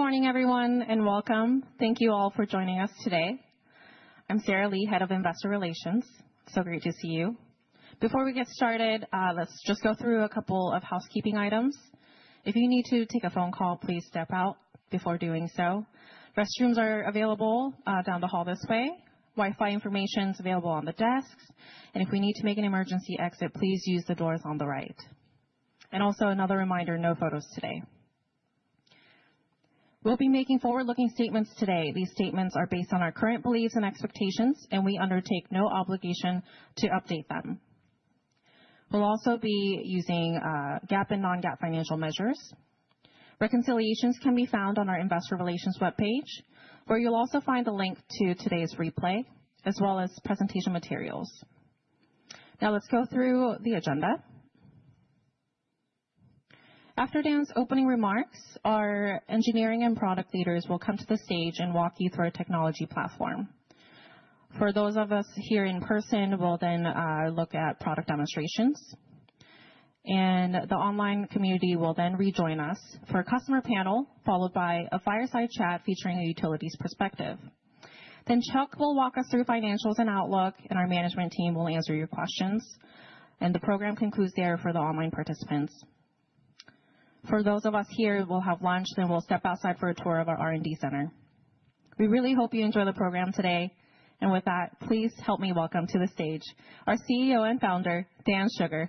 Good morning, everyone, and welcome. Thank you all for joining us today. I'm Sarah Lee, head of Investor Relations. Great to see you. Before we get started, let's just go through a couple of housekeeping items. If you need to take a phone call, please step out before doing so. Restrooms are available down the hall this way. Wi-Fi information is available on the desks. If we need to make an emergency exit, please use the doors on the right. Another reminder: no photos today. We'll be making forward-looking statements today. These statements are based on our current beliefs and expectations, and we undertake no obligation to update them. We'll also be using GAAP and non-GAAP financial measures. Reconciliations can be found on our Investor Relations web page, where you'll also find a link to today's replay, as well as presentation materials. Now, let's go through the agenda. After Dan's opening remarks, our engineering and product leaders will come to the stage and walk you through our technology platform. For those of us here in person, we'll then look at product demonstrations, and the online community will then rejoin us for a customer panel, followed by a fireside chat featuring a utility's perspective. Then Chuck will walk us through financials and outlook, and our management team will answer your questions, and the program concludes there for the online participants. For those of us here who will have lunch, then we'll step outside for a tour of our R&D center. We really hope you enjoy the program today, and with that, please help me welcome to the stage our CEO and founder, Dan Shugar.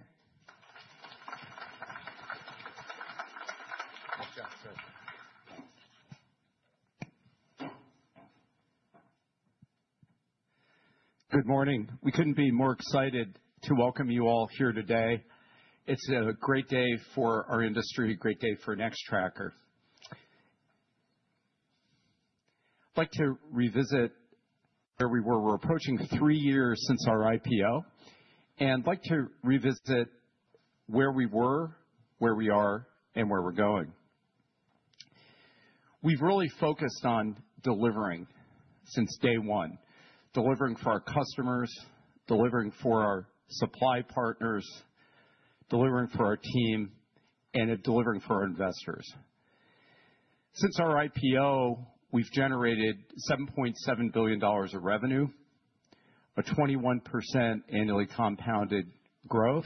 Good morning. We couldn't be more excited to welcome you all here today. It's a great day for our industry, a great day for Nextracker. I'd like to revisit where we were. We're approaching three years since our IPO, and I'd like to revisit where we were, where we are, and where we're going. We've really focused on delivering since day one, delivering for our customers, delivering for our supply partners, delivering for our team, and delivering for our investors. Since our IPO, we've generated $7.7 billion of revenue, a 21% annually compounded growth,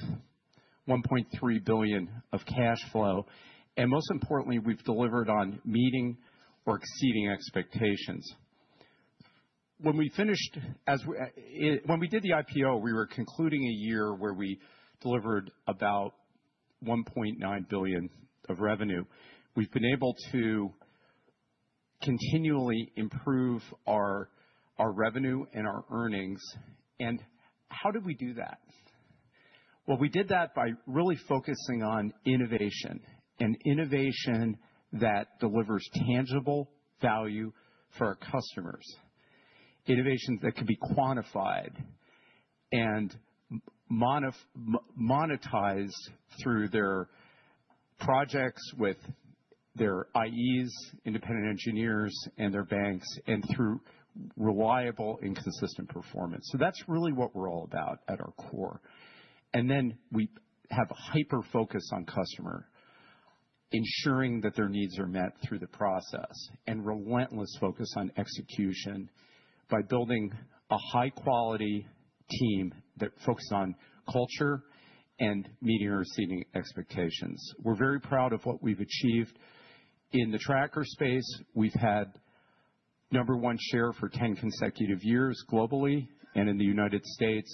$1.3 billion of cash flow, and most importantly, we've delivered on meeting or exceeding expectations. When we finished, as when we did the IPO, we were concluding a year where we delivered about $1.9 billion of revenue. We've been able to continually improve our revenue and our earnings. And how did we do that? We did that by really focusing on innovation, and innovation that delivers tangible value for our customers, innovations that can be quantified and monetized through their projects with their IEs, independent engineers, and their banks, and through reliable and consistent performance. That's really what we're all about at our core. We have a hyper-focus on customer, ensuring that their needs are met through the process, and relentless focus on execution by building a high-quality team that focuses on culture and meeting or exceeding expectations. We're very proud of what we've achieved in the tracker space. We've had number one share for 10 consecutive years globally. In the United States,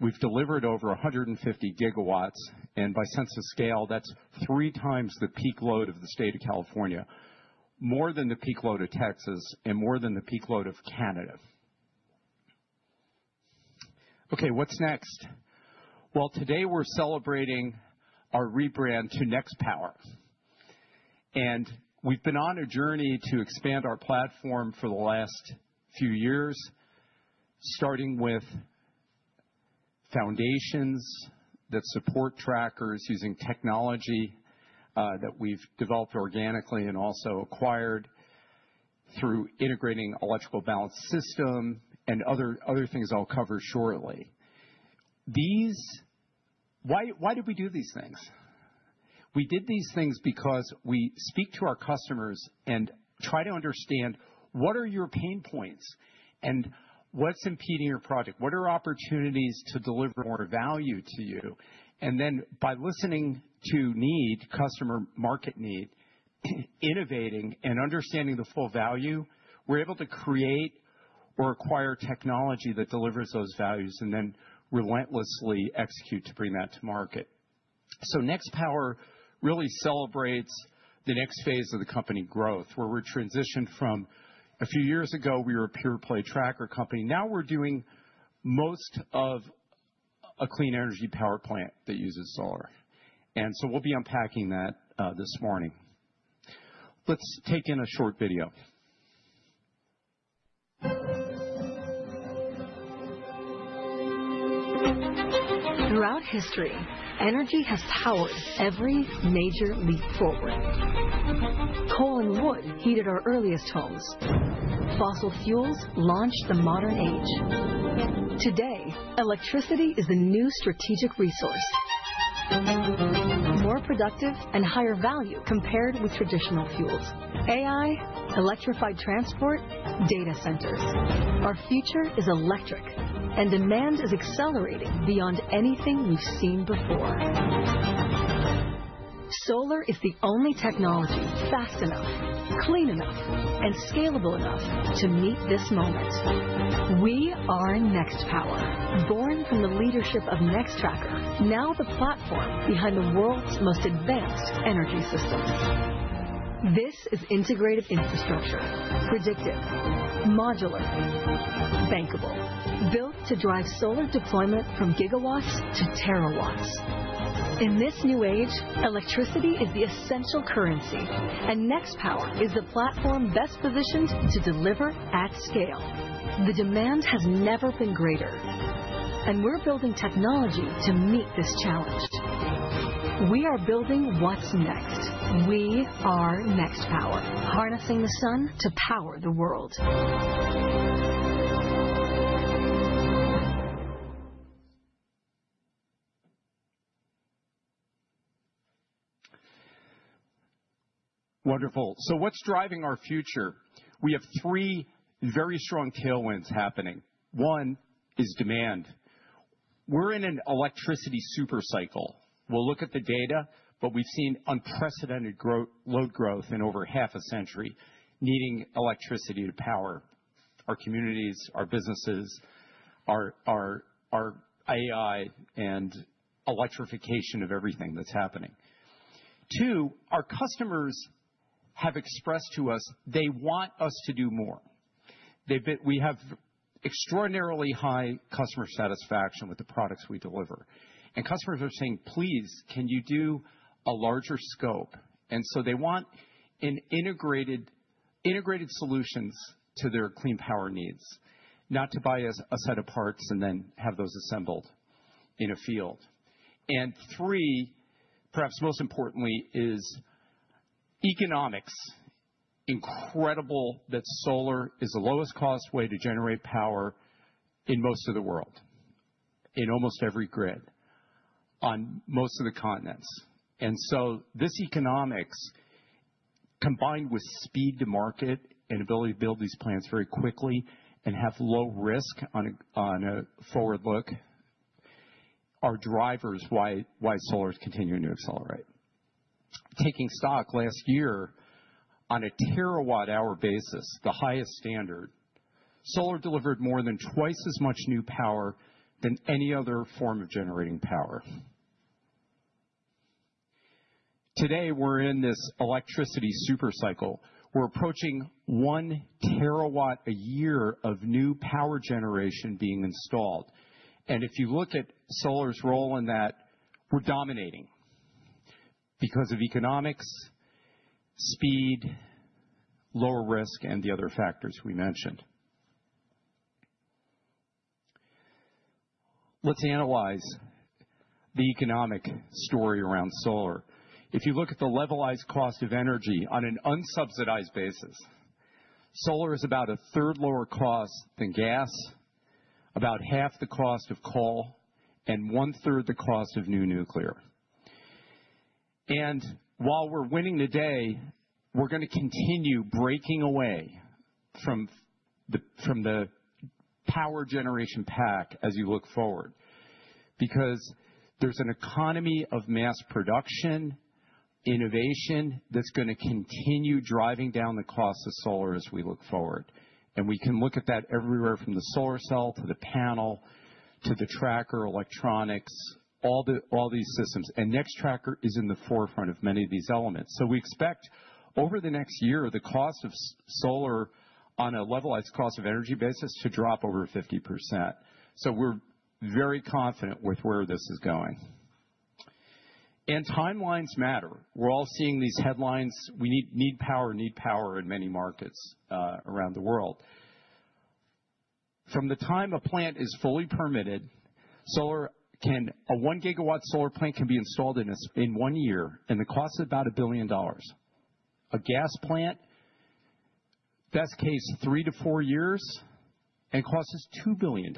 we've delivered over 150 GW. By sense of scale, that's three times the peak load of the state of California, more than the peak load of Texas, and more than the peak load of Canada. Okay, what's next? Well, today we're celebrating our rebrand to Nextpower. And we've been on a journey to expand our platform for the last few years, starting with foundations that support trackers using technology that we've developed organically and also acquired through integrating electrical balance systems and other things I'll cover shortly. These, why did we do these things? We did these things because we speak to our customers and try to understand what are your pain points and what's impeding your project, what are opportunities to deliver more value to you. And then by listening to need, customer market need, innovating, and understanding the full value, we're able to create or acquire technology that delivers those values and then relentlessly execute to bring that to market. So Nextpower really celebrates the next phase of the company growth, where we're transitioned from a few years ago, we were a pure-play tracker company. Now we're doing most of a clean energy power plant that uses solar. And so we'll be unpacking that this morning. Let's take in a short video. Throughout history, energy has powered every major leap forward. Coal and wood heated our earliest homes. Fossil fuels launched the modern age. Today, electricity is a new strategic resource, more productive, and higher value compared with traditional fuels. AI, electrified transport, data centers. Our future is electric, and demand is accelerating beyond anything we've seen before. Solar is the only technology fast enough, clean enough, and scalable enough to meet this moment. We are Nextpower, born from the leadership of Nextracker, now the platform behind the world's most advanced energy systems. This is integrated infrastructure, predictive, modular, bankable, built to drive solar deployment from gigawatts to terawatts. In this new age, electricity is the essential currency, and Nextpower is the platform best positioned to deliver at scale. The demand has never been greater, and we're building technology to meet this challenge. We are building what's next. We are Nextpower, harnessing the sun to power the world. Wonderful. So what's driving our future? We have three very strong tailwinds happening. One is demand. We're in an electricity supercycle. We'll look at the data, but we've seen unprecedented load growth in over half a century needing electricity to power our communities, our businesses, our AI, and electrification of everything that's happening. Two, our customers have expressed to us they want us to do more. We have extraordinarily high customer satisfaction with the products we deliver. And customers are saying, "Please, can you do a larger scope?" And so they want integrated solutions to their clean power needs, not to buy a set of parts and then have those assembled in a field. And three, perhaps most importantly, is economics. Incredible that solar is the lowest-cost way to generate power in most of the world, in almost every grid on most of the continents. And so this economics, combined with speed to market and ability to build these plants very quickly and have low risk on a forward look, are drivers why solar is continuing to accelerate. Taking stock last year, on a terawatt-hour basis, the highest standard, solar delivered more than twice as much new power than any other form of generating power. Today, we're in this electricity supercycle. We're approaching one terawatt a year of new power generation being installed. And if you look at solar's role in that, we're dominating because of economics, speed, lower risk, and the other factors we mentioned. Let's analyze the economic story around solar. If you look at the levelized cost of energy on an unsubsidized basis, solar is about a third lower cost than gas, about half the cost of coal, and 1/3 the cost of new nuclear. And while we're winning today, we're going to continue breaking away from the power generation pack as you look forward because there's an economy of mass production, innovation that's going to continue driving down the cost of solar as we look forward. And we can look at that everywhere from the solar cell to the panel to the tracker electronics, all these systems. And Nextracker is in the forefront of many of these elements. So we expect over the next year, the cost of solar on a levelized cost of energy basis to drop over 50%. So we're very confident with where this is going. And timelines matter. We're all seeing these headlines. We need power, need power in many markets around the world. From the time a plant is fully permitted, a 1 GW solar plant can be installed in one year, and the cost is about $1 billion. A gas plant, best case, three to four years and costs us $2 billion.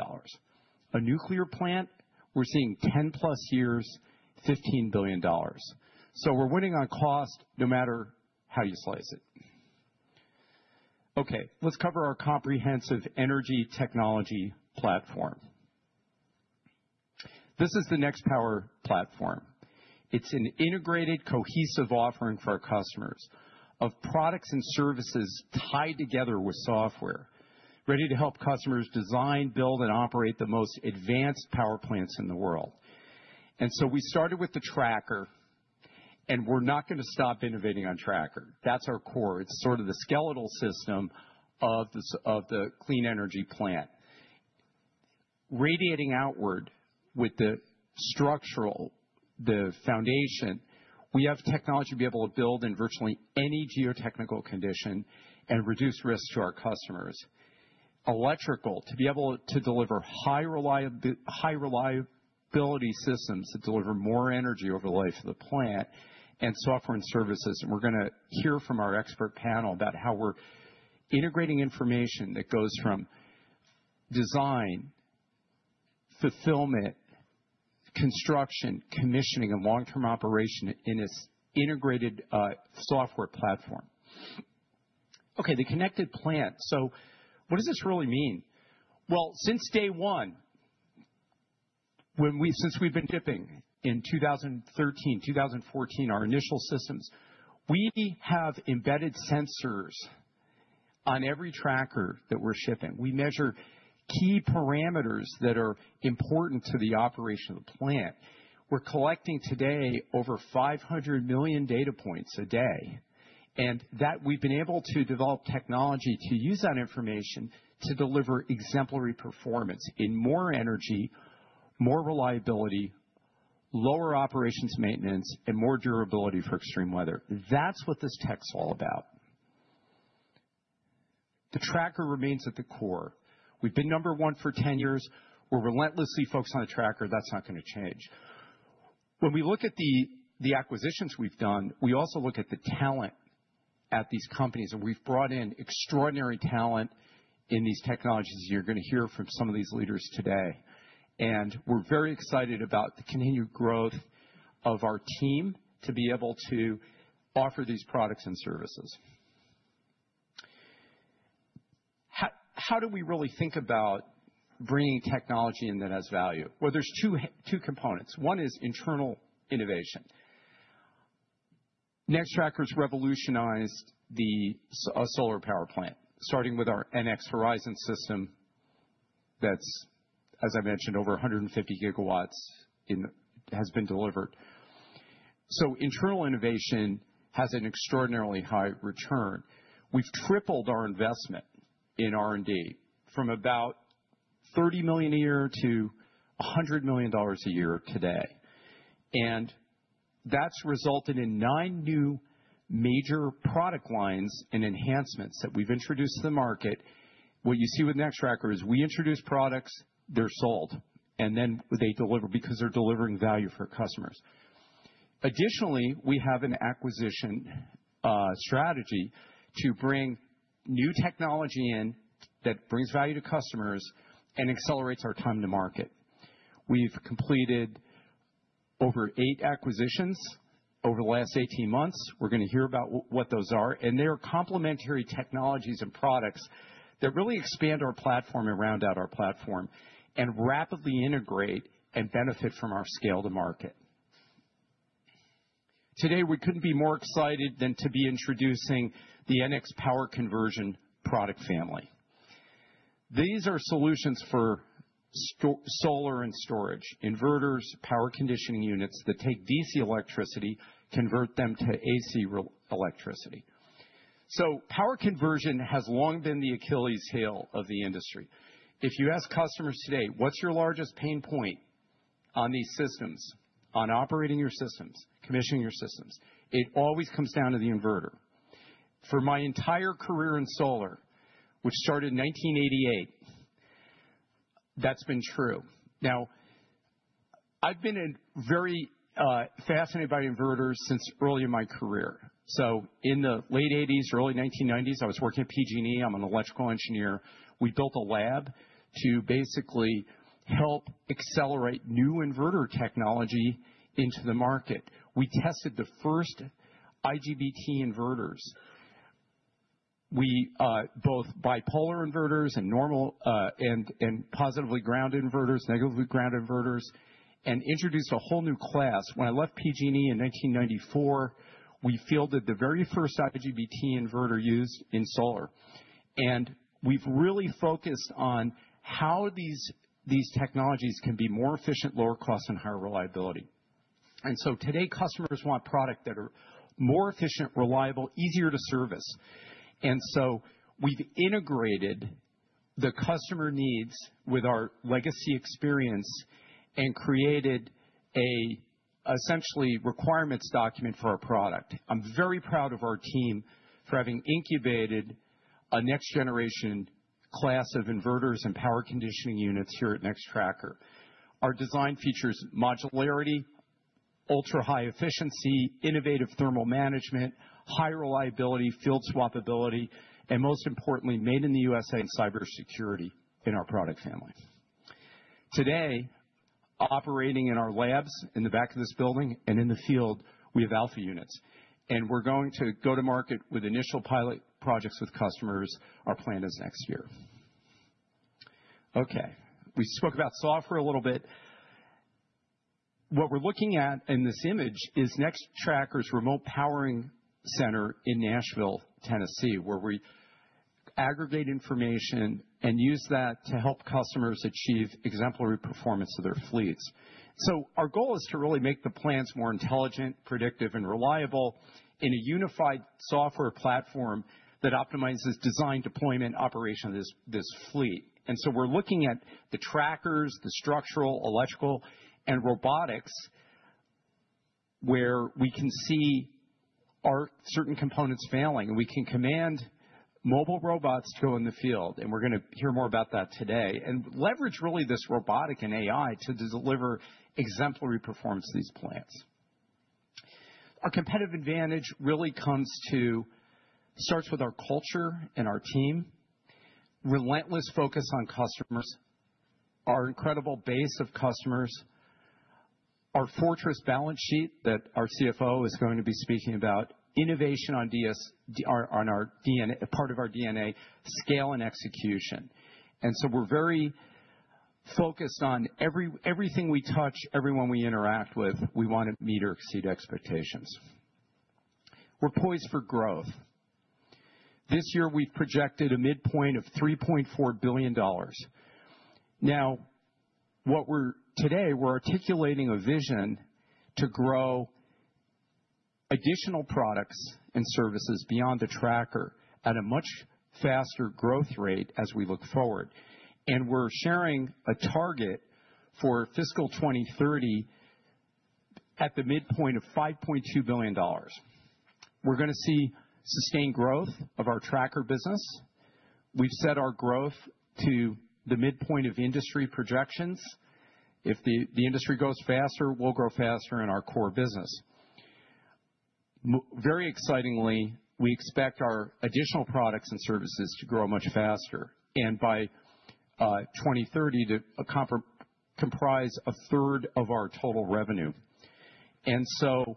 A nuclear plant, we're seeing 10+ years, $15 billion. So we're winning on cost no matter how you slice it. Okay, let's cover our comprehensive energy technology platform. This is the Nextpower platform. It's an integrated, cohesive offering for our customers of products and services tied together with software, ready to help customers design, build, and operate the most advanced power plants in the world. And so we started with the tracker, and we're not going to stop innovating on tracker. That's our core. It's sort of the skeletal system of the clean energy plant. Radiating outward with the structural, the foundation, we have technology to be able to build in virtually any geotechnical condition and reduce risk to our customers. Electrical, to be able to deliver high-reliability systems that deliver more energy over the life of the plant and software and services. And we're going to hear from our expert panel about how we're integrating information that goes from design, fulfillment, construction, commissioning, and long-term operation in this integrated software platform. Okay, the connected plant. So what does this really mean? Well, since day one, since we've been shipping in 2013, 2014, our initial systems, we have embedded sensors on every tracker that we're shipping. We measure key parameters that are important to the operation of the plant. We're collecting today over 500 million data points a day. And that we've been able to develop technology to use that information to deliver exemplary performance in more energy, more reliability, lower operations maintenance, and more durability for extreme weather. That's what this tech's all about. The tracker remains at the core. We've been number one for 10 years. We're relentlessly focused on the tracker. That's not going to change. When we look at the acquisitions we've done, we also look at the talent at these companies. And we've brought in extraordinary talent in these technologies you're going to hear from some of these leaders today. And we're very excited about the continued growth of our team to be able to offer these products and services. How do we really think about bringing technology in that has value? Well, there's two components. One is internal innovation. Nextracker's revolutionized the solar power plant, starting with our NX Horizon system that's, as I mentioned, over 150 GW has been delivered. So internal innovation has an extraordinarily high return. We've tripled our investment in R&D from about $30 million a year to $100 million a year today. That's resulted in nine new major product lines and enhancements that we've introduced to the market. What you see with Nextracker is we introduce products, they're sold, and then they deliver because they're delivering value for customers. Additionally, we have an acquisition strategy to bring new technology in that brings value to customers and accelerates our time to market. We've completed over eight acquisitions over the last 18 months. We're going to hear about what those are. And they are complementary technologies and products that really expand our platform and round out our platform and rapidly integrate and benefit from our scale to market. Today, we couldn't be more excited than to be introducing the NX Power Conversion product family. These are solutions for solar and storage, inverters, power conditioning units that take DC electricity, convert them to AC electricity. Power conversion has long been the Achilles heel of the industry. If you ask customers today, "What's your largest pain point on these systems, on operating your systems, commissioning your systems?" It always comes down to the inverter. For my entire career in solar, which started in 1988, that's been true. Now, I've been very fascinated by inverters since early in my career. In the late '80s, early 1990s, I was working at PG&E. I'm an electrical engineer. We built a lab to basically help accelerate new inverter technology into the market. We tested the first IGBT inverters, both bipolar inverters and positive-ground inverters, negative-ground inverters, and introduced a whole new class. When I left PG&E in 1994, we fielded the very first IGBT inverter used in solar. We've really focused on how these technologies can be more efficient, lower cost, and higher reliability. So today, customers want products that are more efficient, reliable, easier to service. We've integrated the customer needs with our legacy experience and created essentially a requirements document for our product. I'm very proud of our team for having incubated a next-generation class of inverters and power conditioning units here at Nextracker. Our design features modularity, ultra-high efficiency, innovative thermal management, high reliability, field swappability, and most importantly, made in the USA and cybersecurity in our product family. Today, operating in our labs in the back of this building and in the field, we have alpha units. We're going to go to market with initial pilot projects with customers. Our plan is next year. Okay, we spoke about software a little bit. What we're looking at in this image is Nextracker's remote powering center in Nashville, Tennessee, where we aggregate information and use that to help customers achieve exemplary performance of their fleets. So our goal is to really make the plants more intelligent, predictive, and reliable in a unified software platform that optimizes design, deployment, operation of this fleet. And so we're looking at the trackers, the structural, electrical, and robotics, where we can see certain components failing. And we can command mobile robots to go in the field. And we're going to hear more about that today and leverage really this robotic and AI to deliver exemplary performance to these plants. Our competitive advantage really starts with our culture and our team, relentless focus on customers, our incredible base of customers, our fortress balance sheet that our CFO is going to be speaking about, innovation on our part of our DNA, scale and execution, and so we're very focused on everything we touch, everyone we interact with, we want to meet or exceed expectations. We're poised for growth. This year, we've projected a midpoint of $3.4 billion. Now, today, we're articulating a vision to grow additional products and services beyond the tracker at a much faster growth rate as we look forward, and we're sharing a target for fiscal 2030 at the midpoint of $5.2 billion. We're going to see sustained growth of our tracker business. We've set our growth to the midpoint of industry projections. If the industry grows faster, we'll grow faster in our core business. Very excitingly, we expect our additional products and services to grow much faster and by 2030 to comprise a third of our total revenue, and so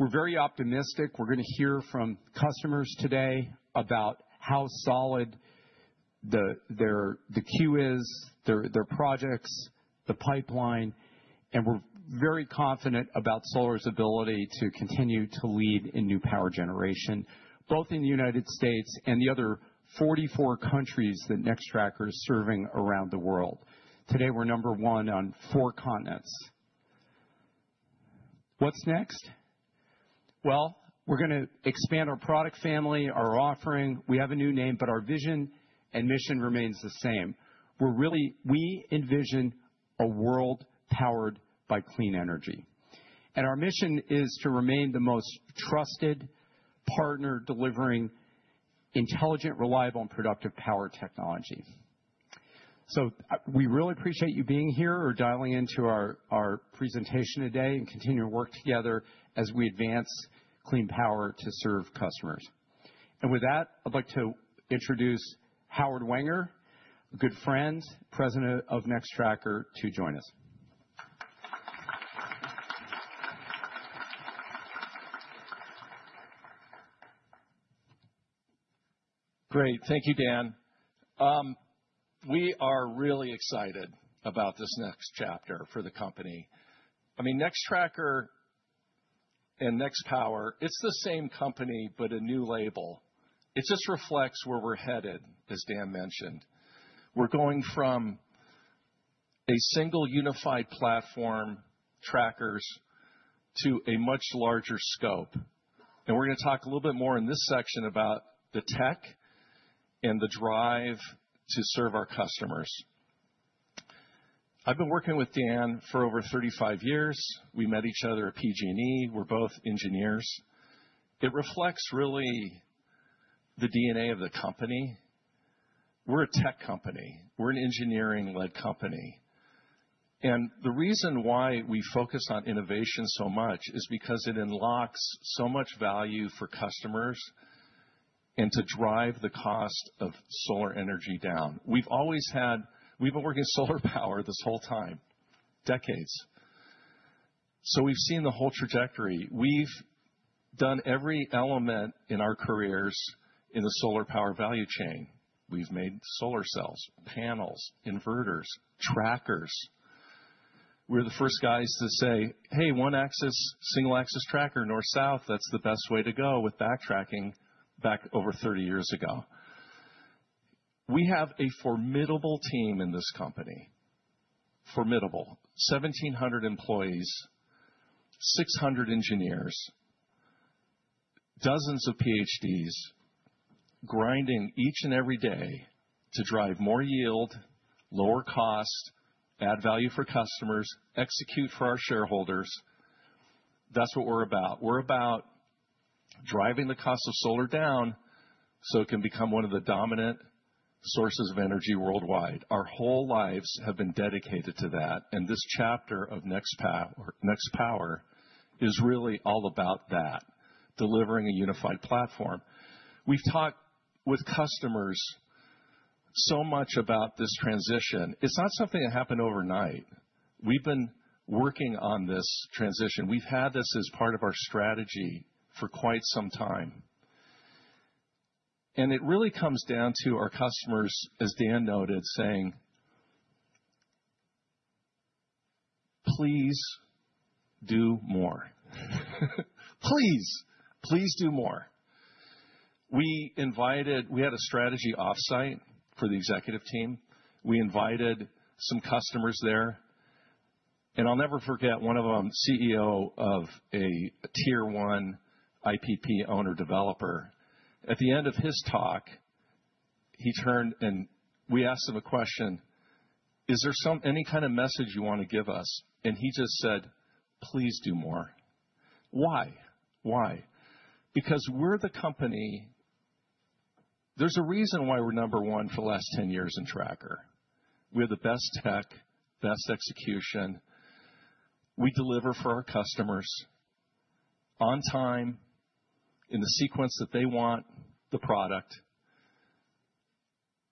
we're very optimistic. We're going to hear from customers today about how solid the queue is, their projects, the pipeline, and we're very confident about solar's ability to continue to lead in new power generation, both in the United States and the other 44 countries that Nextracker is serving around the world. Today, we're number one on four continents. What's next? Well, we're going to expand our product family, our offering. We have a new name, but our vision and mission remains the same. We envision a world powered by clean energy, and our mission is to remain the most trusted partner delivering intelligent, reliable, and productive power technology. We really appreciate you being here or dialing into our presentation today and continuing to work together as we advance clean power to serve customers. With that, I'd like to introduce Howard Wenger, a good friend, President of Nextracker, to join us. Great. Thank you, Dan. We are really excited about this next chapter for the company. I mean, Nextracker and Nextpower, it's the same company, but a new label. It just reflects where we're headed, as Dan mentioned. We're going from a single unified platform, trackers, to a much larger scope. We're going to talk a little bit more in this section about the tech and the drive to serve our customers. I've been working with Dan for over 35 years. We met each other at PG&E. We're both engineers. It reflects really the DNA of the company. We're a tech company. We're an engineering-led company. And the reason why we focus on innovation so much is because it unlocks so much value for customers and to drive the cost of solar energy down. We've always had. We've been working solar power this whole time, decades. So we've seen the whole trajectory. We've done every element in our careers in the solar power value chain. We've made solar cells, panels, inverters, trackers. We're the first guys to say, "Hey, one-axis, single-axis tracker, north-south, that's the best way to go with backtracking back over 30 years ago." We have a formidable team in this company. Formidable. 1,700 employees, 600 engineers, dozens of PhDs grinding each and every day to drive more yield, lower cost, add value for customers, execute for our shareholders. That's what we're about. We're about driving the cost of solar down so it can become one of the dominant sources of energy worldwide. Our whole lives have been dedicated to that. And this chapter of Nextpower is really all about that, delivering a unified platform. We've talked with customers so much about this transition. It's not something that happened overnight. We've been working on this transition. We've had this as part of our strategy for quite some time. And it really comes down to our customers, as Dan noted, saying, "Please do more. Please, please do more." We had a strategy offsite for the executive team. We invited some customers there. And I'll never forget one of them, CEO of a tier-one IPP owner developer. At the end of his talk, he turned and we asked him a question, "Is there any kind of message you want to give us?" And he just said, "Please do more." Why? Why? Because we're the company. There's a reason why we're number one for the last 10 years in tracker. We're the best tech, best execution. We deliver for our customers on time, in the sequence that they want the product.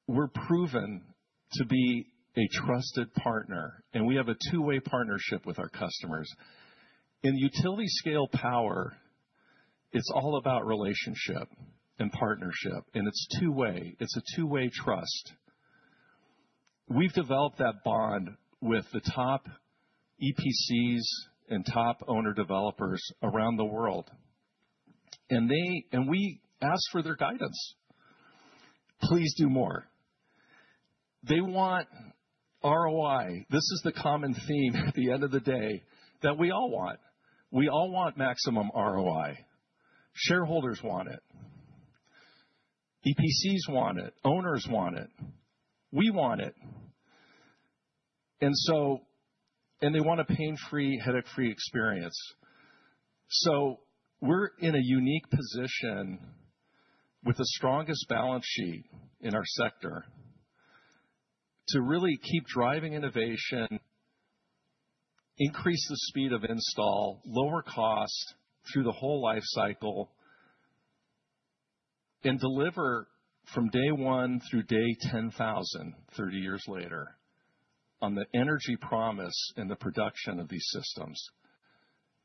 We're proven to be a trusted partner. And we have a two-way partnership with our customers. In utility-scale power, it's all about relationship and partnership. And it's two-way. It's a two-way trust. We've developed that bond with the top EPCs and top owner developers around the world. And we ask for their guidance. "Please do more." They want ROI. This is the common theme at the end of the day that we all want. We all want maximum ROI. Shareholders want it. EPCs want it. Owners want it. We want it. And they want a pain-free, headache-free experience. So we're in a unique position with the strongest balance sheet in our sector to really keep driving innovation, increase the speed of install, lower cost through the whole life cycle, and deliver from day one through day 10,000, 30 years later, on the energy promise and the production of these systems.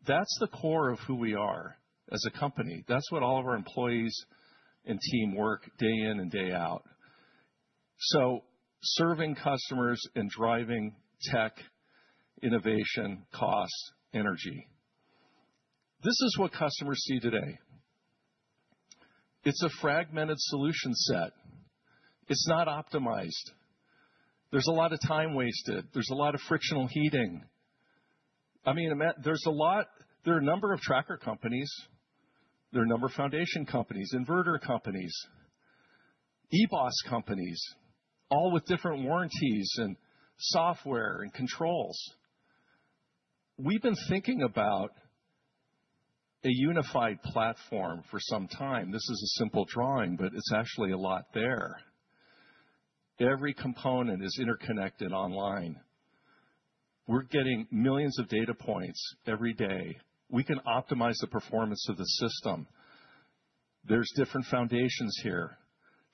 That's the core of who we are as a company. That's what all of our employees and team work day in and day out. So serving customers and driving tech, innovation, cost, energy. This is what customers see today. It's a fragmented solution set. It's not optimized. There's a lot of time wasted. There's a lot of frictional heating. I mean, there's a number of tracker companies. There are a number of foundation companies, inverter companies, eBOS companies, all with different warranties and software and controls. We've been thinking about a unified platform for some time. This is a simple drawing, but it's actually a lot there. Every component is interconnected online. We're getting millions of data points every day. We can optimize the performance of the system. There's different foundations here: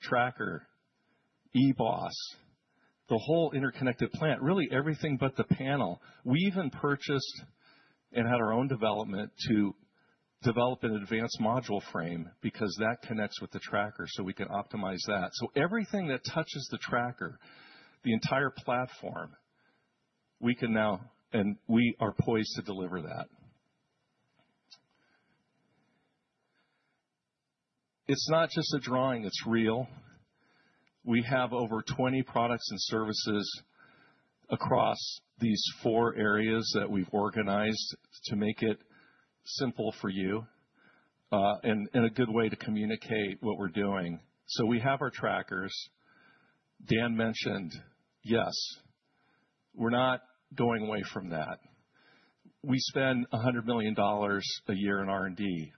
tracker, eBOS, the whole interconnected plant, really everything but the panel. We even purchased and had our own development to develop an advanced module frame because that connects with the tracker so we can optimize that, so everything that touches the tracker, the entire platform, we can now, and we are poised to deliver that. It's not just a drawing. It's real. We have over 20 products and services across these four areas that we've organized to make it simple for you and a good way to communicate what we're doing, so we have our trackers. Dan mentioned, yes, we're not going away from that. We spend $100 million a year in R&D.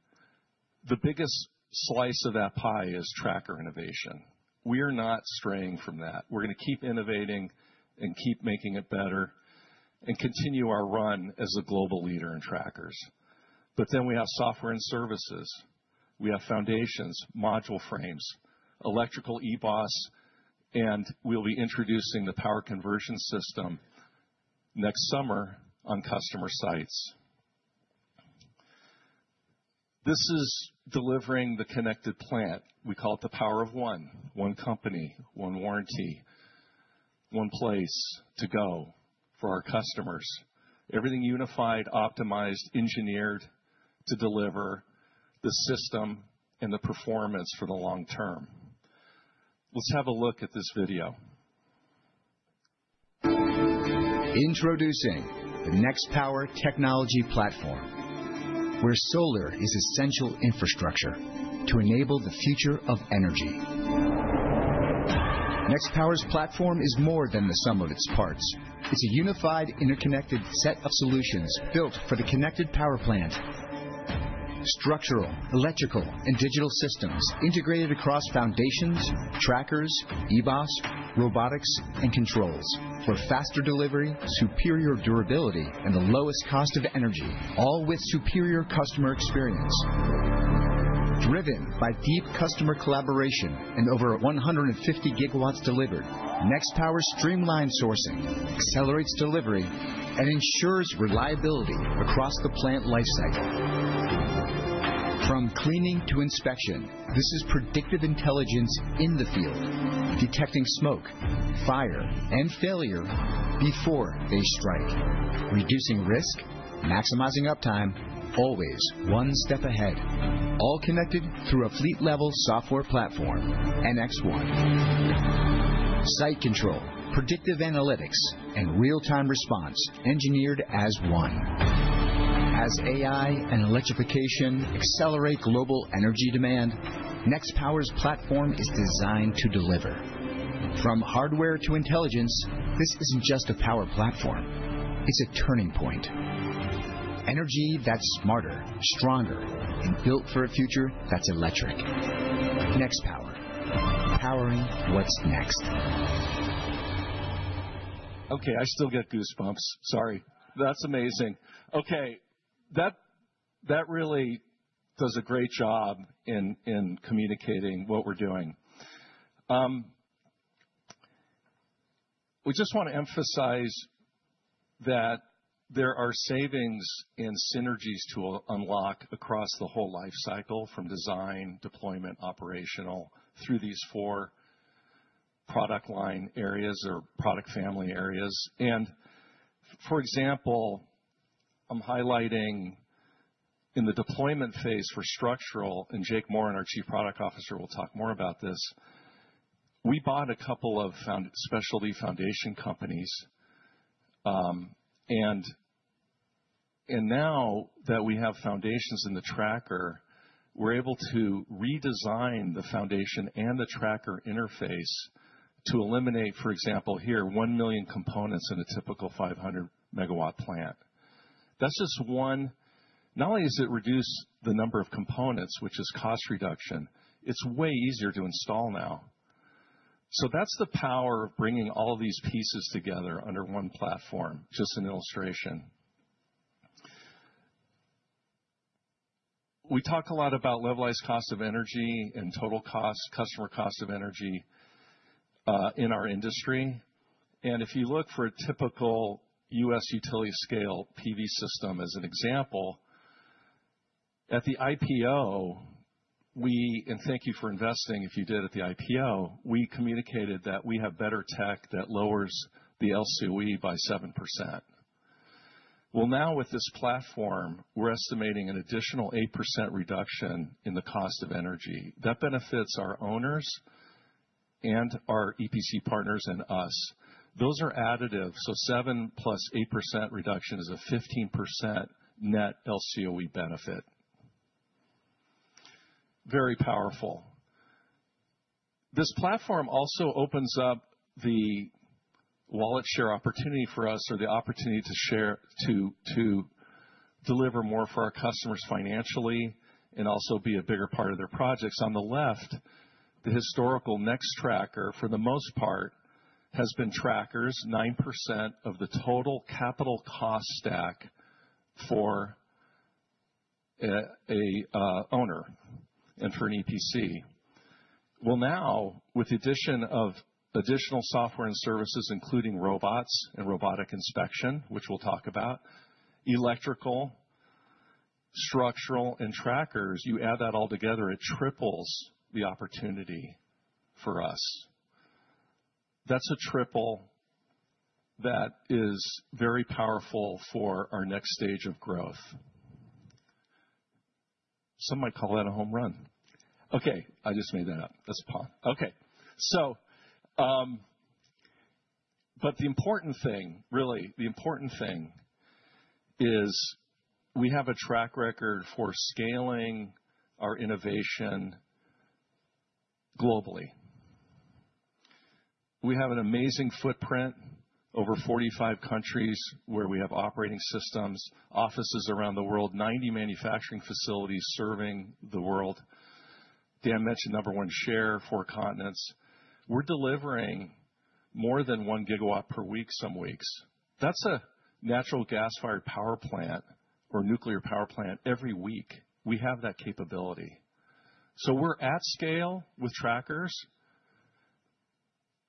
The biggest slice of that pie is tracker innovation. We are not straying from that. We're going to keep innovating and keep making it better and continue our run as a global leader in trackers. But then we have software and services. We have foundations, module frames, electrical eBOS, and we'll be introducing the power conversion system next summer on customer sites. This is delivering the connected plant. We call it the Power of One: one company, one warranty, one place to go for our customers. Everything unified, optimized, engineered to deliver the system and the performance for the long term. Let's have a look at this video. Introducing the Nextpower Technology Platform, where solar is essential infrastructure to enable the future of energy. Nextpower's platform is more than the sum of its parts. It's a unified, interconnected set of solutions built for the connected power plant. Structural, electrical, and digital systems integrated across foundations, trackers, eBOS, robotics, and controls for faster delivery, superior durability, and the lowest cost of energy, all with superior customer experience. Driven by deep customer collaboration and over 150 GW delivered, Nextpower streamlines sourcing, accelerates delivery, and ensures reliability across the plant lifecycle. From cleaning to inspection, this is predictive intelligence in the field, detecting smoke, fire, and failure before they strike, reducing risk, maximizing uptime, always one step ahead, all connected through a fleet-level software platform, NX One. Site control, predictive analytics, and real-time response engineered as one. As AI and electrification accelerate global energy demand, Nextpower's platform is designed to deliver. From hardware to intelligence, this isn't just a power platform. It's a turning point. Energy that's smarter, stronger, and built for a future that's electric. Nextpower, powering what's next. Okay, I still get goosebumps. Sorry. That's amazing. Okay. That really does a great job in communicating what we're doing. We just want to emphasize that there are savings and synergies to unlock across the whole life cycle from design, deployment, operational, through these four product line areas or product family areas. For example, I'm highlighting in the deployment phase for structural, and Jake, our Chief Product Officer, will talk more about this. We bought a couple of specialty foundation companies. Now that we have foundations in the tracker, we're able to redesign the foundation and the tracker interface to eliminate, for example, here, one million components in a typical 500 MW plant. That's just one. Not only does it reduce the number of components, which is cost reduction, it's way easier to install now. That's the power of bringing all of these pieces together under one platform, just an illustration. We talk a lot about levelized cost of energy and total cost, customer cost of energy in our industry, and if you look for a typical U.S. utility-scale PV system as an example, at the IPO, we, and thank you for investing if you did at the IPO, we communicated that we have better tech that lowers the LCOE by 7%, well, now with this platform, we're estimating an additional 8% reduction in the cost of energy. That benefits our owners and our EPC partners and us. Those are additive, so 7%+8% reduction is a 15% net LCOE benefit. Very powerful. This platform also opens up the wallet share opportunity for us or the opportunity to deliver more for our customers financially and also be a bigger part of their projects. On the left, the historical Nextracker, for the most part, has been trackers: 9% of the total capital cost stack for an owner and for an EPC. Well, now with the addition of additional software and services, including robots and robotic inspection, which we'll talk about, electrical, structural, and trackers, you add that all together, it triples the opportunity for us. That's a triple that is very powerful for our next stage of growth. Some might call that a home run. Okay. I just made that up. That's a pun. Okay. But the important thing, really, the important thing is we have a track record for scaling our innovation globally. We have an amazing footprint over 45 countries where we have operating systems, offices around the world, 90 manufacturing facilities serving the world. Dan mentioned number one share for continents. We're delivering more than 1 GW per week some weeks. That's a natural gas-fired power plant or nuclear power plant every week. We have that capability. So we're at scale with trackers.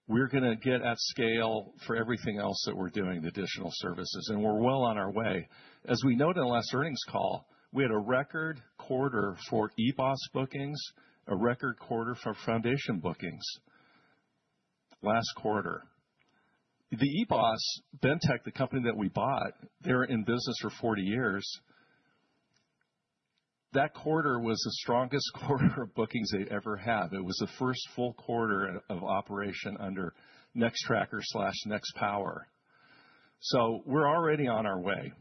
We're going to get at scale for everything else that we're doing, the additional services. And we're well on our way. As we noted in the last earnings call, we had a record quarter for eBOS bookings, a record quarter for foundation bookings. Last quarter. The eBOS Bentek, the company that we bought, they're in business for 40 years. That quarter was the strongest quarter of bookings they ever had. It was the first full quarter of operation under Nextracker/Nextpower. So we're already on our way.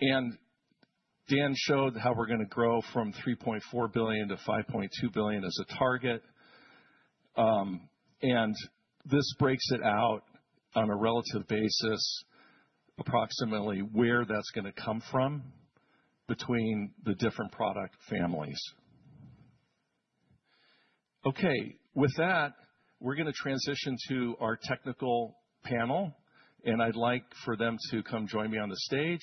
And Dan showed how we're going to grow from $3.4 billion-$5.2 billion as a target. This breaks it out on a relative basis, approximately where that's going to come from between the different product families. Okay. With that, we're going to transition to our technical panel, and I'd like for them to come join me on the stage.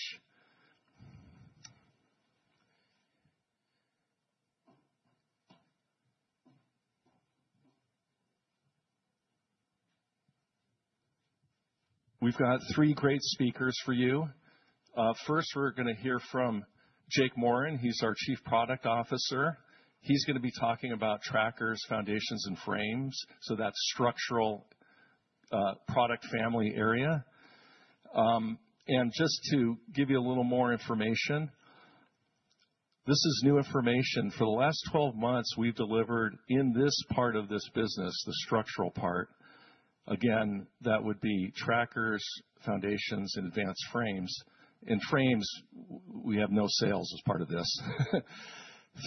We've got three great speakers for you. First, we're going to hear from Jake Morin. He's our Chief Product Officer. He's going to be talking about trackers, foundations, and frames. So that's structural product family area. And just to give you a little more information, this is new information. For the last 12 months, we've delivered in this part of this business, the structural part. Again, that would be trackers, foundations, and advanced frames. In frames, we have no sales as part of this.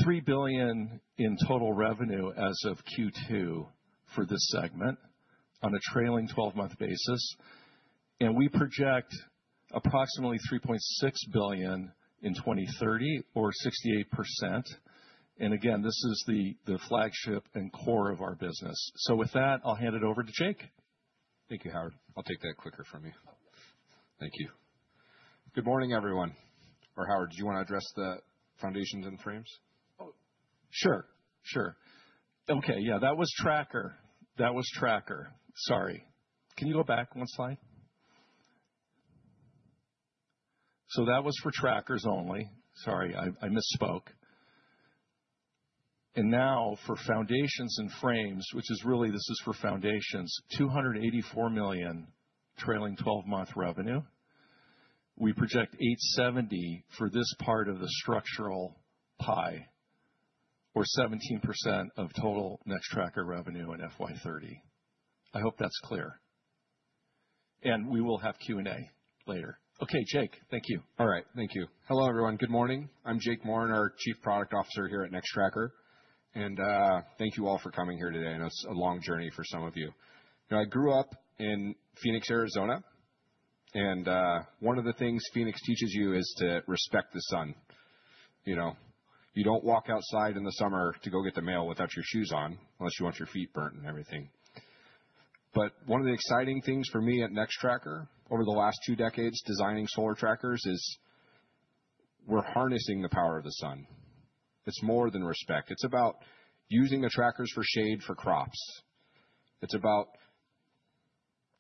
$3 billion in total revenue as of Q2 for this segment on a trailing 12-month basis. We project approximately $3.6 billion in 2030 or 68%. And again, this is the flagship and core of our business. So with that, I'll hand it over to Jake. Thank you, Howard. I'll take that quicker from you. Thank you. Good morning, everyone. Or Howard, did you want to address the foundations and frames? Sure. Okay. Yeah. That was tracker. Sorry. Can you go back one slide? So that was for trackers only. Sorry, I misspoke. And now for foundations and frames, which is really this is for foundations, $284 million trailing 12-month revenue. We project $870 million for this part of the structural pie or 17% of total Nextracker revenue in FY 2030. I hope that's clear. And we will have Q&A later. Okay, Jake. Thank you. All right. Thank you. Hello, everyone. Good morning. I'm Jake Morin, our Chief Product Officer here at Nextracker. And thank you all for coming here today. I know it's a long journey for some of you. I grew up in Phoenix, Arizona. And one of the things Phoenix teaches you is to respect the sun. You don't walk outside in the summer to go get the mail without your shoes on unless you want your feet burnt and everything. But one of the exciting things for me at Nextracker over the last two decades designing solar trackers is we're harnessing the power of the sun. It's more than respect. It's about using the trackers for shade for crops. It's about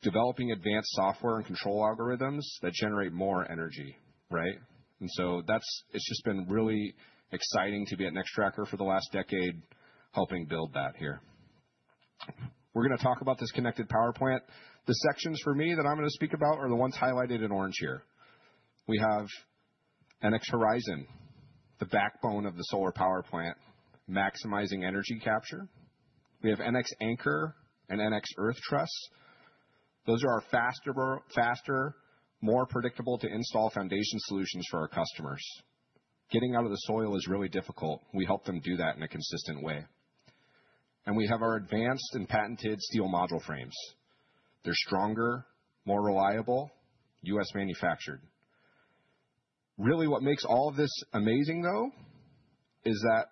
developing advanced software and control algorithms that generate more energy, right? And so it's just been really exciting to be at Nextracker for the last decade, helping build that here. We're going to talk about this connected power plant. The sections for me that I'm going to speak about are the ones highlighted in orange here. We have NX Horizon, the backbone of the solar power plant, maximizing energy capture. We have NX Anchor and NX Earth Truss. Those are our faster, more predictable-to-install foundation solutions for our customers. Getting out of the soil is really difficult. We help them do that in a consistent way, and we have our advanced and patented steel module frames. They're stronger, more reliable, U.S. manufactured. Really, what makes all of this amazing, though, is that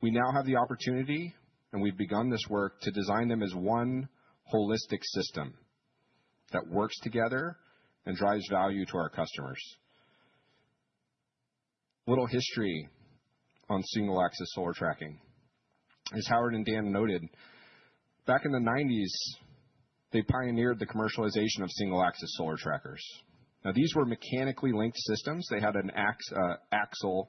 we now have the opportunity, and we've begun this work, to design them as one holistic system that works together and drives value to our customers. Little history on single-axis solar tracking. As Howard and Dan noted, back in the 1990s, they pioneered the commercialization of single-axis solar trackers. Now, these were mechanically linked systems. They had an axle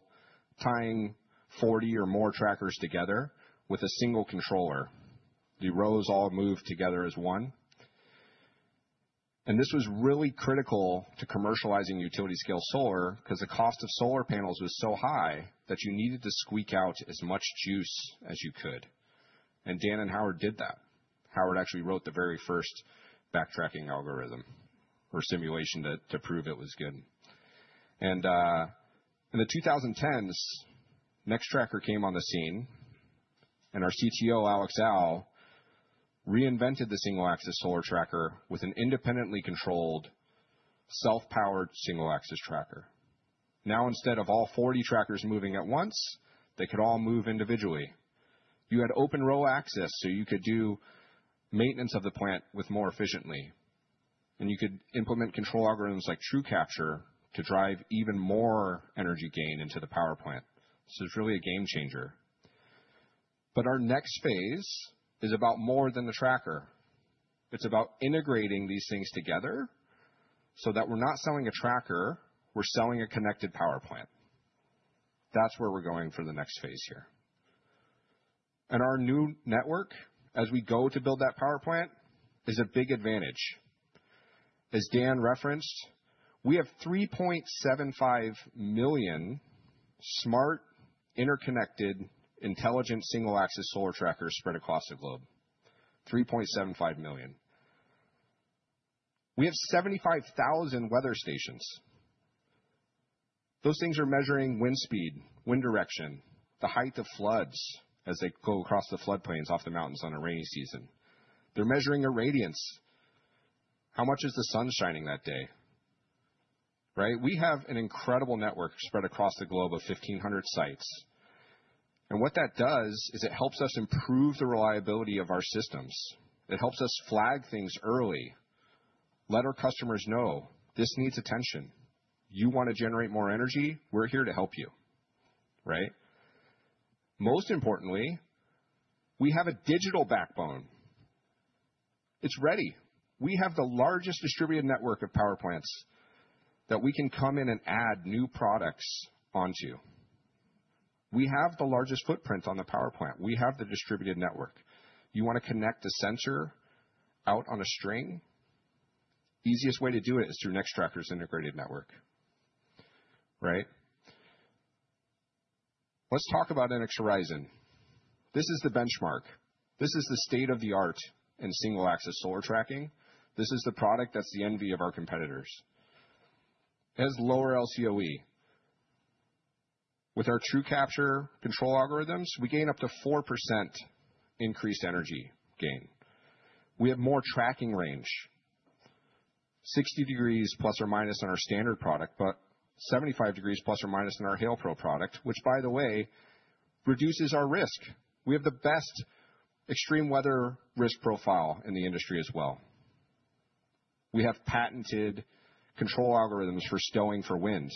tying 40 or more trackers together with a single controller. The rows all moved together as one, and this was really critical to commercializing utility-scale solar because the cost of solar panels was so high that you needed to squeak out as much juice as you could, and Dan and Howard did that. Howard actually wrote the very first backtracking algorithm or simulation to prove it was good, and in the 2010s, Nextracker came on the scene, and our CTO, Alex Au, reinvented the single-axis solar tracker with an independently controlled, self-powered single-axis tracker. Now, instead of all 40 trackers moving at once, they could all move individually. You had open row access, so you could do maintenance of the plant more efficiently, and you could implement control algorithms like TrueCapture to drive even more energy gain into the power plant. So it's really a game changer. But our next phase is about more than the tracker. It's about integrating these things together so that we're not selling a tracker. We're selling a connected power plant. That's where we're going for the next phase here. And our new network, as we go to build that power plant, is a big advantage. As Dan referenced, we have 3.75 million smart, interconnected, intelligent single-axis solar trackers spread across the globe. 3.75 million. We have 75,000 weather stations. Those things are measuring wind speed, wind direction, the height of floods as they go across the floodplains off the mountains on a rainy season. They're measuring irradiance. How much is the sun shining that day? Right? We have an incredible network spread across the globe of 1,500 sites. And what that does is it helps us improve the reliability of our systems. It helps us flag things early, let our customers know, "This needs attention. You want to generate more energy? We're here to help you." Right? Most importantly, we have a digital backbone. It's ready. We have the largest distributed network of power plants that we can come in and add new products onto. We have the largest footprint on the power plant. We have the distributed network. You want to connect a sensor out on a string? Easiest way to do it is through Nextracker's integrated network. Right? Let's talk about NX Horizon. This is the benchmark. This is the state of the art in single-axis solar tracking. This is the product that's the envy of our competitors. It has lower LCOE. With our TrueCapture control algorithms, we gain up to 4% increased energy gain. We have more tracking range, 60 degrees plus or minus on our standard product, but 75 degrees plus or minus on our Hail Pro product, which, by the way, reduces our risk. We have the best extreme weather risk profile in the industry as well. We have patented control algorithms for stowing for wind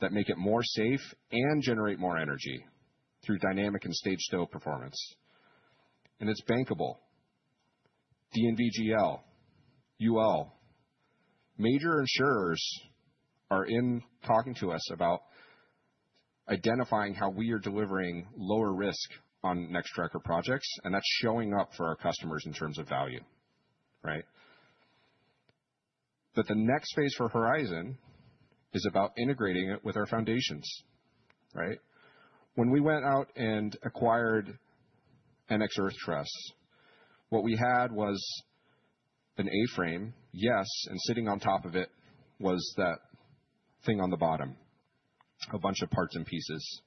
that make it more safe and generate more energy through dynamic and staged stow performance. And it's bankable. DNV GL, UL. Major insurers are in talking to us about identifying how we are delivering lower risk on Nextracker projects, and that's showing up for our customers in terms of value. Right? But the next phase for Horizon is about integrating it with our foundations. Right? When we went out and acquired NX Earth Truss, what we had was an A-frame, yes, and sitting on top of it was that thing on the bottom, a bunch of parts and pieces.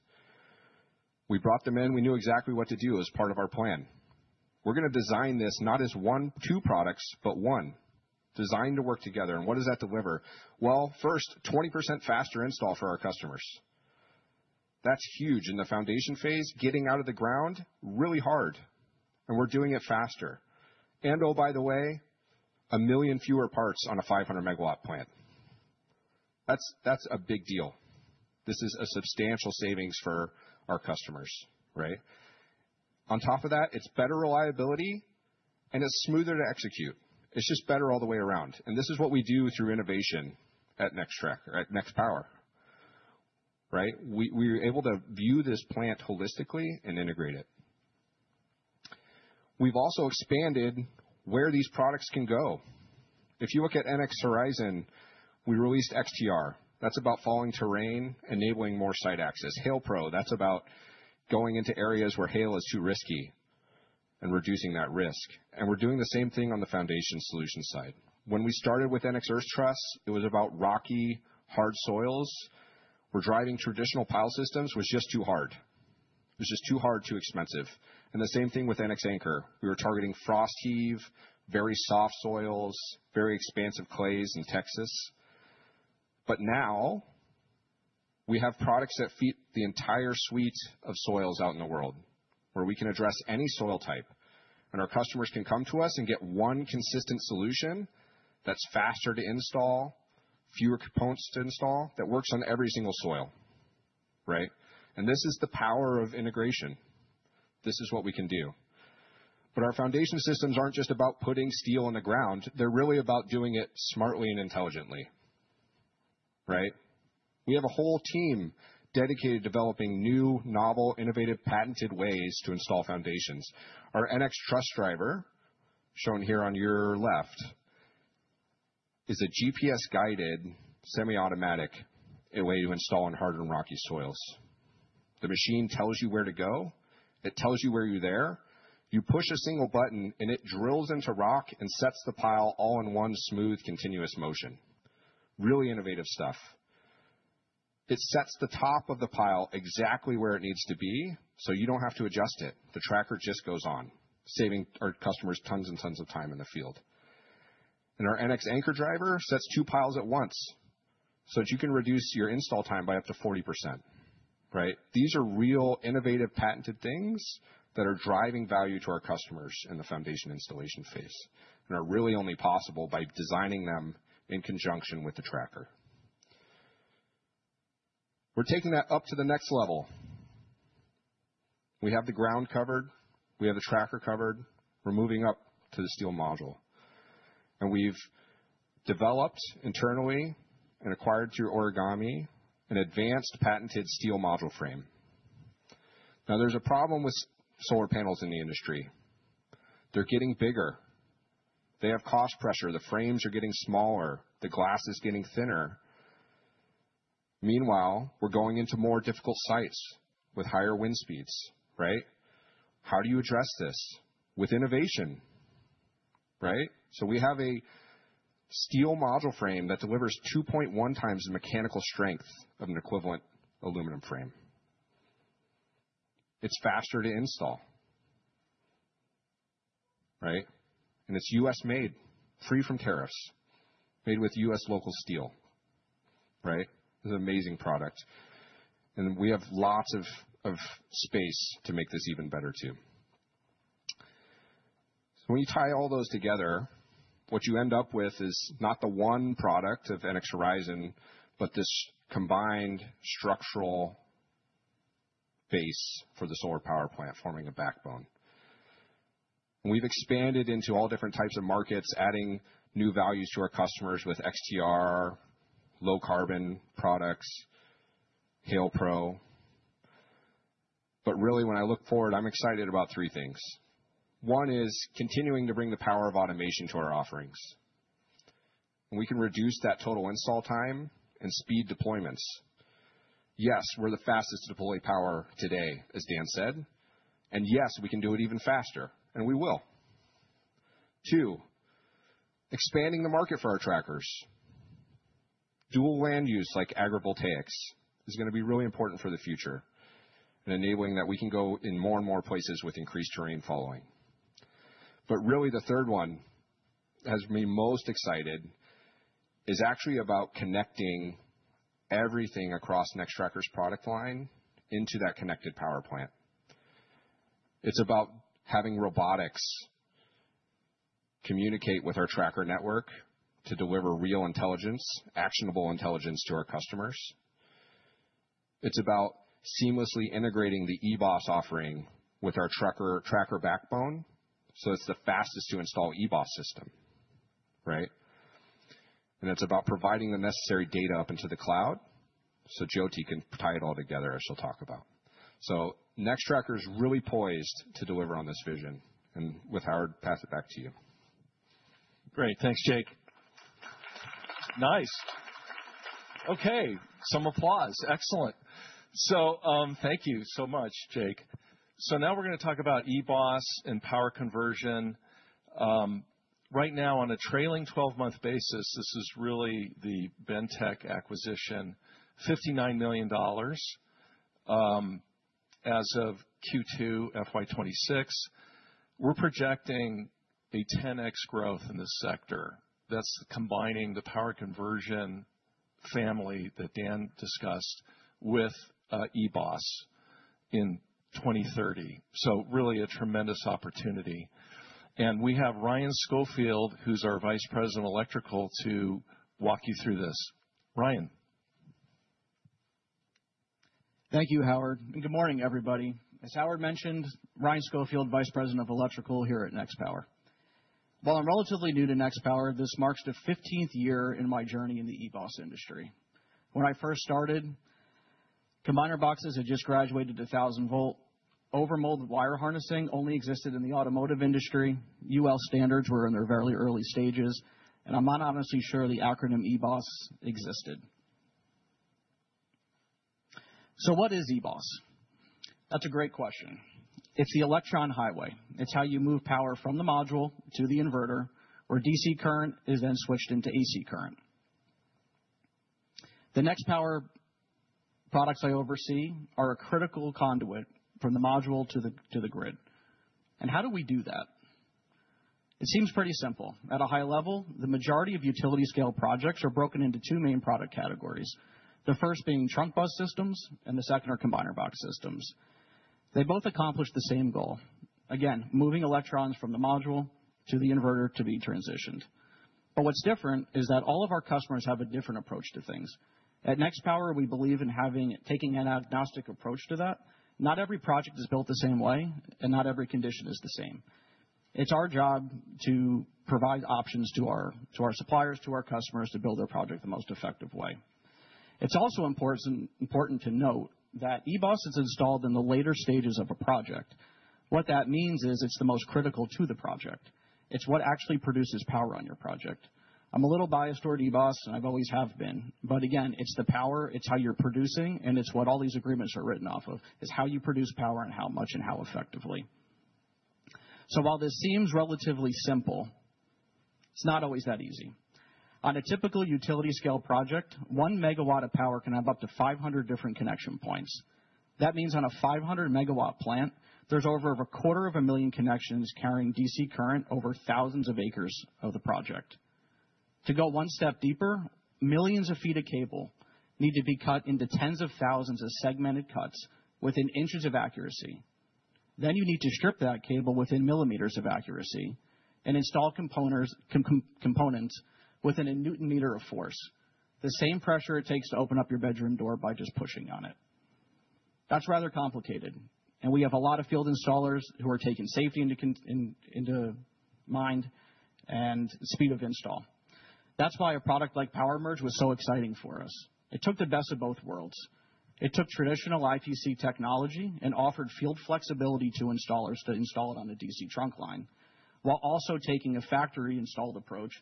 We brought them in. We knew exactly what to do as part of our plan. We're going to design this not as two products, but one, designed to work together. And what does that deliver? Well, first, 20% faster install for our customers. That's huge. In the foundation phase, getting out of the ground, really hard. And we're doing it faster. And, oh, by the way, a million fewer parts on a 500 MW plant. That's a big deal. This is a substantial savings for our customers. Right? On top of that, it's better reliability, and it's smoother to execute. It's just better all the way around. And this is what we do through innovation at Nextracker, at Nextpower. Right? We're able to view this plant holistically and integrate it. We've also expanded where these products can go. If you look at NX Horizon, we released XTR. That's about following terrain, enabling more site access. Hail Pro, that's about going into areas where hail is too risky and reducing that risk. And we're doing the same thing on the foundation solution side. When we started with NX Earth Truss, it was about rocky, hard soils. Where driving traditional pile systems was just too hard. It was just too hard, too expensive. And the same thing with NX Anchor. We were targeting frost heave, very soft soils, very expansive clays in Texas. But now we have products that feed the entire suite of soils out in the world where we can address any soil type. Our customers can come to us and get one consistent solution that's faster to install, fewer components to install, that works on every single soil. Right? And this is the power of integration. This is what we can do. But our foundation systems aren't just about putting steel in the ground. They're really about doing it smartly and intelligently. Right? We have a whole team dedicated to developing new, novel, innovative, patented ways to install foundations. Our NX Truss Driver, shown here on your left, is a GPS-guided, semi-automatic way to install in hard and rocky soils. The machine tells you where to go. It tells you where you're there. You push a single button, and it drills into rock and sets the pile all in one smooth, continuous motion. Really innovative stuff. It sets the top of the pile exactly where it needs to be so you don't have to adjust it. The tracker just goes on, saving our customers tons and tons of time in the field, and our NX Anchor Driver sets two piles at once so that you can reduce your install time by up to 40%. Right? These are real innovative patented things that are driving value to our customers in the foundation installation phase and are really only possible by designing them in conjunction with the tracker. We're taking that up to the next level. We have the ground covered. We have the tracker covered. We're moving up to the steel module, and we've developed internally and acquired through Origami an advanced patented steel module frame. Now, there's a problem with solar panels in the industry. They're getting bigger. They have cost pressure. The frames are getting smaller. The glass is getting thinner. Meanwhile, we're going into more difficult sites with higher wind speeds. Right? How do you address this? With innovation. Right? So we have a steel module frame that delivers 2.1x the mechanical strength of an equivalent aluminum frame. It's faster to install. Right? And it's U.S.-made, free from tariffs, made with U.S. local steel. Right? It's an amazing product. And we have lots of space to make this even better too. So when you tie all those together, what you end up with is not the one product of NX Horizon, but this combined structural base for the solar power plant, forming a backbone. And we've expanded into all different types of markets, adding new values to our customers with XTR, low-carbon products, Hail Pro. But really, when I look forward, I'm excited about three things. One is continuing to bring the power of automation to our offerings. And we can reduce that total install time and speed deployments. Yes, we're the fastest to deploy power today, as Dan said. And yes, we can do it even faster. And we will. Two, expanding the market for our trackers. Dual land use like agrivoltaics is going to be really important for the future and enabling that we can go in more and more places with increased terrain following. But really, the third one has me most excited is actually about connecting everything across Nextracker's product line into that connected power plant. It's about having robotics communicate with our tracker network to deliver real intelligence, actionable intelligence to our customers. It's about seamlessly integrating the eBOS offering with our tracker backbone so it's the fastest to install eBOS system. Right? And it's about providing the necessary data up into the cloud so Jyoti can tie it all together, as she'll talk about. So Nextracker is really poised to deliver on this vision. And with Howard, pass it back to you. Great. Thanks, Jake. Nice. Okay. Excellent. So thank you so much, Jake. So now we're going to talk about eBOS and power conversion. Right now, on a trailing 12-month basis, this is really the Bentek acquisition, $59 million as of Q2 FY 2026. We're projecting a 10x growth in this sector. That's combining the power conversion family that Dan discussed with eBOS in 2030. So really a tremendous opportunity. And we have Ryan Schofield, who's our Vice President of Electrical, to walk you through this. Ryan. Thank you, Howard. And good morning, everybody. As Howard mentioned, Ryan Schofield, Vice President of Electrical here at Nextpower. While I'm relatively new to Nextpower, this marks the 15th year in my journey in the eBOS industry. When I first started, combiner boxes had just graduated to 1,000-volt. Overmolded wire harnessing only existed in the automotive industry. UL standards were in their very early stages, and I'm not honestly sure the acronym eBOS existed, so what is eBOS? That's a great question. It's the electron highway. It's how you move power from the module to the inverter where DC current is then switched into AC current. The Nextpower products I oversee are a critical conduit from the module to the grid, and how do we do that? It seems pretty simple. At a high level, the majority of utility-scale projects are broken into two main product categories, the first being trunk bus systems and the second are combiner box systems. They both accomplish the same goal. Again, moving electrons from the module to the inverter to be transitioned. But what's different is that all of our customers have a different approach to things. At Nextpower, we believe in taking an agnostic approach to that. Not every project is built the same way, and not every condition is the same. It's our job to provide options to our suppliers, to our customers to build their project the most effective way. It's also important to note that eBOS is installed in the later stages of a project. What that means is it's the most critical to the project. It's what actually produces power on your project. I'm a little biased toward eBOS, and I've always have been. But again, it's the power. It's how you're producing, and it's what all these agreements are written off of. It's how you produce power and how much and how effectively. So while this seems relatively simple, it's not always that easy. On a typical utility-scale project, 1 MW of power can have up to 500 different connection points. That means on a 500 MW plant, there's over a quarter of a million connections carrying DC current over thousands of acres of the project. To go one step deeper, millions of feet of cable need to be cut into tens of thousands of segmented cuts within inches of accuracy. Then you need to strip that cable within millimeters of accuracy and install components within a newton-meter of force, the same pressure it takes to open up your bedroom door by just pushing on it. That's rather complicated. And we have a lot of field installers who are taking safety into mind and speed of install. That's why a product like PowerMerge was so exciting for us. It took the best of both worlds. It took traditional IPC technology and offered field flexibility to installers to install it on a DC trunk line while also taking a factory-installed approach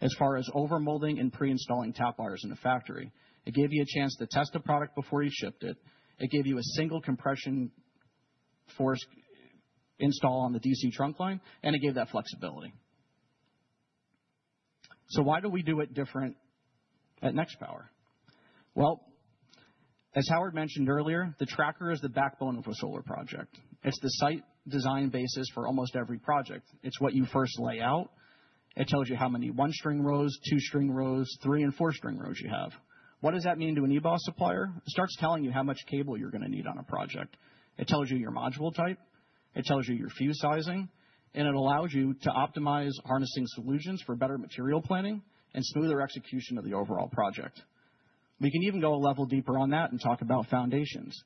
as far as overmolding and pre-installing tap wires in a factory. It gave you a chance to test a product before you shipped it. It gave you a single compression force install on the DC trunk line, and it gave that flexibility. So why do we do it different at Nextpower? Well, as Howard mentioned earlier, the tracker is the backbone of a solar project. It's the site design basis for almost every project. It's what you first lay out. It tells you how many one-string rows, two-string rows, three, and four-string rows you have. What does that mean to an eBOS supplier? It starts telling you how much cable you're going to need on a project. It tells you your module type. It tells you your fuse sizing. And it allows you to optimize harnessing solutions for better material planning and smoother execution of the overall project. We can even go a level deeper on that and talk about foundations.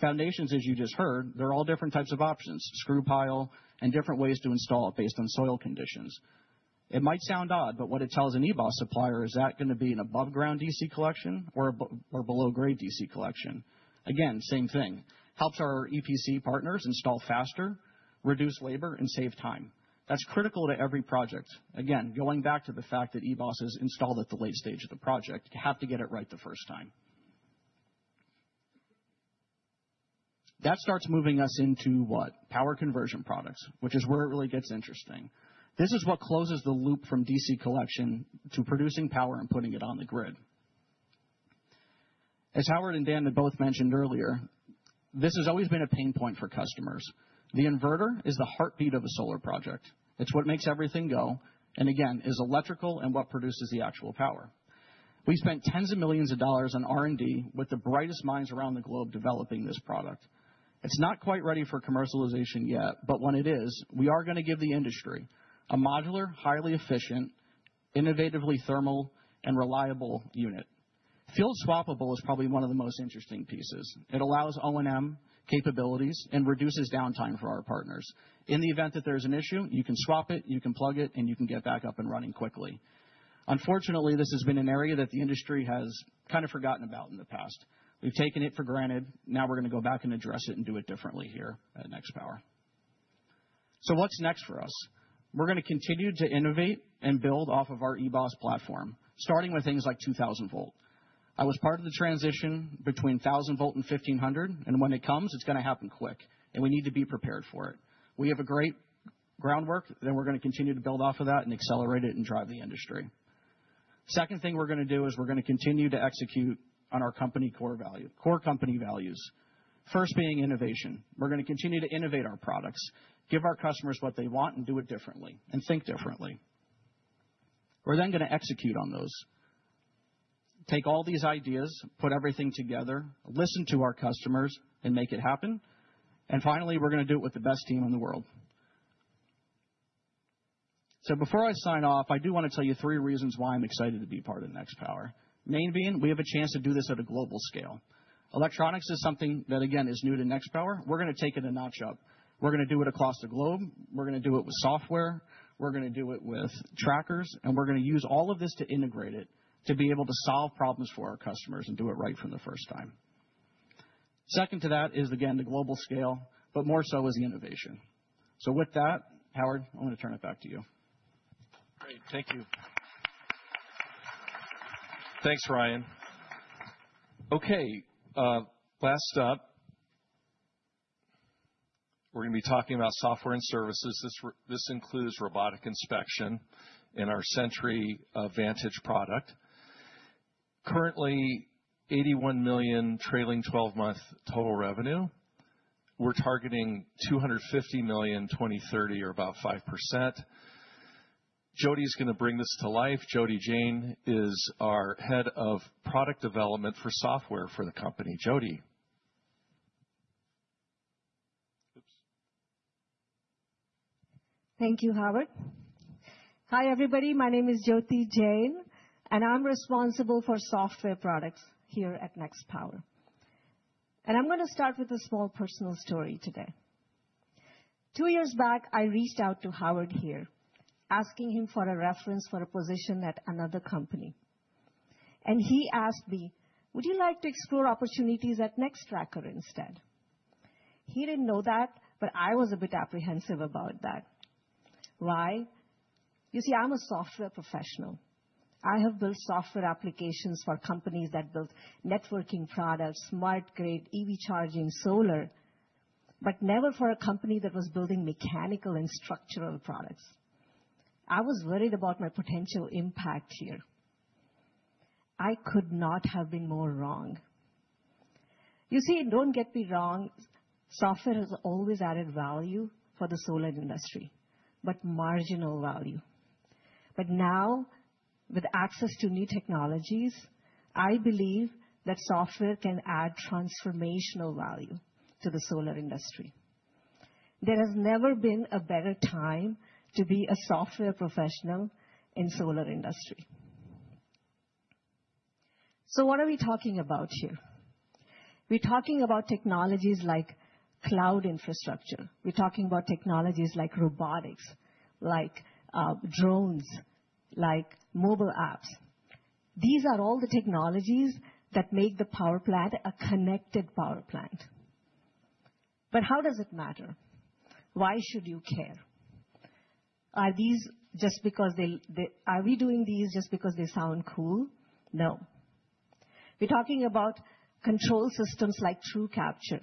Foundations, as you just heard, they're all different types of options: screw pile and different ways to install it based on soil conditions. It might sound odd, but what it tells an eBOS supplier is that going to be an above-ground DC collection or a below-grade DC collection? Again, same thing. Helps our EPC partners install faster, reduce labor, and save time. That's critical to every project. Again, going back to the fact that eBOS is installed at the late stage of the project, you have to get it right the first time. That starts moving us into what? Power conversion products, which is where it really gets interesting. This is what closes the loop from DC collection to producing power and putting it on the grid. As Howard and Dan had both mentioned earlier, this has always been a pain point for customers. The inverter is the heartbeat of a solar project. It's what makes everything go and, again, is electrical and what produces the actual power. We spent tens of millions of dollars on R&D with the brightest minds around the globe developing this product. It's not quite ready for commercialization yet, but when it is, we are going to give the industry a modular, highly efficient, innovatively thermal, and reliable unit. Field swappable is probably one of the most interesting pieces. It allows O&M capabilities and reduces downtime for our partners. In the event that there's an issue, you can swap it, you can plug it, and you can get back up and running quickly. Unfortunately, this has been an area that the industry has kind of forgotten about in the past. We've taken it for granted. Now we're going to go back and address it and do it differently here at Nextpower. So what's next for us? We're going to continue to innovate and build off of our eBOS platform, starting with things like 2,000 V. I was part of the transition between 1,000 V and 1,500 V. And when it comes, it's going to happen quick. And we need to be prepared for it. We have a great groundwork. Then we're going to continue to build off of that and accelerate it and drive the industry. second thing we're going to do is we're going to continue to execute on our company core values, first being innovation. We're going to continue to innovate our products, give our customers what they want, and do it differently and think differently. We're then going to execute on those, take all these ideas, put everything together, listen to our customers, and make it happen. Finally, we're going to do it with the best team in the world. Before I sign off, I do want to tell you three reasons why I'm excited to be part of Nextpower. The main one is we have a chance to do this at a global scale. Electronics is something that, again, is new to Nextpower. We're going to take it a notch up. We're going to do it across the globe. We're going to do it with software. We're going to do it with trackers. And we're going to use all of this to integrate it to be able to solve problems for our customers and do it right from the first time. Second to that is, again, the global scale, but more so is innovation. So with that, Howard, I'm going to turn it back to you. Great. Thank you. Thanks, Ryan. Okay. Last up, we're going to be talking about software and services. This includes robotic inspection in our Sentry Advantage product. Currently, $81 million trailing 12-month total revenue. We're targeting $250 million 2030, or about 5%. Jyoti is going to bring this to life. Jyoti Jain is our head of product development for software for the company. Jyoti. Thank you, Howard. Hi, everybody. My name is Jyoti Jain, and I'm responsible for software products here at Nextpower. I'm going to start with a small personal story today. Two years back, I reached out to Howard here, asking him for a reference for a position at another company. He asked me, "Would you like to explore opportunities at Nextracker instead?" He didn't know that, but I was a bit apprehensive about that. Why? You see, I'm a software professional. I have built software applications for companies that built networking products, smart grid, EV charging, solar, but never for a company that was building mechanical and structural products. I was worried about my potential impact here. I could not have been more wrong. You see, don't get me wrong. Software has always added value for the solar industry, but marginal value. Now, with access to new technologies, I believe that software can add transformational value to the solar industry. There has never been a better time to be a software professional in the solar industry. So what are we talking about here? We're talking about technologies like cloud infrastructure. We're talking about technologies like robotics, like drones, like mobile apps. These are all the technologies that make the power plant a connected power plant. But how does it matter? Why should you care? Are we doing these just because they sound cool? No. We're talking about control systems like TrueCapture.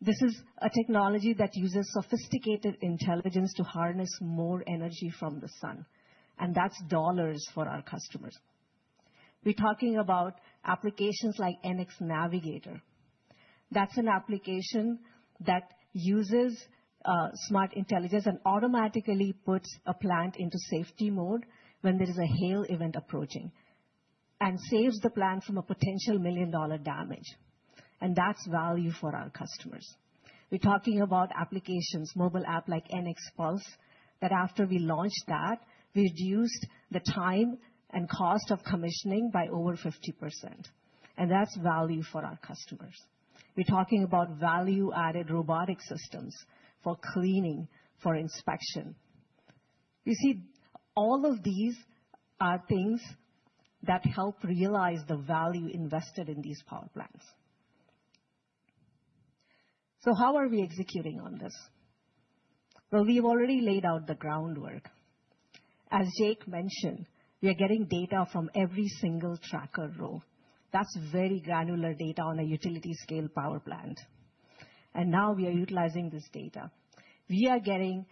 This is a technology that uses sophisticated intelligence to harness more energy from the sun. And that's dollars for our customers. We're talking about applications like NX Navigator. That's an application that uses smart intelligence and automatically puts a plant into safety mode when there is a hail event approaching and saves the plant from a potential million-dollar damage. And that's value for our customers. We're talking about applications, mobile app like NX Pulse, that after we launched that, we reduced the time and cost of commissioning by over 50%. And that's value for our customers. We're talking about value-added robotic systems for cleaning, for inspection. You see, all of these are things that help realize the value invested in these power plants. So how are we executing on this? Well, we've already laid out the groundwork. As Jake mentioned, we are getting data from every single tracker row. That's very granular data on a utility-scale power plant. And now we are utilizing this data. We are getting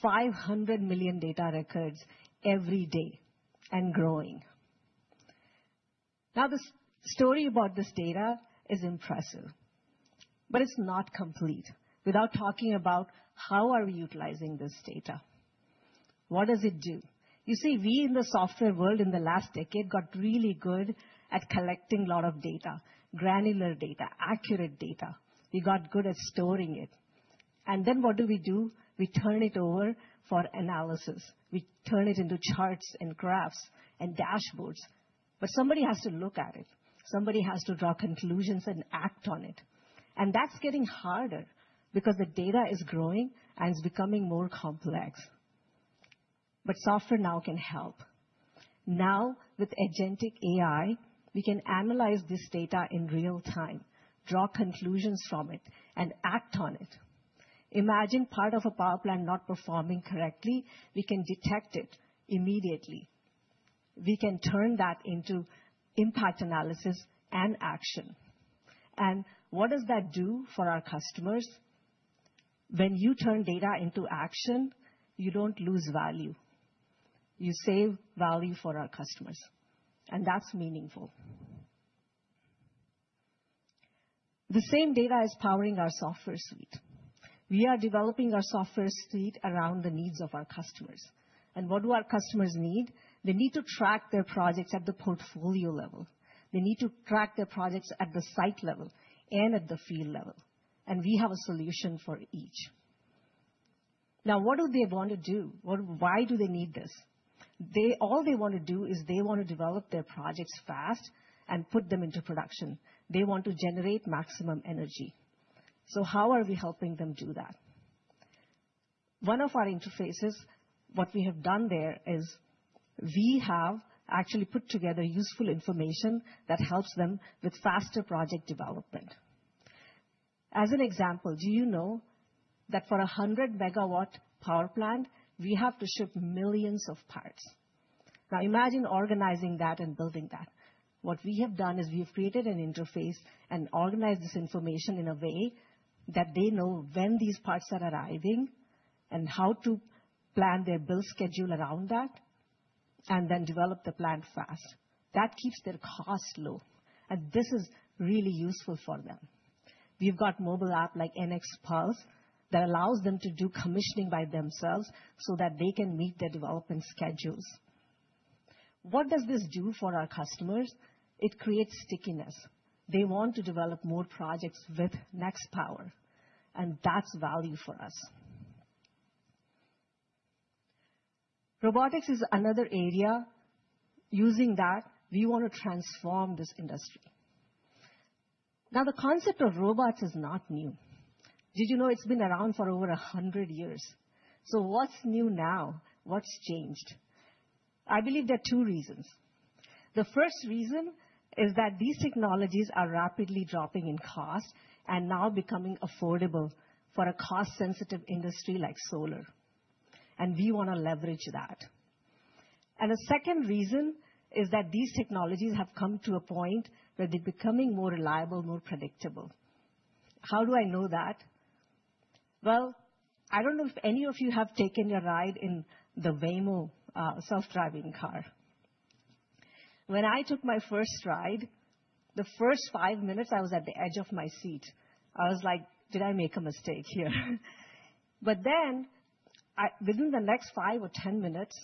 500 million data records every day and growing. Now, the story about this data is impressive, but it's not complete without talking about how are we utilizing this data? What does it do? You see, we in the software world in the last decade got really good at collecting a lot of data, granular data, accurate data. We got good at storing it. And then what do we do? We turn it over for analysis. We turn it into charts and graphs and dashboards. But somebody has to look at it. Somebody has to draw conclusions and act on it. And that's getting harder because the data is growing and it's becoming more complex. But software now can help. Now, with agentic AI, we can analyze this data in real time, draw conclusions from it, and act on it. Imagine part of a power plant not performing correctly. We can detect it immediately. We can turn that into impact analysis and action. And what does that do for our customers? When you turn data into action, you don't lose value. You save value for our customers. And that's meaningful. The same data is powering our software suite. We are developing our software suite around the needs of our customers. And what do our customers need? They need to track their projects at the portfolio level. They need to track their projects at the site level and at the field level. And we have a solution for each. Now, what do they want to do? Why do they need this? All they want to do is they want to develop their projects fast and put them into production. They want to generate maximum energy. So how are we helping them do that? One of our interfaces, what we have done there is we have actually put together useful information that helps them with faster project development. As an example, do you know that for a 100 MW power plant, we have to ship millions of parts? Now, imagine organizing that and building that. What we have done is we have created an interface and organized this information in a way that they know when these parts are arriving and how to plan their build schedule around that and then develop the plant fast. That keeps their cost low, and this is really useful for them. We've got a mobile app like NX Pulse that allows them to do commissioning by themselves so that they can meet their development schedules. What does this do for our customers? It creates stickiness. They want to develop more projects with Nextpower, and that's value for us. Robotics is another area. Using that, we want to transform this industry. Now, the concept of robots is not new. Did you know it's been around for over 100 years? So what's new now? What's changed? I believe there are two reasons. The first reason is that these technologies are rapidly dropping in cost and now becoming affordable for a cost-sensitive industry like solar. And we want to leverage that. And the second reason is that these technologies have come to a point where they're becoming more reliable, more predictable. How do I know that? Well, I don't know if any of you have taken a ride in the Waymo self-driving car. When I took my first ride, the first five minutes, I was at the edge of my seat. I was like, "Did I make a mistake here?" But then, within the next five or ten minutes,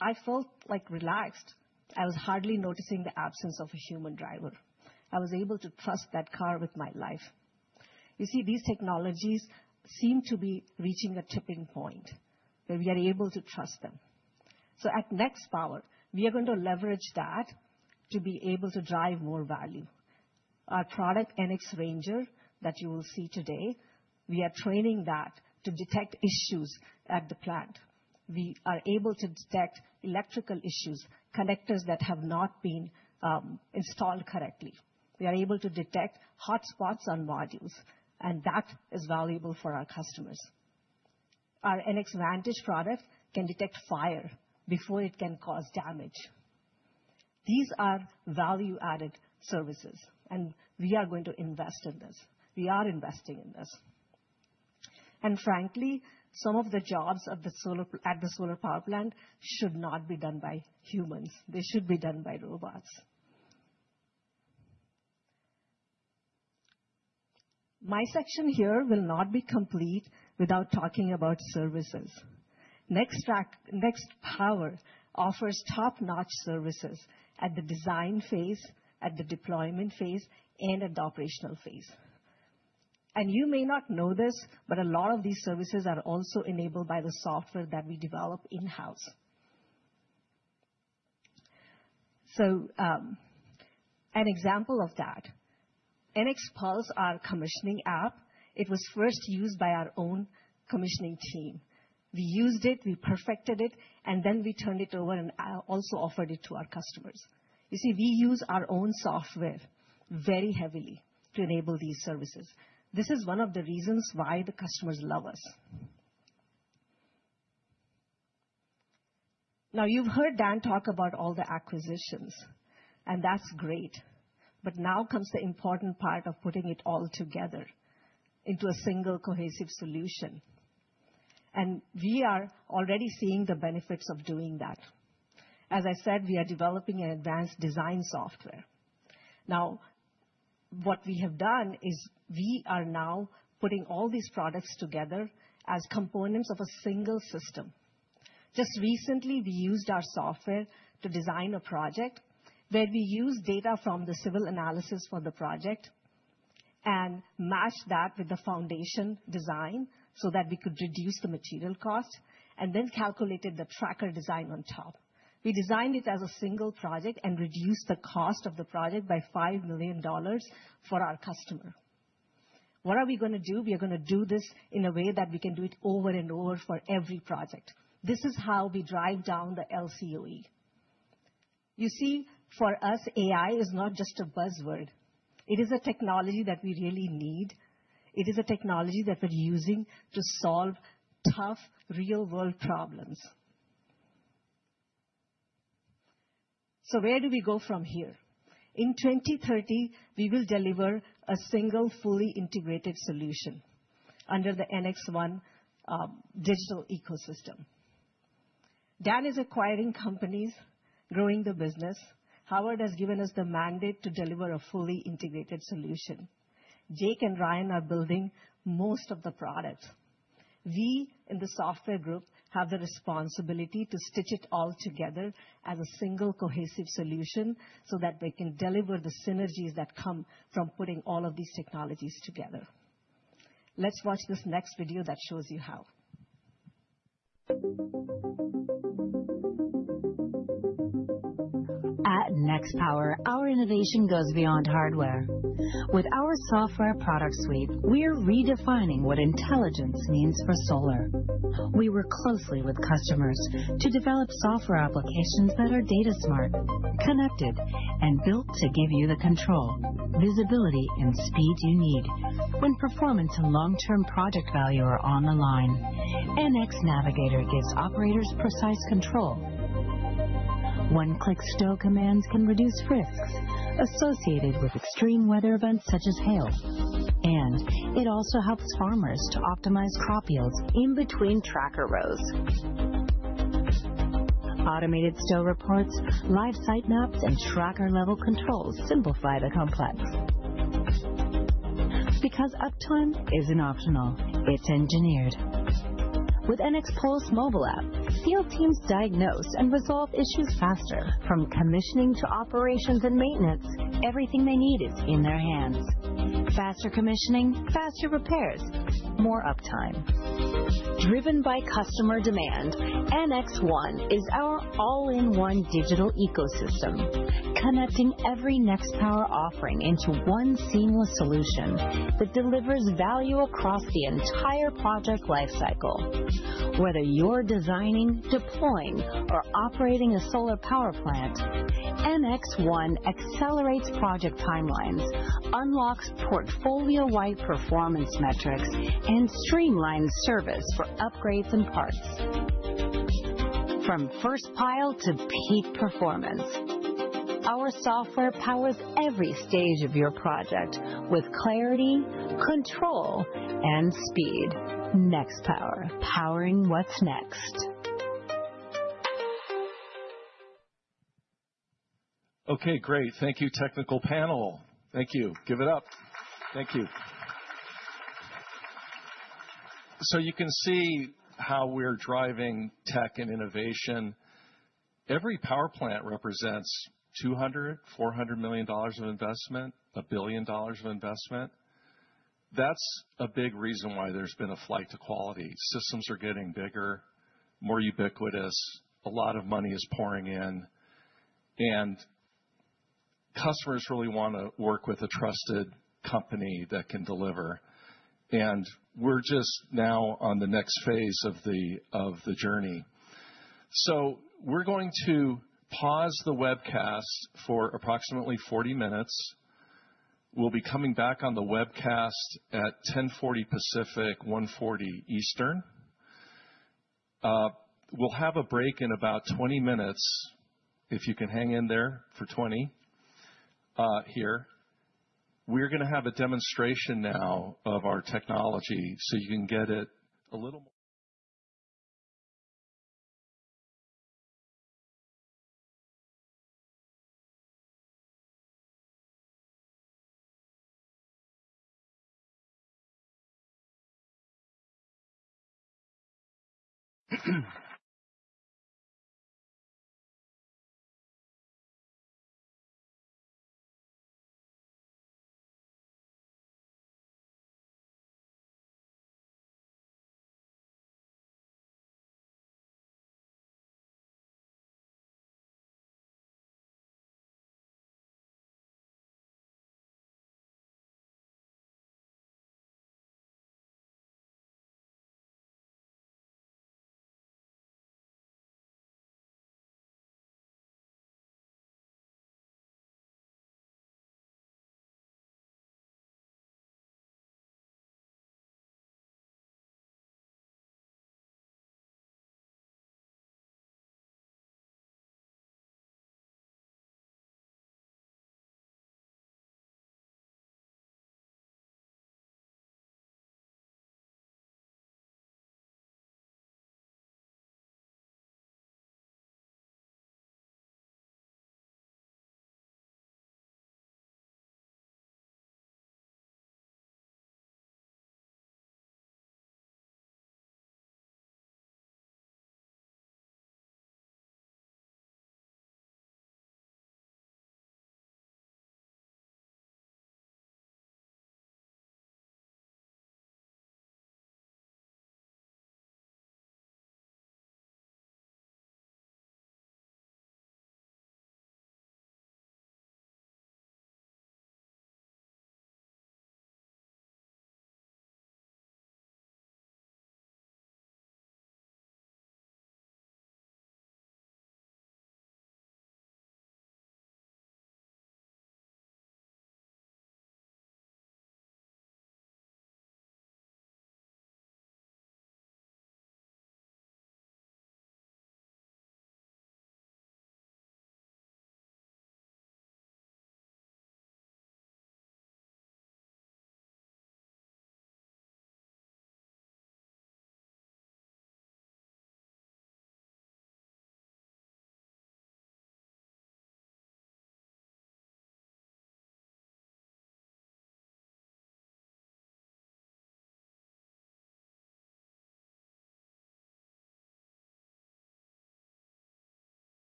I felt relaxed. I was hardly noticing the absence of a human driver. I was able to trust that car with my life. You see, these technologies seem to be reaching a tipping point where we are able to trust them. So at Nextpower, we are going to leverage that to be able to drive more value. Our product, NX Ranger, that you will see today, we are training that to detect issues at the plant. We are able to detect electrical issues, connectors that have not been installed correctly. We are able to detect hotspots on modules. And that is valuable for our customers. Our NX Vantage product can detect fire before it can cause damage. These are value-added services. And we are going to invest in this. We are investing in this. And frankly, some of the jobs at the solar power plant should not be done by humans. They should be done by robots. My section here will not be complete without talking about services. Nextpower offers top-notch services at the design phase, at the deployment phase, and at the operational phase, and you may not know this, but a lot of these services are also enabled by the software that we develop in-house, so an example of that, NX Pulse, our commissioning app, it was first used by our own commissioning team. We used it, we perfected it, and then we turned it over and also offered it to our customers. You see, we use our own software very heavily to enable these services. This is one of the reasons why the customers love us. Now, you've heard Dan talk about all the acquisitions, and that's great, but now comes the important part of putting it all together into a single cohesive solution, and we are already seeing the benefits of doing that. As I said, we are developing an advanced design software. Now, what we have done is we are now putting all these products together as components of a single system. Just recently, we used our software to design a project where we used data from the civil analysis for the project and matched that with the foundation design so that we could reduce the material cost and then calculated the tracker design on top. We designed it as a single project and reduced the cost of the project by $5 million for our customer. What are we going to do? We are going to do this in a way that we can do it over and over for every project. This is how we drive down the LCOE. You see, for us, AI is not just a buzzword. It is a technology that we really need. It is a technology that we're using to solve tough real-world problems. So where do we go from here? In 2030, we will deliver a single fully integrated solution under the NX One digital ecosystem. Dan is acquiring companies, growing the business. Howard has given us the mandate to deliver a fully integrated solution. Jake and Ryan are building most of the products. We, in the software group, have the responsibility to stitch it all together as a single cohesive solution so that we can deliver the synergies that come from putting all of these technologies together. Let's watch this next video that shows you how. At Nextpower, our innovation goes beyond hardware. With our software product suite, we are redefining what intelligence means for solar. We work closely with customers to develop software applications that are data-smart, connected, and built to give you the control, visibility, and speed you need when performance and long-term project value are on the line. NX Navigator gives operators precise control. One-click stow commands can reduce risks associated with extreme weather events such as hail. And it also helps farmers to optimize crop yields in between tracker rows. Automated stow reports, live site maps, and tracker-level controls simplify the complex. Because uptime isn't optional, it's engineered. With NX Pulse mobile app, field teams diagnose and resolve issues faster. From commissioning to operations and maintenance, everything they need is in their hands. Faster commissioning, faster repairs, more uptime. Driven by customer demand, NX One is our all-in-one digital ecosystem, connecting every Nextpower offering into one seamless solution that delivers value across the entire project lifecycle. Whether you're designing, deploying, or operating a solar power plant, NX One accelerates project timelines, unlocks portfolio-wide performance metrics, and streamlines service for upgrades and parts. From first pile to peak performance, our software powers every stage of your project with clarity, control, and speed. Nextpower, powering what's next. Okay, great. Thank you, technical panel. Thank you. Give it up. Thank you. So you can see how we're driving tech and innovation. Every power plant represents $200 million-$400 million of investment, a billion dollars of investment. That's a big reason why there's been a flight to quality. Systems are getting bigger, more ubiquitous. A lot of money is pouring in. And customers really want to work with a trusted company that can deliver. And we're just now on the next phase of the journey. So we're going to pause the webcast for approximately 40 minutes. We'll be coming back on the webcast at 10:40 Pacific, 1:40 Eastern. We'll have a break in about 20 minutes if you can hang in there for 20 here. We're going to have a demonstration now of our technology so you can get it a little more.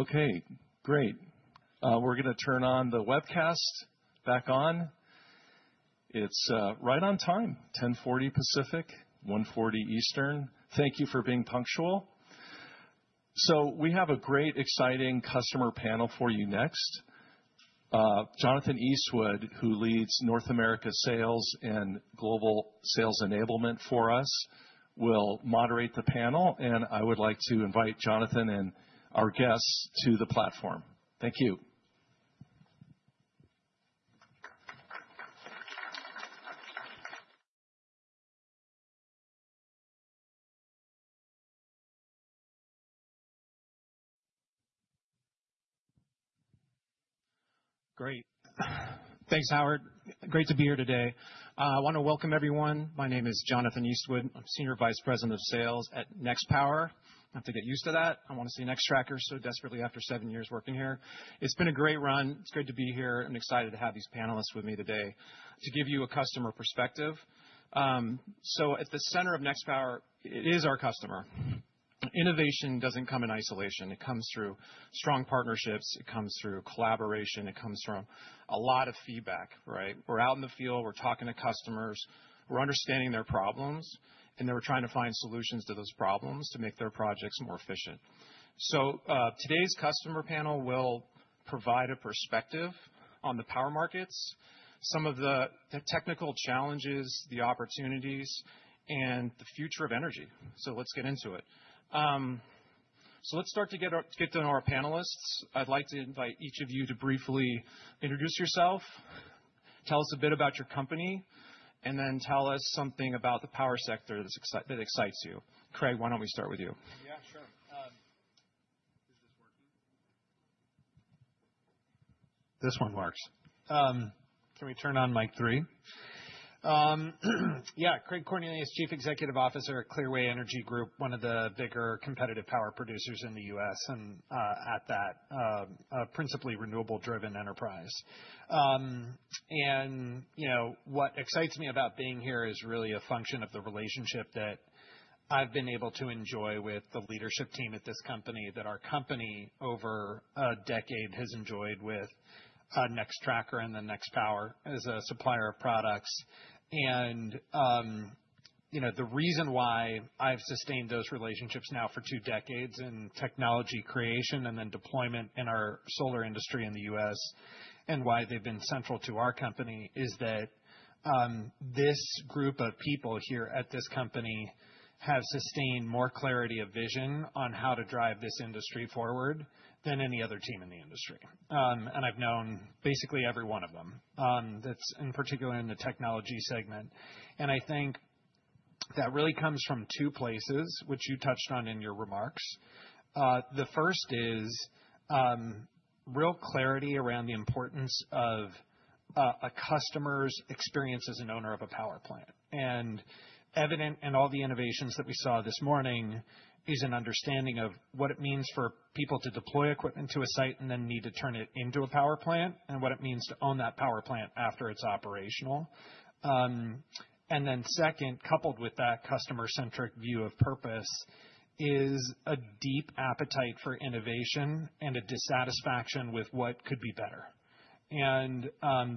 Okay, great. We're going to turn on the webcast back on. It's right on time, 10:40 Pacific, 1:40 Eastern. Thank you for being punctual. So we have a great, exciting customer panel for you next. Jonathan Eastwood, who leads North America sales and global sales enablement for us, will moderate the panel. And I would like to invite Jonathan and our guests to the platform. Thank you. Great. Thanks, Howard. Great to be here today. I want to welcome everyone. My name is Jonathan Eastwood. I'm Senior Vice President of Sales at Nextpower. I have to get used to that. I want to see Nextracker so desperately after seven years working here. It's been a great run. It's great to be here. I'm excited to have these panelists with me today to give you a customer perspective. So at the center of Nextpower, it is our customer. Innovation doesn't come in isolation. It comes through strong partnerships. It comes through collaboration. It comes from a lot of feedback, right? We're out in the field. We're talking to customers. We're understanding their problems. And they're trying to find solutions to those problems to make their projects more efficient. So today's customer panel will provide a perspective on the power markets, some of the technical challenges, the opportunities, and the future of energy. So let's get into it. So let's start to get to our panelists. I'd like to invite each of you to briefly introduce yourself, tell us a bit about your company, and then tell us something about the power sector that excites you. Craig, why don't we start with you? Yeah, sure. Is this working? This one works. Can we turn on mic three? Yeah. Craig Cornelius is Chief Executive Officer at Clearway Energy Group, one of the bigger competitive power producers in the U.S. and at that principally renewable-driven enterprise. And what excites me about being here is really a function of the relationship that I've been able to enjoy with the leadership team at this company that our company over a decade has enjoyed with Nextracker and the Nextpower as a supplier of products. The reason why I've sustained those relationships now for two decades in technology creation and then deployment in our solar industry in the U.S. and why they've been central to our company is that this group of people here at this company have sustained more clarity of vision on how to drive this industry forward than any other team in the industry. I've known basically every one of them, in particular in the technology segment. I think that really comes from two places, which you touched on in your remarks. The first is real clarity around the importance of a customer's experience as an owner of a power plant. And evident in all the innovations that we saw this morning is an understanding of what it means for people to deploy equipment to a site and then need to turn it into a power plant and what it means to own that power plant after it's operational. And then second, coupled with that customer-centric view of purpose is a deep appetite for innovation and a dissatisfaction with what could be better. And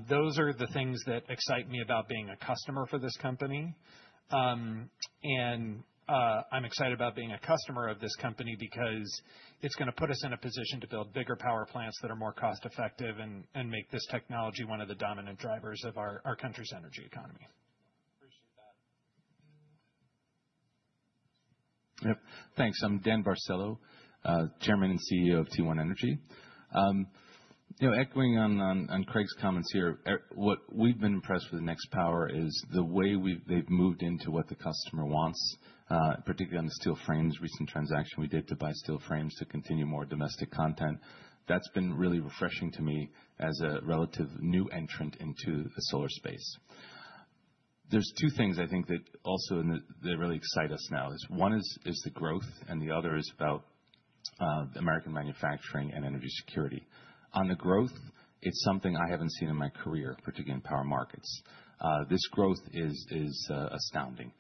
those are the things that excite me about being a customer for this company. And I'm excited about being a customer of this company because it's going to put us in a position to build bigger power plants that are more cost-effective and make this technology one of the dominant drivers of our country's energy economy. Appreciate that. Yep. Thanks. I'm Dan Barcelo, Chairman and CEO of T1 Energy. Echoing Craig's comments here, what we've been impressed with Nextpower is the way they've moved into what the customer wants, particularly on the steel frames. Recent transaction we did to buy steel frames to continue more domestic content. That's been really refreshing to me as a relatively new entrant into the solar space. There's two things I think that also really excite us now. One is the growth, and the other is about American manufacturing and energy security. On the growth, it's something I haven't seen in my career, particularly in power markets. This growth is astounding.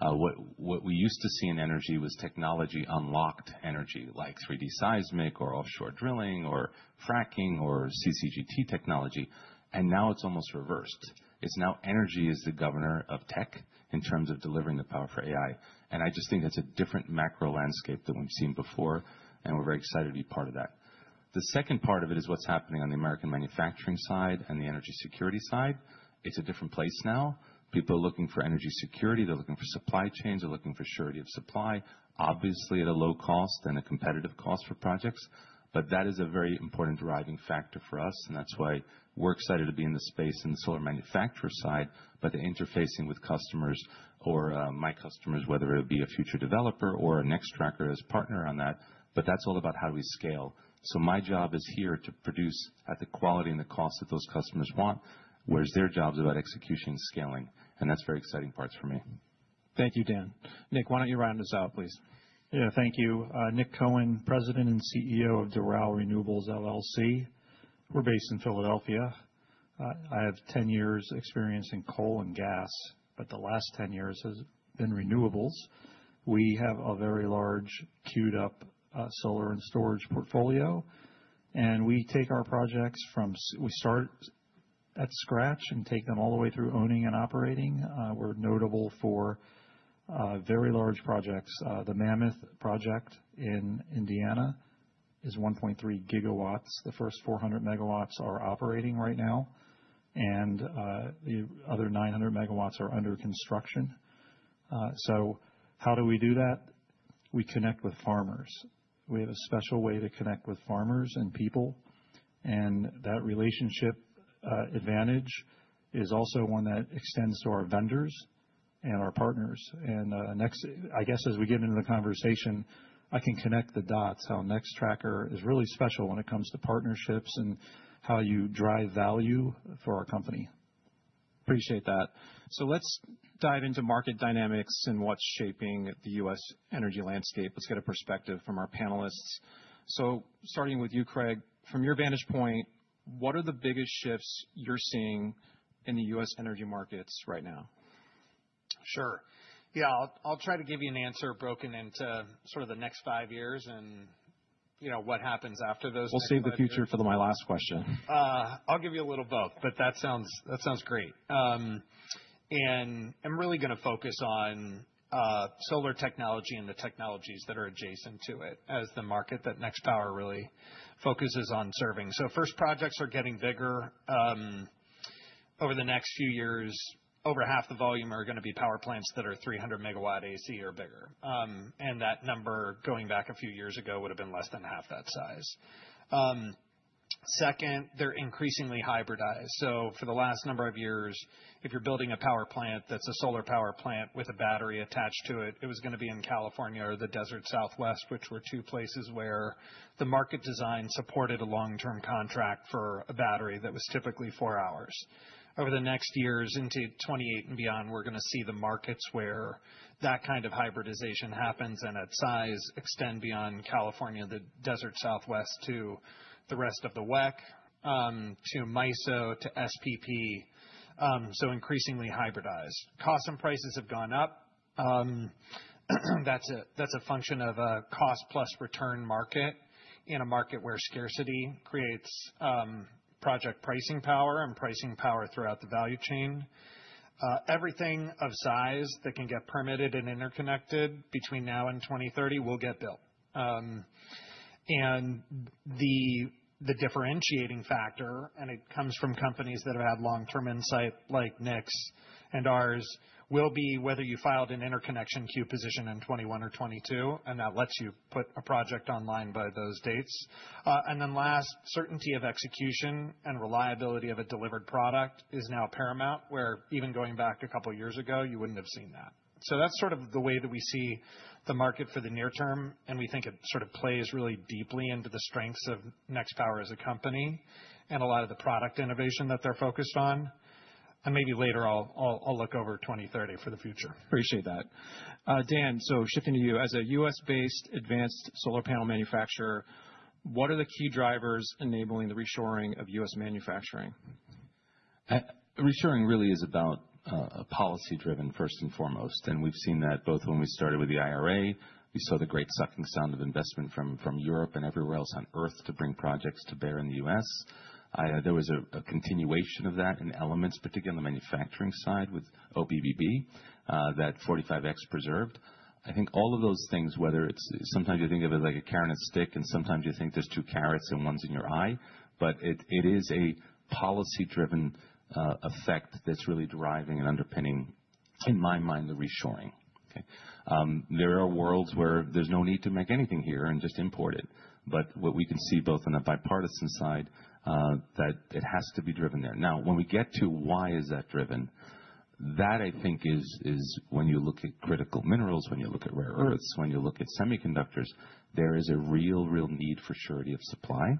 What we used to see in energy was technology unlocked energy like 3D seismic or offshore drilling or fracking or CCGT technology, and now it's almost reversed. It's now energy is the governor of tech in terms of delivering the power for AI. I just think that's a different macro landscape than we've seen before. And we're very excited to be part of that. The second part of it is what's happening on the American manufacturing side and the energy security side. It's a different place now. People are looking for energy security. They're looking for supply chains. They're looking for surety of supply, obviously at a low cost and a competitive cost for projects. But that is a very important driving factor for us. And that's why we're excited to be in the space in the solar manufacturer side, but the interfacing with customers or my customers, whether it be a future developer or a Nextracker as partner on that, but that's all about how do we scale. So my job is here to produce at the quality and the cost that those customers want, whereas their job is about execution and scaling. And that's very exciting parts for me. Thank you, Dan. Nick, why don't you round us out, please? Yeah, thank you. Nick Cohen, President and CEO of Doral Renewables LLC. We're based in Philadelphia. I have 10 years experience in coal and gas, but the last 10 years has been renewables. We have a very large queued-up solar and storage portfolio. And we take our projects from scratch and take them all the way through owning and operating. We're notable for very large projects. The Mammoth project in Indiana is 1.3 GW. The first 400 MW are operating right now. And the other 900 MW are under construction. So how do we do that? We connect with farmers. We have a special way to connect with farmers and people, and that relationship advantage is also one that extends to our vendors and our partners, and next, I guess as we get into the conversation, I can connect the dots how Nextracker is really special when it comes to partnerships and how you drive value for our company. Appreciate that, so let's dive into market dynamics and what's shaping the U.S. energy landscape. Let's get a perspective from our panelists, so starting with you, Craig, from your vantage point, what are the biggest shifts you're seeing in the U.S. energy markets right now? Sure. Yeah, I'll try to give you an answer broken into sort of the next five years and what happens after those things. We'll save the future for my last question. I'll give you a little both, but that sounds great. And I'm really going to focus on solar technology and the technologies that are adjacent to it as the market that Nextpower really focuses on serving. So first projects are getting bigger. Over the next few years, over half the volume are going to be power plants that are 300 MW AC or bigger. And that number going back a few years ago would have been less than half that size. Second, they're increasingly hybridized. So for the last number of years, if you're building a power plant that's a solar power plant with a battery attached to it, it was going to be in California or the Desert Southwest, which were two places where the market design supported a long-term contract for a battery that was typically four hours. Over the next years into 2028 and beyond, we're going to see the markets where that kind of hybridization happens and at size extend beyond California, the Desert Southwest to the rest of the WECC, to MISO, to SPP. So increasingly hybridized. Costs and prices have gone up. That's a function of a cost plus return market in a market where scarcity creates project pricing power and pricing power throughout the value chain. Everything of size that can get permitted and interconnected between now and 2030 will get built, and the differentiating factor, and it comes from companies that have had long-term insight like Next and ours, will be whether you filed an interconnection queue position in 2021 or 2022, and that lets you put a project online by those dates. And then last, certainty of execution and reliability of a delivered product is now paramount, where even going back a couple of years ago, you wouldn't have seen that. So that's sort of the way that we see the market for the near term. And we think it sort of plays really deeply into the strengths of Nextpower as a company and a lot of the product innovation that they're focused on. And maybe later I'll look over 2030 for the future. Appreciate that. Dan, so shifting to you. As a U.S.-based advanced solar panel manufacturer, what are the key drivers enabling the reshoring of U.S. manufacturing? Reshoring really is about policy driven first and foremost. We've seen that both when we started with the IRA, we saw the great sucking sound of investment from Europe and everywhere else on earth to bring projects to bear in the U.S. There was a continuation of that in incentives, particularly on the manufacturing side with the IRA, that 45X preserved. I think all of those things, whether it's sometimes you think of it like a carrot and a stick, and sometimes you think there's two carrots and one's in your eye, but it is a policy driven effect that's really driving and underpinning, in my mind, the reshoring. There are worlds where there's no need to make anything here and just import it. But what we can see both on the bipartisan side that it has to be driven there. Now, when we get to why is that driven, that I think is when you look at critical minerals, when you look at rare earths, when you look at semiconductors, there is a real, real need for surety of supply.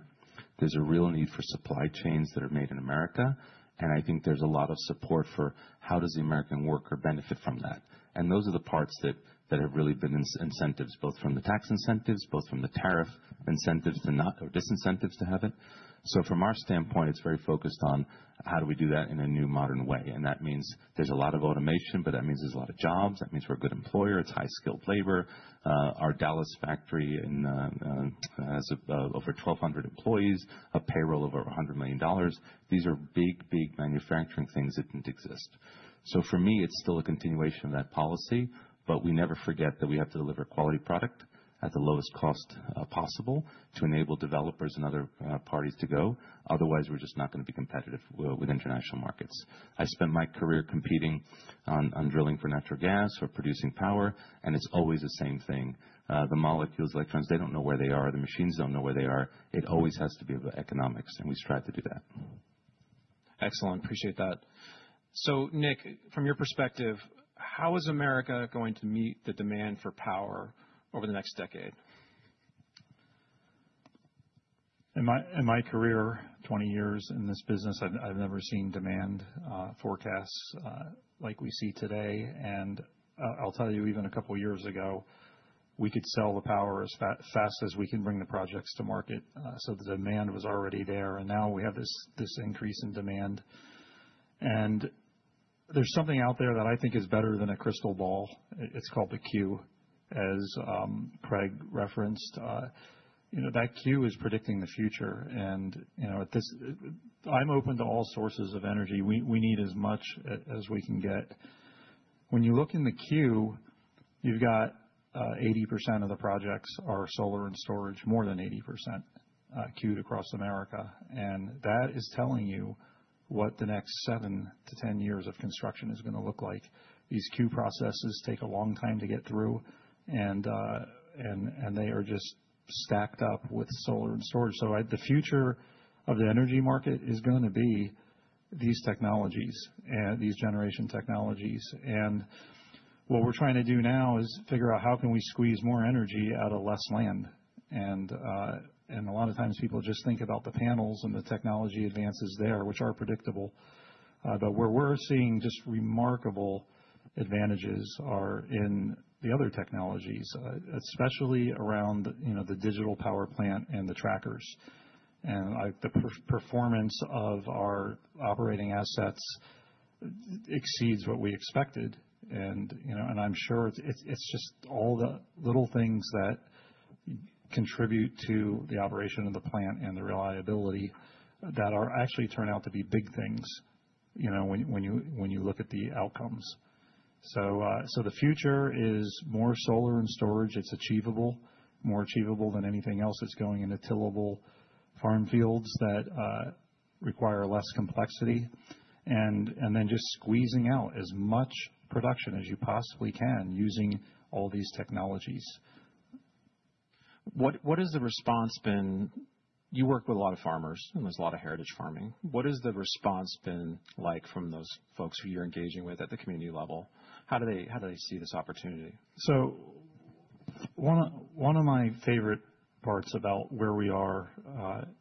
There's a real need for supply chains that are made in America, and I think there's a lot of support for how does the American worker benefit from that, and those are the parts that have really been incentives, both from the tax incentives, both from the tariff incentives or disincentives to have it, so from our standpoint, it's very focused on how do we do that in a new modern way, and that means there's a lot of automation, but that means there's a lot of jobs. That means we're a good employer. It's high skilled labor. Our Dallas factory has over 1,200 employees, a payroll of over $100 million. These are big, big manufacturing things that didn't exist. So for me, it's still a continuation of that policy, but we never forget that we have to deliver quality product at the lowest cost possible to enable developers and other parties to go. Otherwise, we're just not going to be competitive with international markets. I spent my career competing on drilling for natural gas or producing power, and it's always the same thing. The molecules, electrons, they don't know where they are. The machines don't know where they are. It always has to be about economics, and we strive to do that. Excellent. Appreciate that. So Nick, from your perspective, how is America going to meet the demand for power over the next decade? In my career, 20 years in this business, I've never seen demand forecasts like we see today, and I'll tell you, even a couple of years ago, we could sell the power as fast as we can bring the projects to market, so the demand was already there, and now we have this increase in demand, and there's something out there that I think is better than a crystal ball. It's called the Queue, as Craig referenced. That Q is predicting the future, and I'm open to all sources of energy. We need as much as we can get. When you look in the Queue, you've got 80% of the projects are solar and storage, more than 80% queued across America, and that is telling you what the next 7-10 years of construction is going to look like. These queue processes take a long time to get through, and they are just stacked up with solar and storage. So the future of the energy market is going to be these technologies, these generation technologies. What we're trying to do now is figure out how can we squeeze more energy out of less land. A lot of times people just think about the panels and the technology advances there, which are predictable. But where we're seeing just remarkable advantages are in the other technologies, especially around the digital power plant and the trackers. The performance of our operating assets exceeds what we expected. I'm sure it's just all the little things that contribute to the operation of the plant and the reliability that actually turn out to be big things when you look at the outcomes. The future is more solar and storage. It's achievable, more achievable than anything else. It's going into tillable farm fields that require less complexity, and then just squeezing out as much production as you possibly can using all these technologies. What has the response been? You work with a lot of farmers, and there's a lot of heritage farming. What has the response been like from those folks who you're engaging with at the community level? How do they see this opportunity? So one of my favorite parts about where we are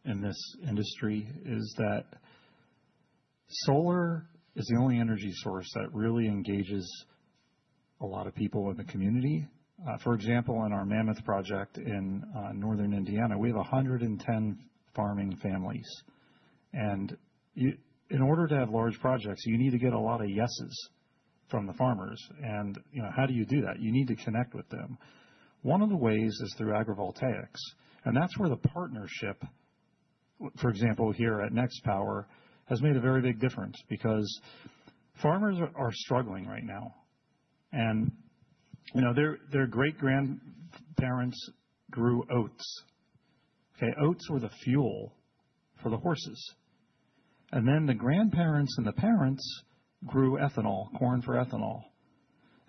in this industry is that solar is the only energy source that really engages a lot of people in the community. For example, in our Mammoth project in northern Indiana, we have 110 farming families, and in order to have large projects, you need to get a lot of yeses from the farmers, and how do you do that? You need to connect with them. One of the ways is through agrivoltaics, and that's where the partnership, for example, here at Nextpower, has made a very big difference because farmers are struggling right now. Their great-grandparents grew oats. Oats were the fuel for the horses, and then the grandparents and the parents grew ethanol, corn for ethanol.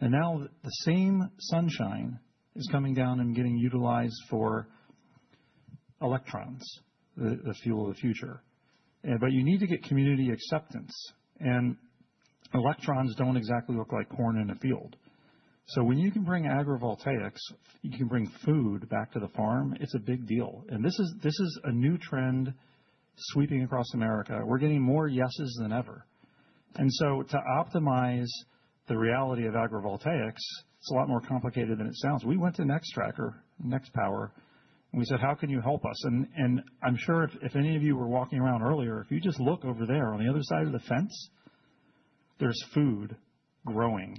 Now the same sunshine is coming down and getting utilized for electrons, the fuel of the future. You need to get community acceptance, and electrons don't exactly look like corn in a field. When you can bring agrivoltaics, you can bring food back to the farm; it's a big deal. This is a new trend sweeping across America. We're getting more yeses than ever, so to optimize the reality of agrivoltaics, it's a lot more complicated than it sounds. We went to Nextracker, Nextpower, and we said, "How can you help us?" And I'm sure if any of you were walking around earlier, if you just look over there on the other side of the fence, there's food growing.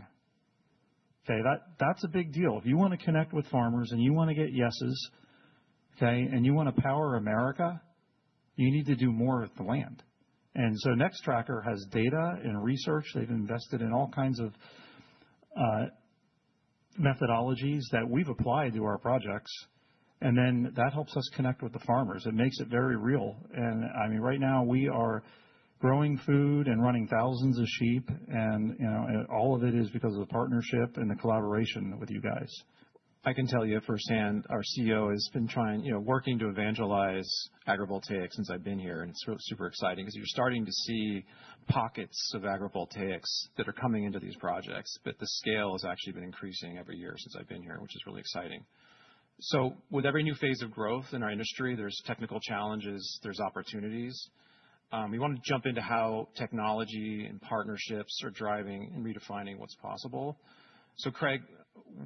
That's a big deal. If you want to connect with farmers and you want to get yeses, and you want to power America, you need to do more with the land. And so Nextracker has data and research. They've invested in all kinds of methodologies that we've applied to our projects. And then that helps us connect with the farmers. It makes it very real. And I mean, right now we are growing food and running thousands of sheep. And all of it is because of the partnership and the collaboration with you guys. I can tell you firsthand, our CEO has been working to evangelize agrivoltaics since I've been here. And it's super exciting because you're starting to see pockets of agrivoltaics that are coming into these projects. But the scale has actually been increasing every year since I've been here, which is really exciting. So with every new phase of growth in our industry, there's technical challenges, there's opportunities. We want to jump into how technology and partnerships are driving and redefining what's possible. So Craig,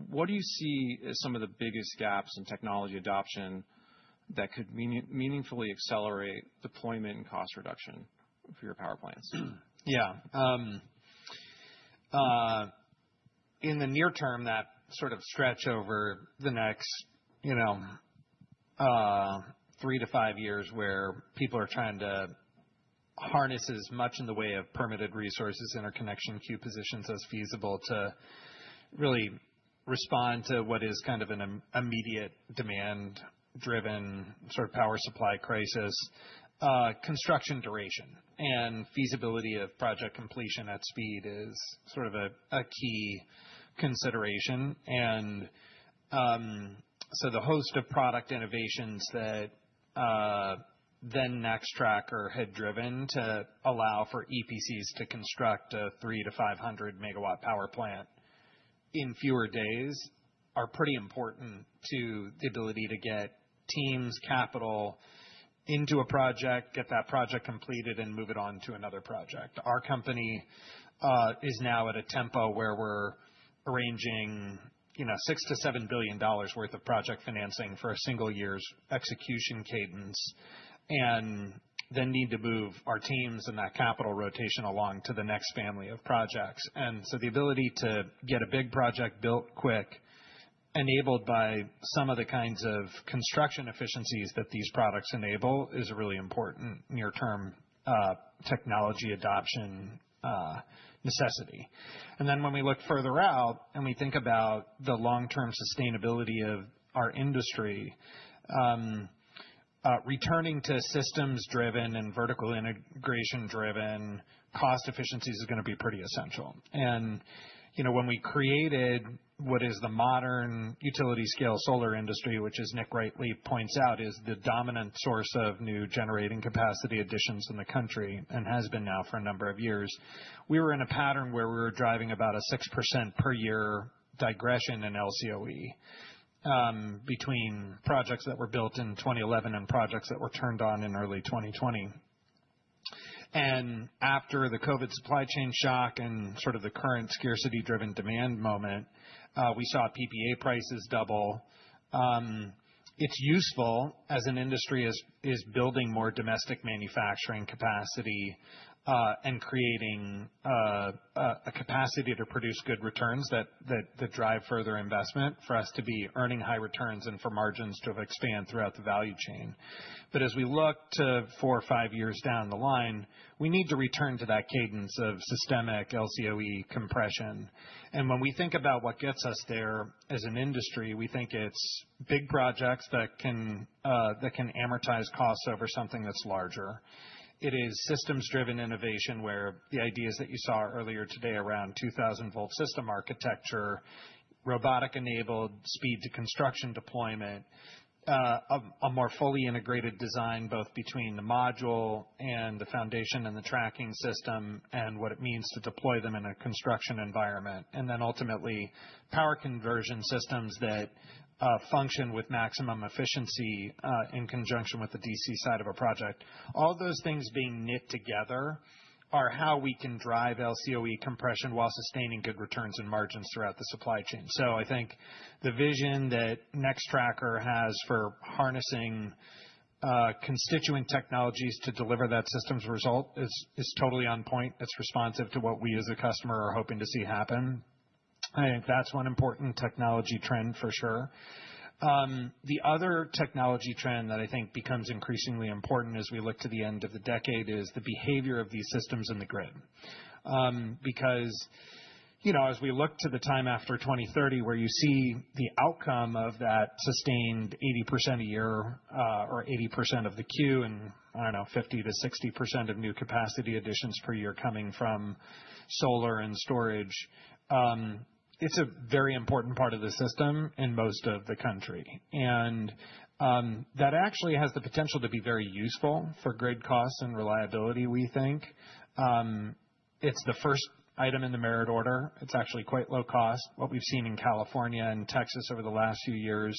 what do you see as some of the biggest gaps in technology adoption that could meaningfully accelerate deployment and cost reduction for your power plants? Yeah. In the near term, that sort of stretch over the next three to five years where people are trying to harness as much in the way of permitted resources, interconnection queue positions as feasible to really respond to what is kind of an immediate demand-driven sort of power supply crisis, construction duration and feasibility of project completion at speed is sort of a key consideration. And so the host of product innovations that then Nextracker had driven to allow for EPCs to construct a 300 MW-500 MW power plant in fewer days are pretty important to the ability to get teams, capital into a project, get that project completed, and move it on to another project. Our company is now at a tempo where we're arranging $6 billion-$7 billion worth of project financing for a single year's execution cadence and then need to move our teams and that capital rotation along to the next family of projects. And so the ability to get a big project built quick, enabled by some of the kinds of construction efficiencies that these products enable is a really important near-term technology adoption necessity. And then when we look further out and we think about the long-term sustainability of our industry, returning to systems-driven and vertical integration-driven cost efficiencies is going to be pretty essential. When we created what is the modern utility-scale solar industry, which, as Nick rightly points out, is the dominant source of new generating capacity additions in the country and has been now for a number of years, we were in a pattern where we were driving about a 6% per year degression in LCOE between projects that were built in 2011 and projects that were turned on in early 2020. After the COVID supply chain shock and sort of the current scarcity-driven demand moment, we saw PPA prices double. It's useful as an industry is building more domestic manufacturing capacity and creating a capacity to produce good returns that drive further investment for us to be earning high returns and for margins to expand throughout the value chain. But as we look to four or five years down the line, we need to return to that cadence of systemic LCOE compression. And when we think about what gets us there as an industry, we think it's big projects that can amortize costs over something that's larger. It is systems-driven innovation where the ideas that you saw earlier today around 2000-volt system architecture, robotic-enabled speed to construction deployment, a more fully integrated design both between the module and the foundation and the tracking system and what it means to deploy them in a construction environment. And then ultimately, power conversion systems that function with maximum efficiency in conjunction with the DC side of a project. All of those things being knit together are how we can drive LCOE compression while sustaining good returns and margins throughout the supply chain. So I think the vision that Nextracker has for harnessing constituent technologies to deliver that system's result is totally on point. It's responsive to what we as a customer are hoping to see happen. I think that's one important technology trend for sure. The other technology trend that I think becomes increasingly important as we look to the end of the decade is the behavior of these systems in the grid. Because as we look to the time after 2030, where you see the outcome of that sustained 80% a year or 80% of the queue and, I don't know, 50%-60% of new capacity additions per year coming from solar and storage, it's a very important part of the system in most of the country. And that actually has the potential to be very useful for grid costs and reliability, we think. It's the first item in the merit order. It's actually quite low cost. What we've seen in California and Texas over the last few years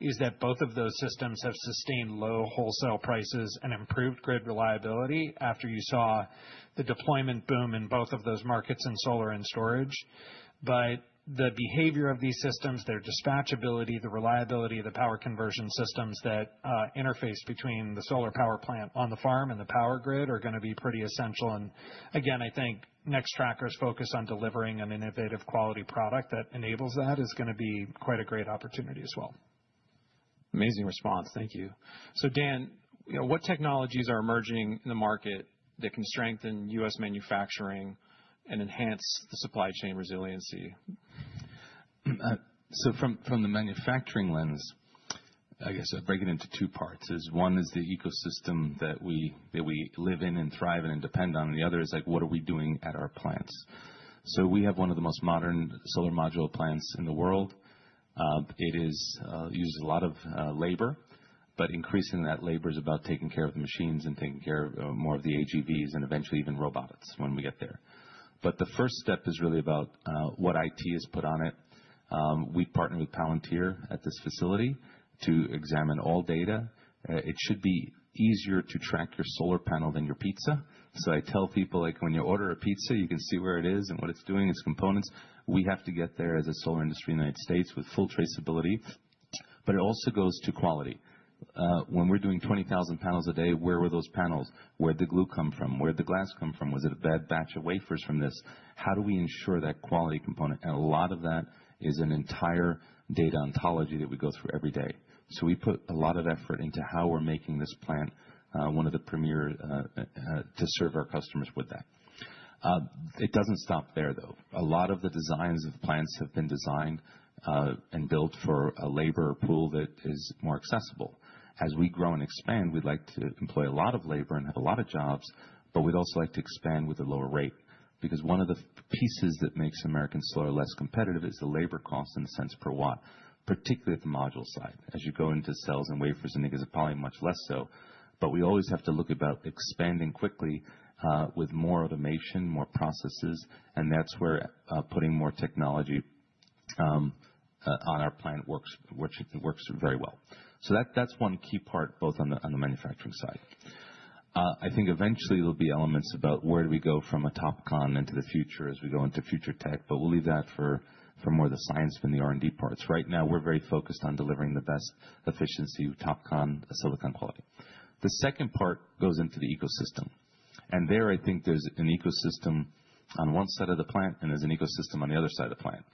is that both of those systems have sustained low wholesale prices and improved grid reliability after you saw the deployment boom in both of those markets in solar and storage. But the behavior of these systems, their dispatchability, the reliability of the power conversion systems that interface between the solar power plant on the farm and the power grid are going to be pretty essential. And again, I think Nextracker's focus on delivering an innovative quality product that enables that is going to be quite a great opportunity as well. Amazing response. Thank you. So Dan, what technologies are emerging in the market that can strengthen U.S. manufacturing and enhance the supply chain resiliency? So from the manufacturing lens, I guess I'll break it into two parts. One is the ecosystem that we live in and thrive in and depend on. And the other is like, what are we doing at our plants? So we have one of the most modern solar module plants in the world. It uses a lot of labor, but increasing that labor is about taking care of the machines and taking care of more of the AGVs and eventually even robots when we get there. But the first step is really about what IT is put on it. We partner with Palantir at this facility to examine all data. It should be easier to track your solar panel than your pizza. So I tell people, when you order a pizza, you can see where it is and what it's doing, its components. We have to get there as a solar industry in the United States with full traceability. But it also goes to quality. When we're doing 20,000 panels a day, where were those panels? Where did the glue come from? Where did the glass come from? Was it a bad batch of wafers from this? How do we ensure that quality component? And a lot of that is an entire data ontology that we go through every day. So we put a lot of effort into how we're making this plant one of the premier to serve our customers with that. It doesn't stop there, though. A lot of the designs of plants have been designed and built for a labor pool that is more accessible. As we grow and expand, we'd like to employ a lot of labor and have a lot of jobs, but we'd also like to expand with a lower rate. Because one of the pieces that makes American solar less competitive is the labor cost in the sense per watt, particularly at the module side. As you go into cells and wafers, I think it's probably much less so. But we always have to look about expanding quickly with more automation, more processes. And that's where putting more technology on our plant works very well. So that's one key part both on the manufacturing side. I think eventually there'll be elements about where do we go from a TOPCon into the future as we go into future tech, but we'll leave that for more of the science than the R&D parts. Right now, we're very focused on delivering the best efficiency, TOPCon, silicon quality. The second part goes into the ecosystem, and there, I think there's an ecosystem on one side of the plant and there's an ecosystem on the other side of the plant.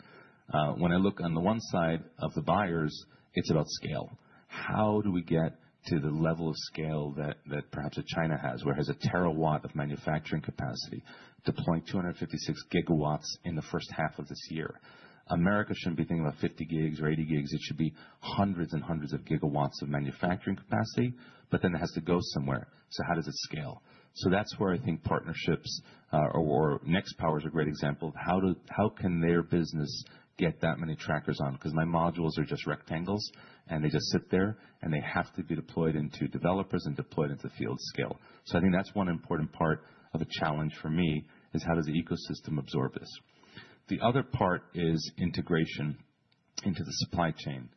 When I look on the one side of the buyers, it's about scale. How do we get to the level of scale that perhaps China has, where it has a terawatt of manufacturing capacity, deploying 256 GW in the first half of this year? America shouldn't be thinking about 50 gigs or 80 gigs. It should be hundreds and hundreds of gigawatts of manufacturing capacity, but then it has to go somewhere, so how does it scale? That's where I think partnerships, or Nextpower, is a great example of how can their business get that many trackers on? Because my modules are just rectangles and they just sit there and they have to be deployed into developers and deployed into field scale. So I think that's one important part of a challenge for me is how does the ecosystem absorb this? The other part is integration into the supply chain.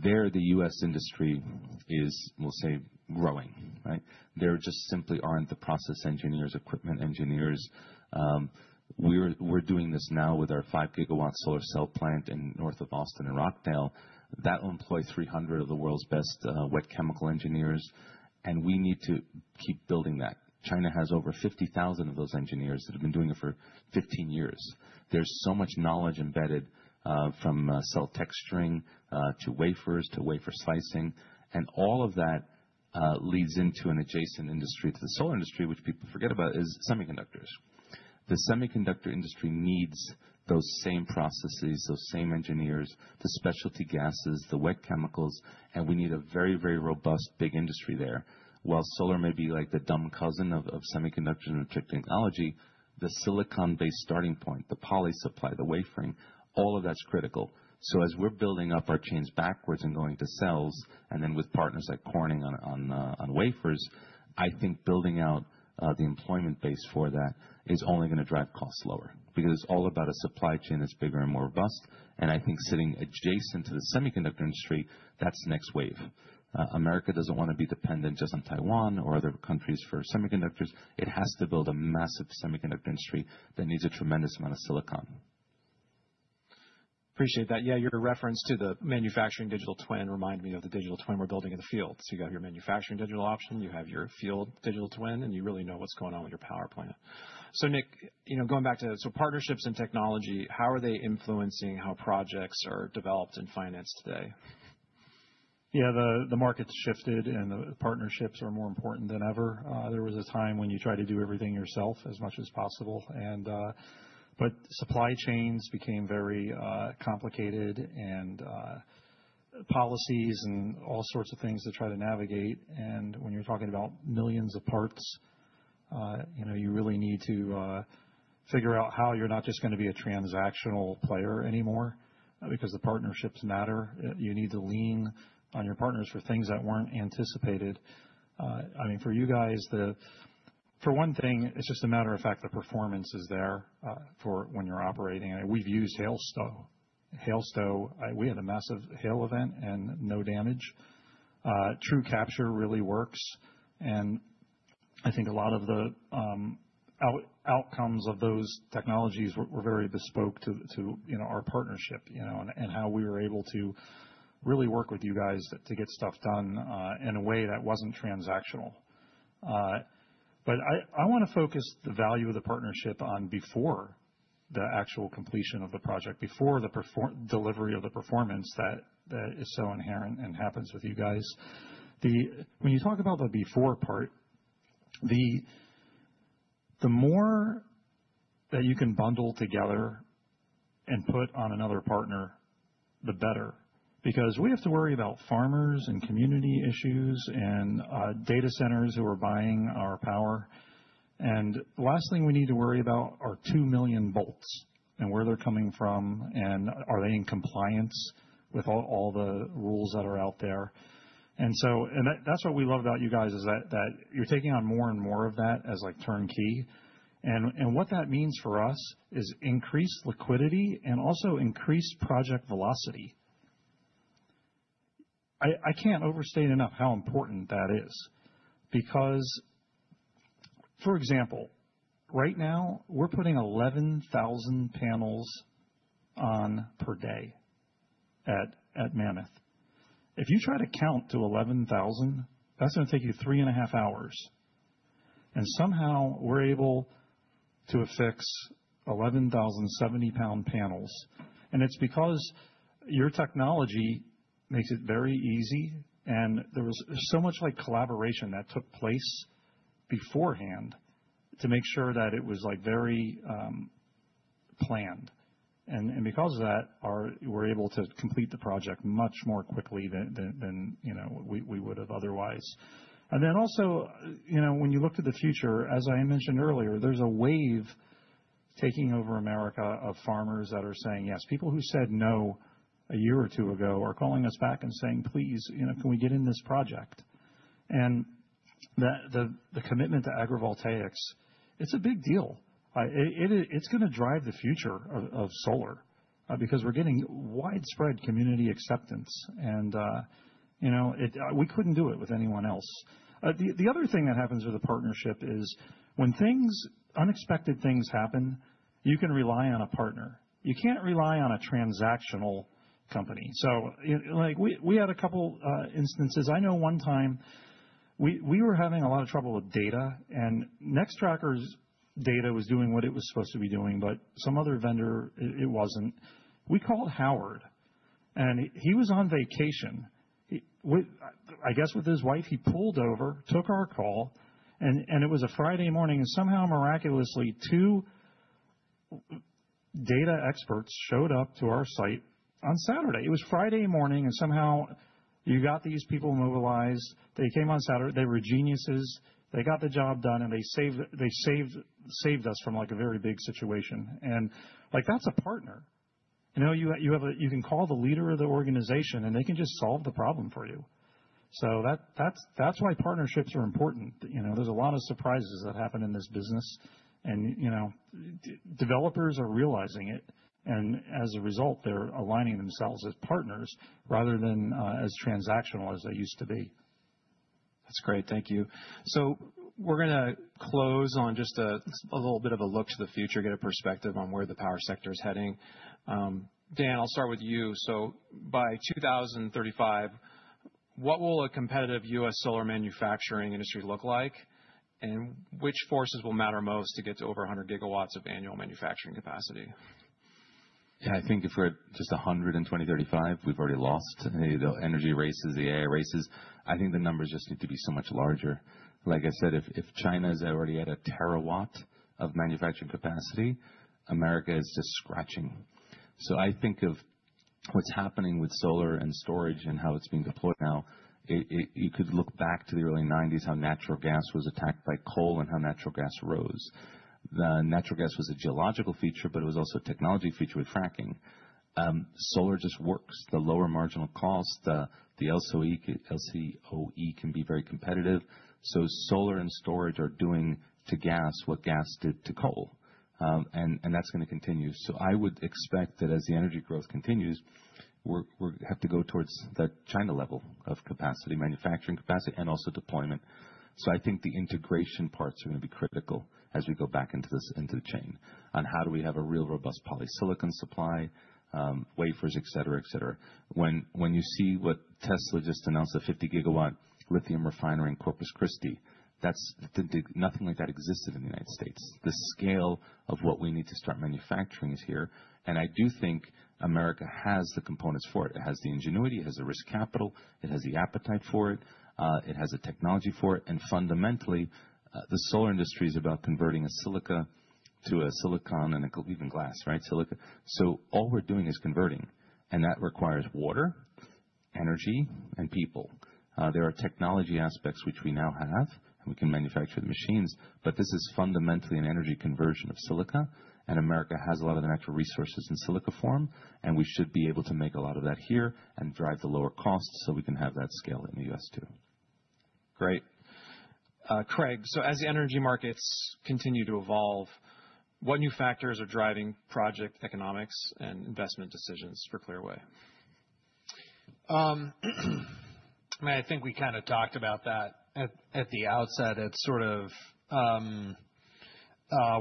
There, the U.S. industry is, we'll say, growing. There just simply aren't the process engineers, equipment engineers. We're doing this now with our 5 GW solar cell plant in north of Austin and Rockdale. That will employ 300 of the world's best wet chemical engineers. And we need to keep building that. China has over 50,000 of those engineers that have been doing it for 15 years. There's so much knowledge embedded from cell texturing to wafers to wafer slicing. And all of that leads into an adjacent industry to the solar industry, which people forget about, is semiconductors. The semiconductor industry needs those same processes, those same engineers, the specialty gases, the wet chemicals, and we need a very, very robust big industry there. While solar may be like the dumb cousin of semiconductor technology, the silicon-based starting point, the poly supply, the wafering, all of that's critical. So as we're building up our chains backwards and going to cells and then with partners like Corning on wafers, I think building out the employment base for that is only going to drive costs lower because it's all about a supply chain that's bigger and more robust. And I think sitting adjacent to the semiconductor industry, that's the next wave. America doesn't want to be dependent just on Taiwan or other countries for semiconductors. It has to build a massive semiconductor industry that needs a tremendous amount of silicon. Appreciate that. Yeah, your reference to the manufacturing digital twin reminded me of the digital twin we're building in the field. So you have your manufacturing digital twin, you have your field digital twin, and you really know what's going on with your power plant. So Nick, going back to partnerships and technology, how are they influencing how projects are developed and financed today? Yeah, the market's shifted and the partnerships are more important than ever. There was a time when you tried to do everything yourself as much as possible. But supply chains became very complicated and policies and all sorts of things to try to navigate. And when you're talking about millions of parts, you really need to figure out how you're not just going to be a transactional player anymore because the partnerships matter. You need to lean on your partners for things that weren't anticipated. I mean, for you guys, for one thing, it's just a matter of fact that performance is there for when you're operating. We've used Hail Stow. We had a massive hail event and no damage. TrueCapture really works, and I think a lot of the outcomes of those technologies were very bespoke to our partnership and how we were able to really work with you guys to get stuff done in a way that wasn't transactional, but I want to focus the value of the partnership on before the actual completion of the project, before the delivery of the performance that is so inherent and happens with you guys. When you talk about the before part, the more that you can bundle together and put on another partner, the better. Because we have to worry about farmers and community issues and data centers who are buying our power. The last thing we need to worry about are 2 million volts and where they're coming from and are they in compliance with all the rules that are out there. That's what we love about you guys is that you're taking on more and more of that as turnkey. What that means for us is increased liquidity and also increased project velocity. I can't overstate enough how important that is. Because, for example, right now, we're putting 11,000 panels on per day at Mammoth. If you try to count to 11,000, that's going to take you three and a half hours. Somehow we're able to affix 11,000 70-pound panels. It's because your technology makes it very easy. There was so much collaboration that took place beforehand to make sure that it was very planned. And because of that, we're able to complete the project much more quickly than we would have otherwise. And then also, when you look to the future, as I mentioned earlier, there's a wave taking over America of farmers that are saying yes. People who said no a year or two ago are calling us back and saying, "Please, can we get in this project?" And the commitment to agrivoltaics, it's a big deal. It's going to drive the future of solar because we're getting widespread community acceptance. And we couldn't do it with anyone else. The other thing that happens with a partnership is when unexpected things happen, you can rely on a partner. You can't rely on a transactional company. So we had a couple of instances. I know one time we were having a lot of trouble with data. Nextracker’s data was doing what it was supposed to be doing, but some other vendor, it wasn’t. We called Howard. And he was on vacation. I guess with his wife, he pulled over, took our call. And it was a Friday morning. And somehow, miraculously, two data experts showed up to our site on Saturday. It was Friday morning. And somehow you got these people mobilized. They came on Saturday. They were geniuses. They got the job done. And they saved us from a very big situation. And that’s a partner. You can call the leader of the organization and they can just solve the problem for you. So that’s why partnerships are important. There’s a lot of surprises that happen in this business. And developers are realizing it. And as a result, they’re aligning themselves as partners rather than as transactional as they used to be. That's great. Thank you. So we're going to close on just a little bit of a look to the future, get a perspective on where the power sector is heading. Dan, I'll start with you. So by 2035, what will a competitive U.S. solar manufacturing industry look like? And which forces will matter most to get to over 100 GW of annual manufacturing capacity? Yeah, I think if we're just 100 in 2035, we've already lost. The energy races, the AI races. I think the numbers just need to be so much larger. Like I said, if China has already had a terawatt of manufacturing capacity, America is just scratching. So I think of what's happening with solar and storage and how it's being deployed now. You could look back to the early 1990s, how natural gas was attacked by coal and how natural gas rose. Natural gas was a geological feature, but it was also a technology feature with fracking. Solar just works. The lower marginal cost, the LCOE can be very competitive. Solar and storage are doing to gas what gas did to coal, and that's going to continue. I would expect that as the energy growth continues, we have to go towards that China level of capacity, manufacturing capacity, and also deployment. I think the integration parts are going to be critical as we go back into the chain on how do we have a real robust polysilicon supply, wafers, et cetera, et cetera. When you see what Tesla just announced, the 50 GW lithium refinery in Corpus Christi, nothing like that existed in the United States. The scale of what we need to start manufacturing is here. I do think America has the components for it. It has the ingenuity. It has the risk capital. It has the appetite for it. It has the technology for it. And fundamentally, the solar industry is about converting silica to silicon and even glass, right? Silica. So all we're doing is converting. And that requires water, energy, and people. There are technology aspects which we now have. We can manufacture the machines. But this is fundamentally an energy conversion of silica. And America has a lot of the natural resources in silica form. And we should be able to make a lot of that here and drive the lower cost so we can have that scale in the U.S. too. Great. Craig, so as energy markets continue to evolve, what new factors are driving project economics and investment decisions for Clearway? I mean, I think we kind of talked about that at the outset. It's sort of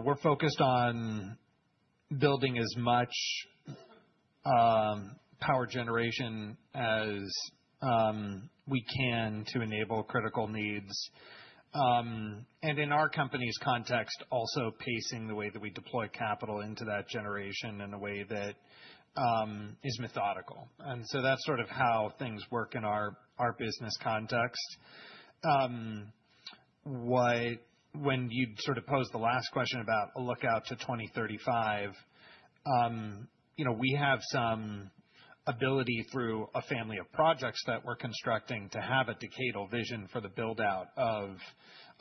we're focused on building as much power generation as we can to enable critical needs, and in our company's context, also pacing the way that we deploy capital into that generation in a way that is methodical, and so that's sort of how things work in our business context. When you'd sort of pose the last question about a lookout to 2035, we have some ability through a family of projects that we're constructing to have a decadal vision for the buildout of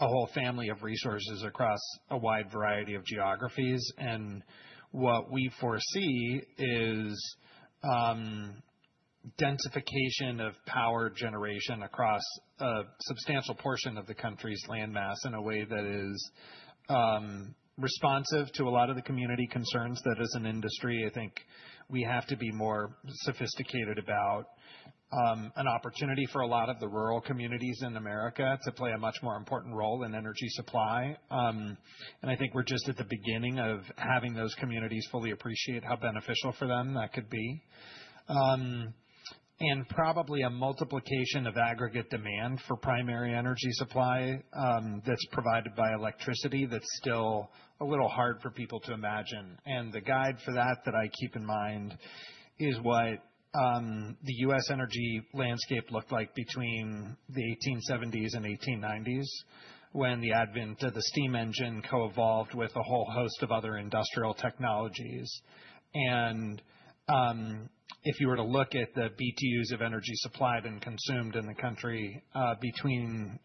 a whole family of resources across a wide variety of geographies. What we foresee is densification of power generation across a substantial portion of the country's landmass in a way that is responsive to a lot of the community concerns that as an industry, I think we have to be more sophisticated about an opportunity for a lot of the rural communities in America to play a much more important role in energy supply. I think we're just at the beginning of having those communities fully appreciate how beneficial for them that could be. Probably a multiplication of aggregate demand for primary energy supply that's provided by electricity that's still a little hard for people to imagine. The guide for that that I keep in mind is what the U.S. energy landscape looked like between the 1870s and 1890s when the advent of the steam engine co-evolved with a whole host of other industrial technologies. And if you were to look at the BTUs of energy supplied and consumed in the country between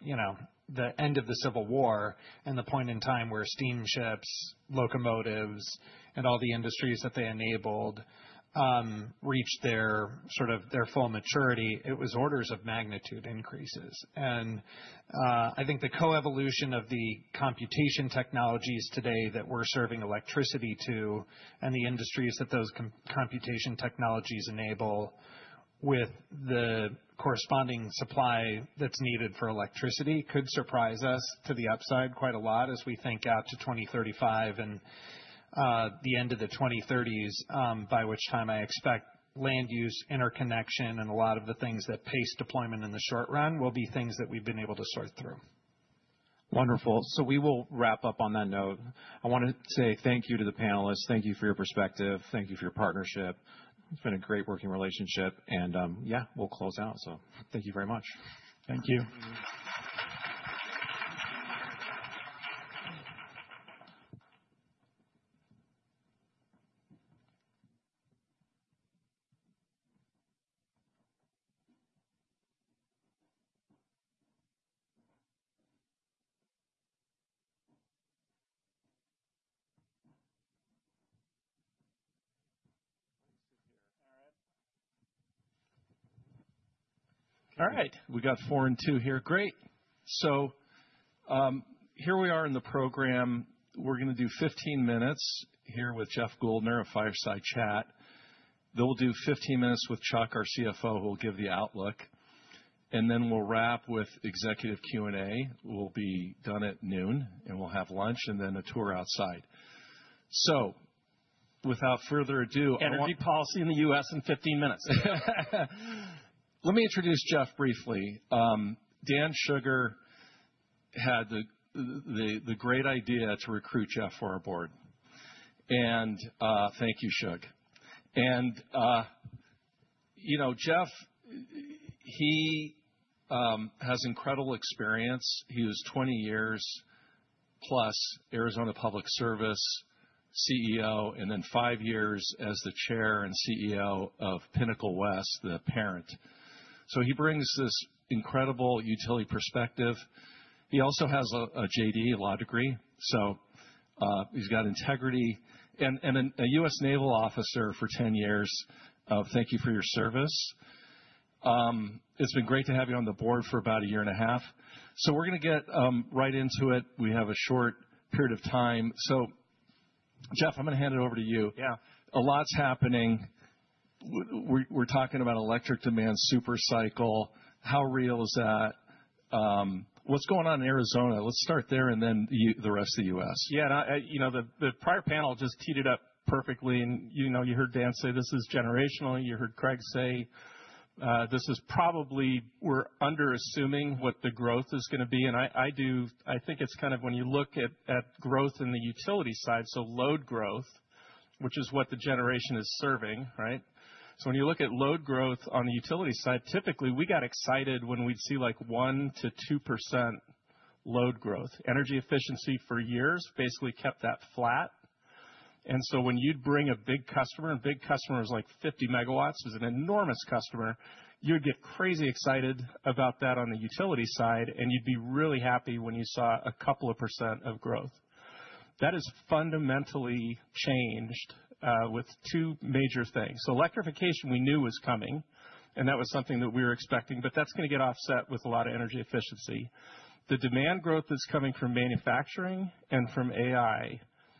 the end of the Civil War and the point in time where steamships, locomotives, and all the industries that they enabled reached their full maturity, it was orders of magnitude increases. And I think the co-evolution of the computation technologies today that we're serving electricity to and the industries that those computation technologies enable with the corresponding supply that's needed for electricity could surprise us to the upside quite a lot as we think out to 2035 and the end of the 2030s, by which time I expect land use interconnection and a lot of the things that pace deployment in the short run will be things that we've been able to sort through. Wonderful. So we will wrap up on that note. I want to say thank you to the panelists. Thank you for your perspective. Thank you for your partnership. It's been a great working relationship. And yeah, we'll close out. So thank you very much. Thank you. All right. All right. We got four and two here. Great. So here we are in the program. We're going to do 15 minutes here with Jeff Guldner of fireside chat. They'll do 15 minutes with Chuck, our CFO, who will give the outlook. And then we'll wrap with executive Q&A. We'll be done at noon. And we'll have lunch and then a tour outside. So without further ado. Energy policy in the U.S. in 15 minutes. Let me introduce Jeff briefly. Dan Shugar had the great idea to recruit Jeff for our Board. And thank you, Shug. And Jeff, he has incredible experience. He was 20 years+ Arizona Public Service CEO and then five years as the chair and CEO of Pinnacle West, the parent. So he brings this incredible utility perspective. He also has a JD, a law degree. So he's got integrity. And a U.S. naval officer for 10 years. Thank you for your service. It's been great to have you on the Board for about a year and a half. So we're going to get right into it. We have a short period of time. So Jeff, I'm going to hand it over to you. Yeah. A lot's happening. We're talking about electric demand supercycle. How real is that? What's going on in Arizona? Let's start there and then the rest of the U.S. Yeah. And the prior panel just teed it up perfectly. And you heard Dan say this is generational. You heard Craig say this is probably we're underassuming what the growth is going to be, and I think it's kind of when you look at growth in the utility side, so load growth, which is what the generation is serving, right, so when you look at load growth on the utility side, typically we got excited when we'd see like 1%-2% load growth. Energy efficiency for years basically kept that flat, and so when you'd bring a big customer, and a big customer was like 50 MW, was an enormous customer, you would get crazy excited about that on the utility side, and you'd be really happy when you saw a couple of percent of growth. That has fundamentally changed with two major things, so electrification we knew was coming, and that was something that we were expecting. But that's going to get offset with a lot of energy efficiency. The demand growth that's coming from manufacturing and from AI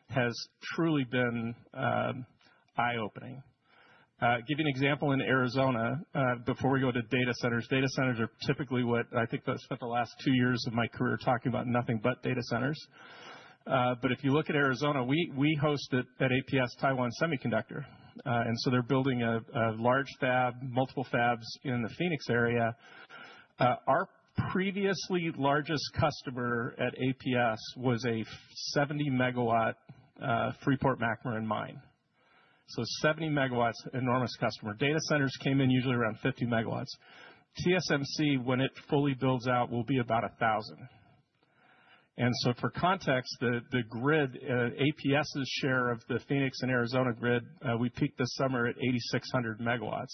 has truly been eye-opening. Give you an example in Arizona before we go to data centers. Data centers are typically what I think I spent the last two years of my career talking about nothing but data centers. But if you look at Arizona, we host at APS Taiwan Semiconductor. And so they're building a large fab, multiple fabs in the Phoenix area. Our previously largest customer at APS was a 70 MW Freeport-McMoRan mine. So 70 MW, enormous customer. Data centers came in usually around 50 MW. TSMC, when it fully builds out, will be about 1,000. And so for context, the grid, APS's share of the Phoenix and Arizona grid, we peaked this summer at 8,600 MW.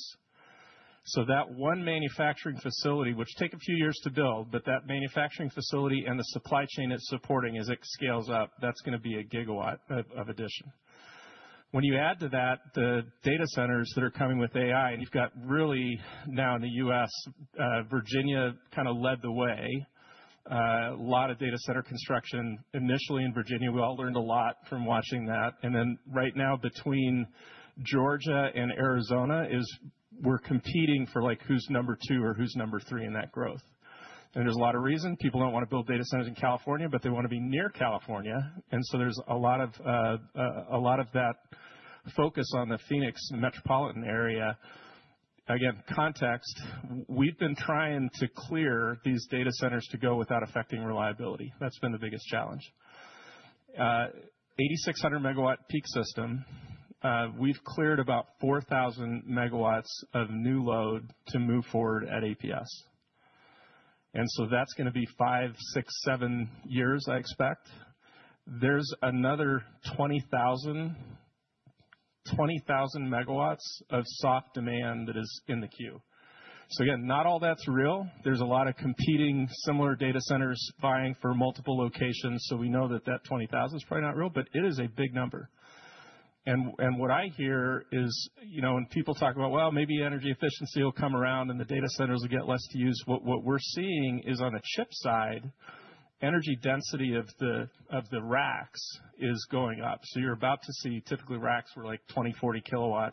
So that one manufacturing facility, which takes a few years to build, but that manufacturing facility and the supply chain it's supporting as it scales up, that's going to be a gigawatt of addition. When you add to that the data centers that are coming with AI, and you've got really now in the U.S., Virginia kind of led the way. A lot of data center construction initially in Virginia. We all learned a lot from watching that. And then right now, between Georgia and Arizona, we're competing for who's number two or who's number three in that growth. And there's a lot of reason. People don't want to build data centers in California, but they want to be near California. And so there's a lot of that focus on the Phoenix metropolitan area. Again, context, we've been trying to clear these data centers to go without affecting reliability. That's been the biggest challenge. 8,600 MW peak system, we've cleared about 4,000 MW of new load to move forward at APS. And so that's going to be five, six, seven years, I expect. There's another 20,000 MW of soft demand that is in the queue. So again, not all that's real. There's a lot of competing similar data centers vying for multiple locations. So we know that that 20,000 is probably not real, but it is a big number. And what I hear is when people talk about, well, maybe energy efficiency will come around and the data centers will get less to use. What we're seeing is on the chip side, energy density of the racks is going up. So you're about to see typically racks were like 20, 40 kW.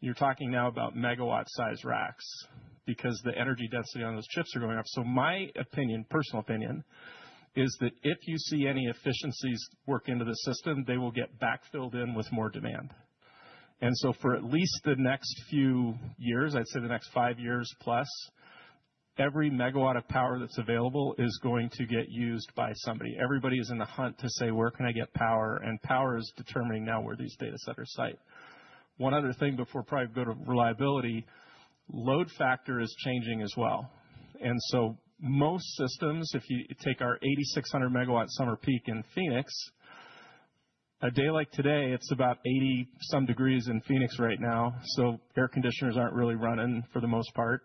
You're talking now about megawatt-sized racks because the energy density on those chips are going up. So, my opinion, personal opinion, is that if you see any efficiencies work into the system, they will get backfilled in with more demand. And so for at least the next few years, I'd say the next five years plus, every megawatt of power that's available is going to get used by somebody. Everybody is in the hunt to say, where can I get power? And power is determining now where these data centers site. One other thing before we probably go to reliability, load factor is changing as well. And so most systems, if you take our 8,600 MW summer peak in Phoenix, a day like today, it's about 80-some degrees in Phoenix right now. So air conditioners aren't really running for the most part.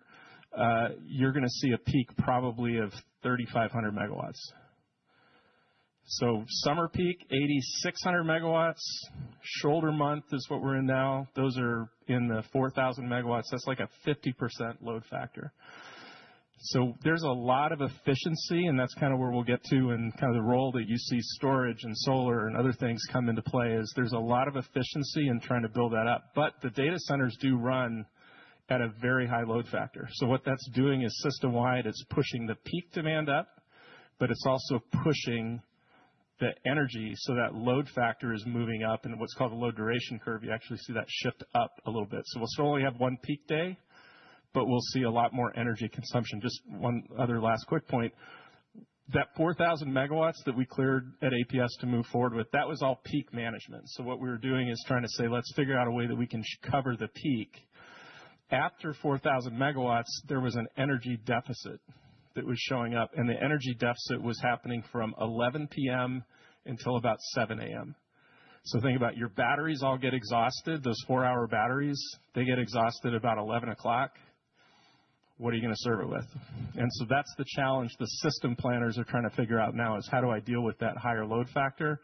You're going to see a peak probably of 3,500 MW. So summer peak, 8,600 MW. Shoulder month is what we're in now. Those are in the 4,000 MW. That's like a 50% load factor. So there's a lot of efficiency. And that's kind of where we'll get to and kind of the role that you see storage and solar and other things come into play is there's a lot of efficiency in trying to build that up. But the data centers do run at a very high load factor. So what that's doing is system-wide, it's pushing the peak demand up, but it's also pushing the energy so that load factor is moving up. And what's called the load duration curve, you actually see that shift up a little bit. So we'll still only have one peak day, but we'll see a lot more energy consumption. Just one other last quick point. That 4,000 MW that we cleared at APS to move forward with, that was all peak management. So what we were doing is trying to say, let's figure out a way that we can cover the peak. After 4,000 MW, there was an energy deficit that was showing up. And the energy deficit was happening from 11:00 P.M. until about 7:00 A.M. So think about your batteries all get exhausted. Those four-hour batteries, they get exhausted about 11:00. What are you going to serve it with? And so that's the challenge the system planners are trying to figure out now is how do I deal with that higher load factor,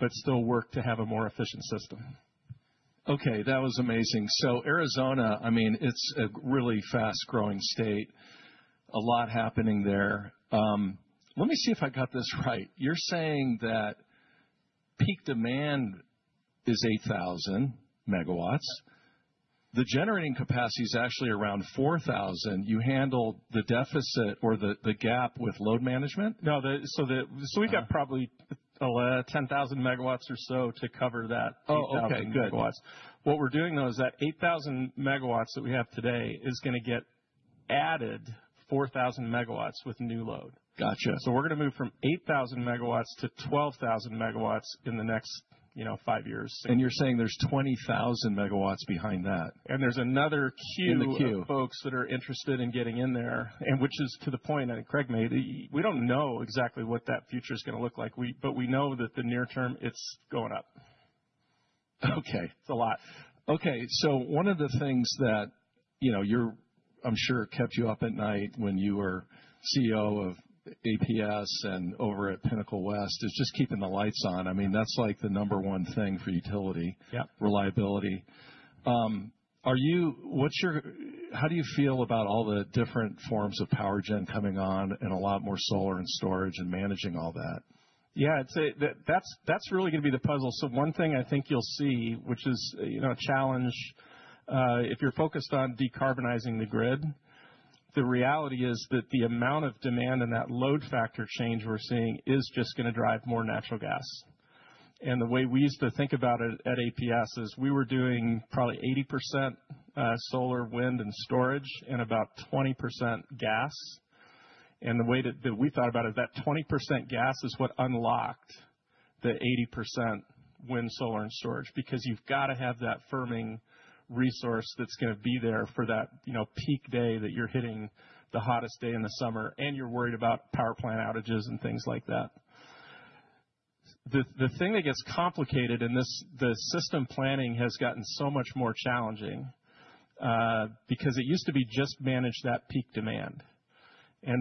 but still work to have a more efficient system? Okay, that was amazing. So Arizona, I mean, it's a really fast-growing state. A lot happening there. Let me see if I got this right. You're saying that peak demand is 8,000 MW. The generating capacity is actually around 4,000. You handle the deficit or the gap with load management? No, so we've got probably 10,000 MW or so to cover that 8,000 MW. What we're doing, though, is that 8,000 megawatts that we have today is going to get added 4,000 MW with new load. Gotcha. So we're going to move from 8,000 MW to 12,000 MW in the next five years. And you're saying there's 20,000 MW behind that. And there's another queue of folks that are interested in getting in there, which is to the point I think Craig made. We don't know exactly what that future is going to look like. But we know that the near term, it's going up. Okay. It's a lot. Okay. So one of the things that I'm sure kept you up at night when you were CEO of APS and over at Pinnacle West is just keeping the lights on. I mean, that's like the number one thing for utility reliability. How do you feel about all the different forms of power gen coming on and a lot more solar and storage and managing all that? Yeah, that's really going to be the puzzle, so one thing I think you'll see, which is a challenge, if you're focused on decarbonizing the grid, the reality is that the amount of demand and that load factor change we're seeing is just going to drive more natural gas, and the way we used to think about it at APS is we were doing probably 80% solar, wind, and storage and about 20% gas. The way that we thought about it, that 20% gas is what unlocked the 80% wind, solar, and storage because you've got to have that firming resource that's going to be there for that peak day that you're hitting the hottest day in the summer and you're worried about power plant outages and things like that. The thing that gets complicated in this, the system planning has gotten so much more challenging because it used to be just manage that peak demand.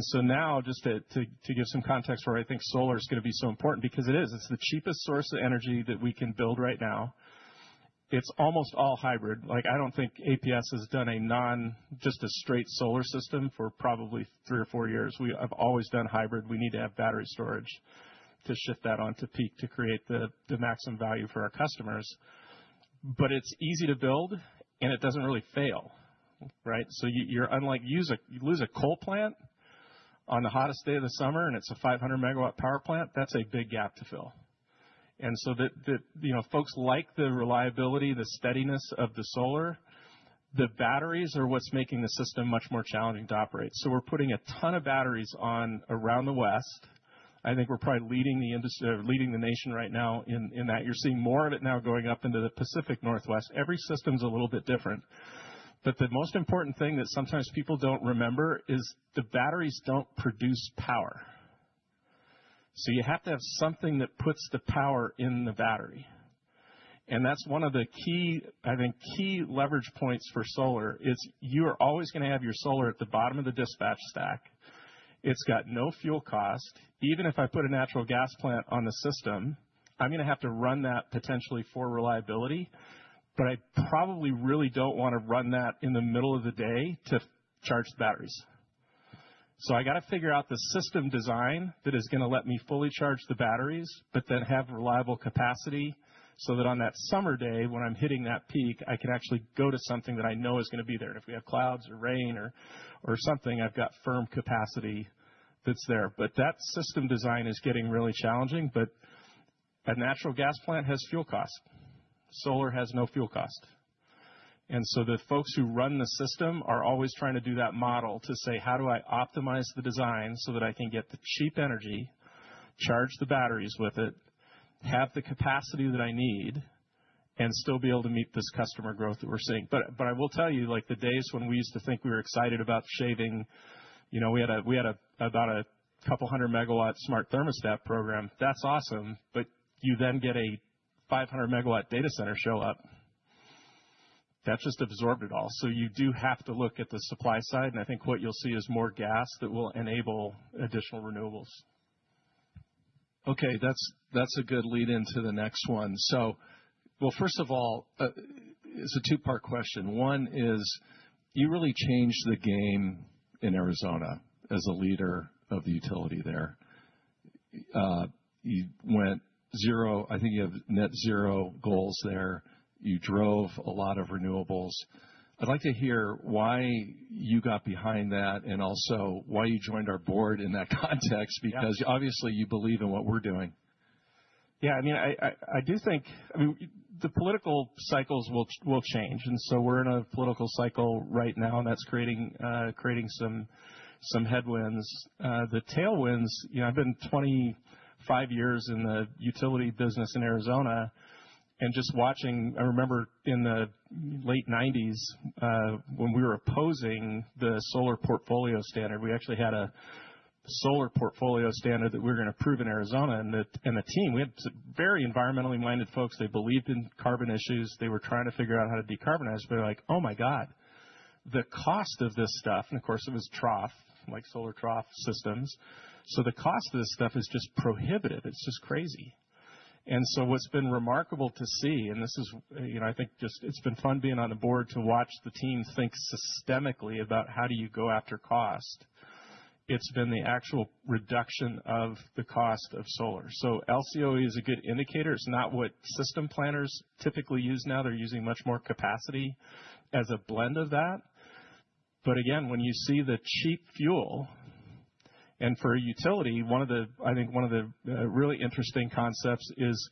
So now, just to give some context where I think solar is going to be so important because it is, it's the cheapest source of energy that we can build right now. It's almost all hybrid. I don't think APS has done a not just a straight solar system for probably three or four years. We have always done hybrid. We need to have battery storage to shift that onto peak to create the maximum value for our customers. But it's easy to build and it doesn't really fail, right? So unlike you lose a coal plant on the hottest day of the summer and it's a 500 MW power plant, that's a big gap to fill, and so folks like the reliability, the steadiness of the solar. The batteries are what's making the system much more challenging to operate, so we're putting a ton of batteries on around the West. I think we're probably leading the industry or leading the nation right now in that. You're seeing more of it now going up into the Pacific Northwest. Every system's a little bit different, but the most important thing that sometimes people don't remember is the batteries don't produce power. So you have to have something that puts the power in the battery. And that's one of the key, I think, key leverage points for solar. It's you are always going to have your solar at the bottom of the dispatch stack. It's got no fuel cost. Even if I put a natural gas plant on the system, I'm going to have to run that potentially for reliability. But I probably really don't want to run that in the middle of the day to charge the batteries. So I got to figure out the system design that is going to let me fully charge the batteries, but then have reliable capacity so that on that summer day, when I'm hitting that peak, I can actually go to something that I know is going to be there. If we have clouds or rain or something, I've got firm capacity that's there. That system design is getting really challenging. A natural gas plant has fuel cost. Solar has no fuel cost. So the folks who run the system are always trying to do that model to say, how do I optimize the design so that I can get the cheap energy, charge the batteries with it, have the capacity that I need, and still be able to meet this customer growth that we're seeing. I will tell you, like the days when we used to think we were excited about shaving, we had about a couple hundred megawatt smart thermostat program. That's awesome. You then get a 500 MWdata center show up. That just absorbed it all. You do have to look at the supply side. And I think what you'll see is more gas that will enable additional renewables. Okay, that's a good lead into the next one. So, well, first of all, it's a two-part question. One is you really changed the game in Arizona as a leader of the utility there. You went zero, I think you have net zero goals there. You drove a lot of renewables. I'd like to hear why you got behind that and also why you joined our Board in that context because obviously you believe in what we're doing. Yeah, I mean, I do think the political cycles will change. And so we're in a political cycle right now, and that's creating some headwinds. The tailwinds, I've been 25 years in the utility business in Arizona. And just watching, I remember in the late 1990s when we were opposing the solar portfolio standard. We actually had a solar portfolio standard that we were going to prove in Arizona. And the team, we had very environmentally minded folks. They believed in carbon issues. They were trying to figure out how to decarbonize. But they're like, oh my God, the cost of this stuff, and of course, it was trough, like solar trough systems. So the cost of this stuff is just prohibitive. It's just crazy. And so what's been remarkable to see, and this is, I think, just it's been fun being on the Board to watch the team think systemically about how do you go after cost. It's been the actual reduction of the cost of solar. So LCOE is a good indicator. It's not what system planners typically use now. They're using much more capacity as a blend of that. But again, when you see the cheap fuel and for utility, I think one of the really interesting concepts is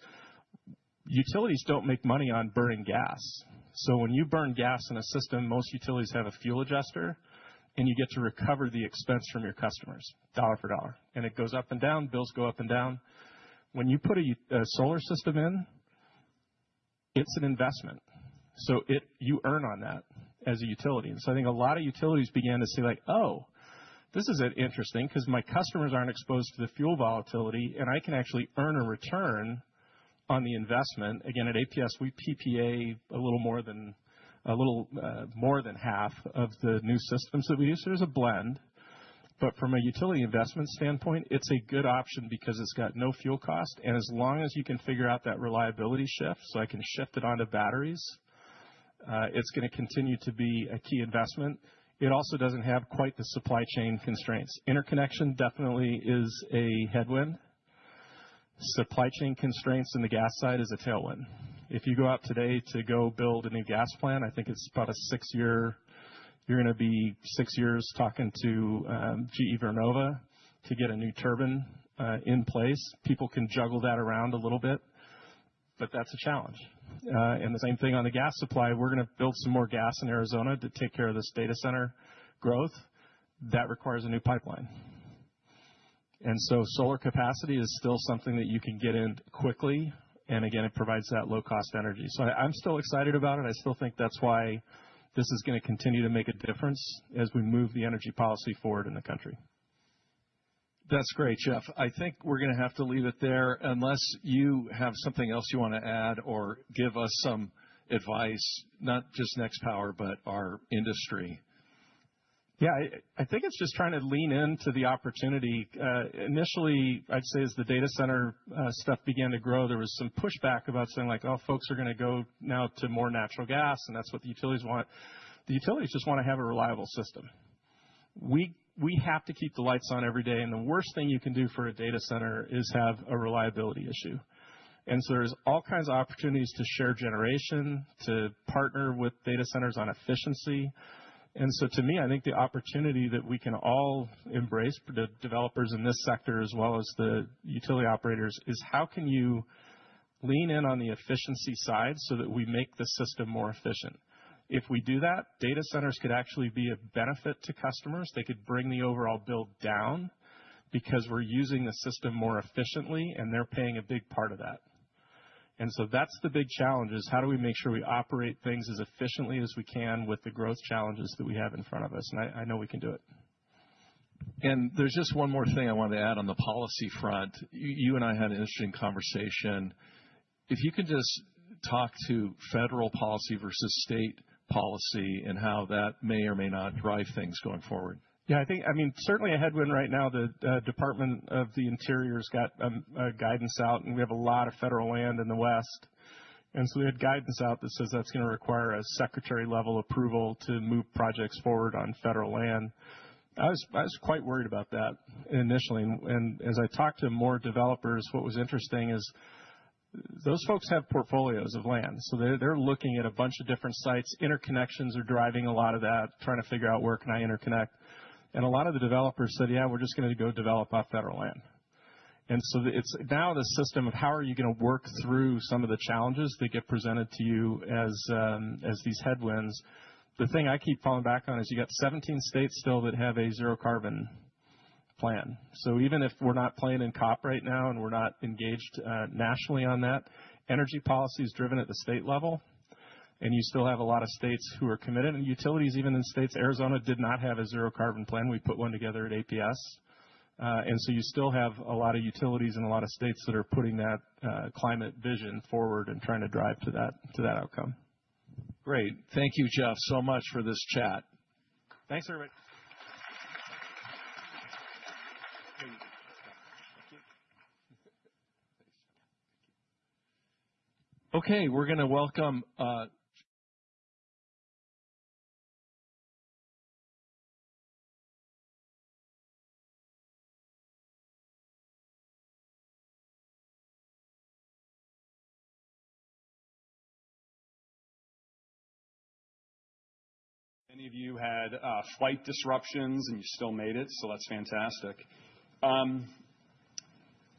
utilities don't make money on burning gas. So when you burn gas in a system, most utilities have a fuel adjuster, and you get to recover the expense from your customers, dollar for dollar, and it goes up and down. Bills go up and down. When you put a solar system in, it's an investment, so you earn on that as a utility. And so I think a lot of utilities began to see like, oh, this is interesting because my customers aren't exposed to the fuel volatility, and I can actually earn a return on the investment. Again, at APS, we PPA a little more than a little more than half of the new systems that we use. There's a blend, but from a utility investment standpoint, it's a good option because it's got no fuel cost, and as long as you can figure out that reliability shift, so I can shift it onto batteries, it's going to continue to be a key investment. It also doesn't have quite the supply chain constraints. Interconnection definitely is a headwind. Supply chain constraints on the gas side is a tailwind. If you go out today to go build a new gas plant, I think it's about a six-year, you're going to be six years talking to GE Vernova to get a new turbine in place. People can juggle that around a little bit, but that's a challenge, and the same thing on the gas supply. We're going to build some more gas in Arizona to take care of this data center growth. That requires a new pipeline. Solar capacity is still something that you can get in quickly. And again, it provides that low-cost energy. So I'm still excited about it. I still think that's why this is going to continue to make a difference as we move the energy policy forward in the country. That's great, Jeff. I think we're going to have to leave it there unless you have something else you want to add or give us some advice, not just Nextpower, but our industry. Yeah, I think it's just trying to lean into the opportunity. Initially, I'd say as the data center stuff began to grow, there was some pushback about saying like, oh, folks are going to go now to more natural gas, and that's what the utilities want. The utilities just want to have a reliable system. We have to keep the lights on every day. And the worst thing you can do for a data center is have a reliability issue. And so there's all kinds of opportunities to share generation, to partner with data centers on efficiency. And so to me, I think the opportunity that we can all embrace for the developers in this sector as well as the utility operators is how can you lean in on the efficiency side so that we make the system more efficient? If we do that, data centers could actually be a benefit to customers. They could bring the overall build down because we're using the system more efficiently, and they're paying a big part of that. And so that's the big challenge is how do we make sure we operate things as efficiently as we can with the growth challenges that we have in front of us? And I know we can do it. There's just one more thing I wanted to add on the policy front. You and I had an interesting conversation. If you can just talk to federal policy versus state policy and how that may or may not drive things going forward. Yeah, I think, I mean, certainly a headwind right now. The Department of the Interior has got guidance out, and we have a lot of federal land in the West. So we had guidance out that says that's going to require a secretary-level approval to move projects forward on federal land. I was quite worried about that initially. As I talked to more developers, what was interesting is those folks have portfolios of land. So they're looking at a bunch of different sites. Interconnections are driving a lot of that, trying to figure out where can I interconnect. And a lot of the developers said, yeah, we're just going to go develop on federal land. And so now the system of how are you going to work through some of the challenges that get presented to you as these headwinds? The thing I keep falling back on is you got 17 states still that have a zero carbon plan. So even if we're not playing in COP right now and we're not engaged nationally on that, energy policy is driven at the state level. And you still have a lot of states who are committed. And utilities, even in states, Arizona did not have a zero carbon plan. We put one together at APS. And so you still have a lot of utilities in a lot of states that are putting that climate vision forward and trying to drive to that outcome. Great. Thank you, Jeff, so much for this chat. Thanks, everybody. Okay, we're going to welcome. Any of you had flight disruptions and you still made it, so that's fantastic.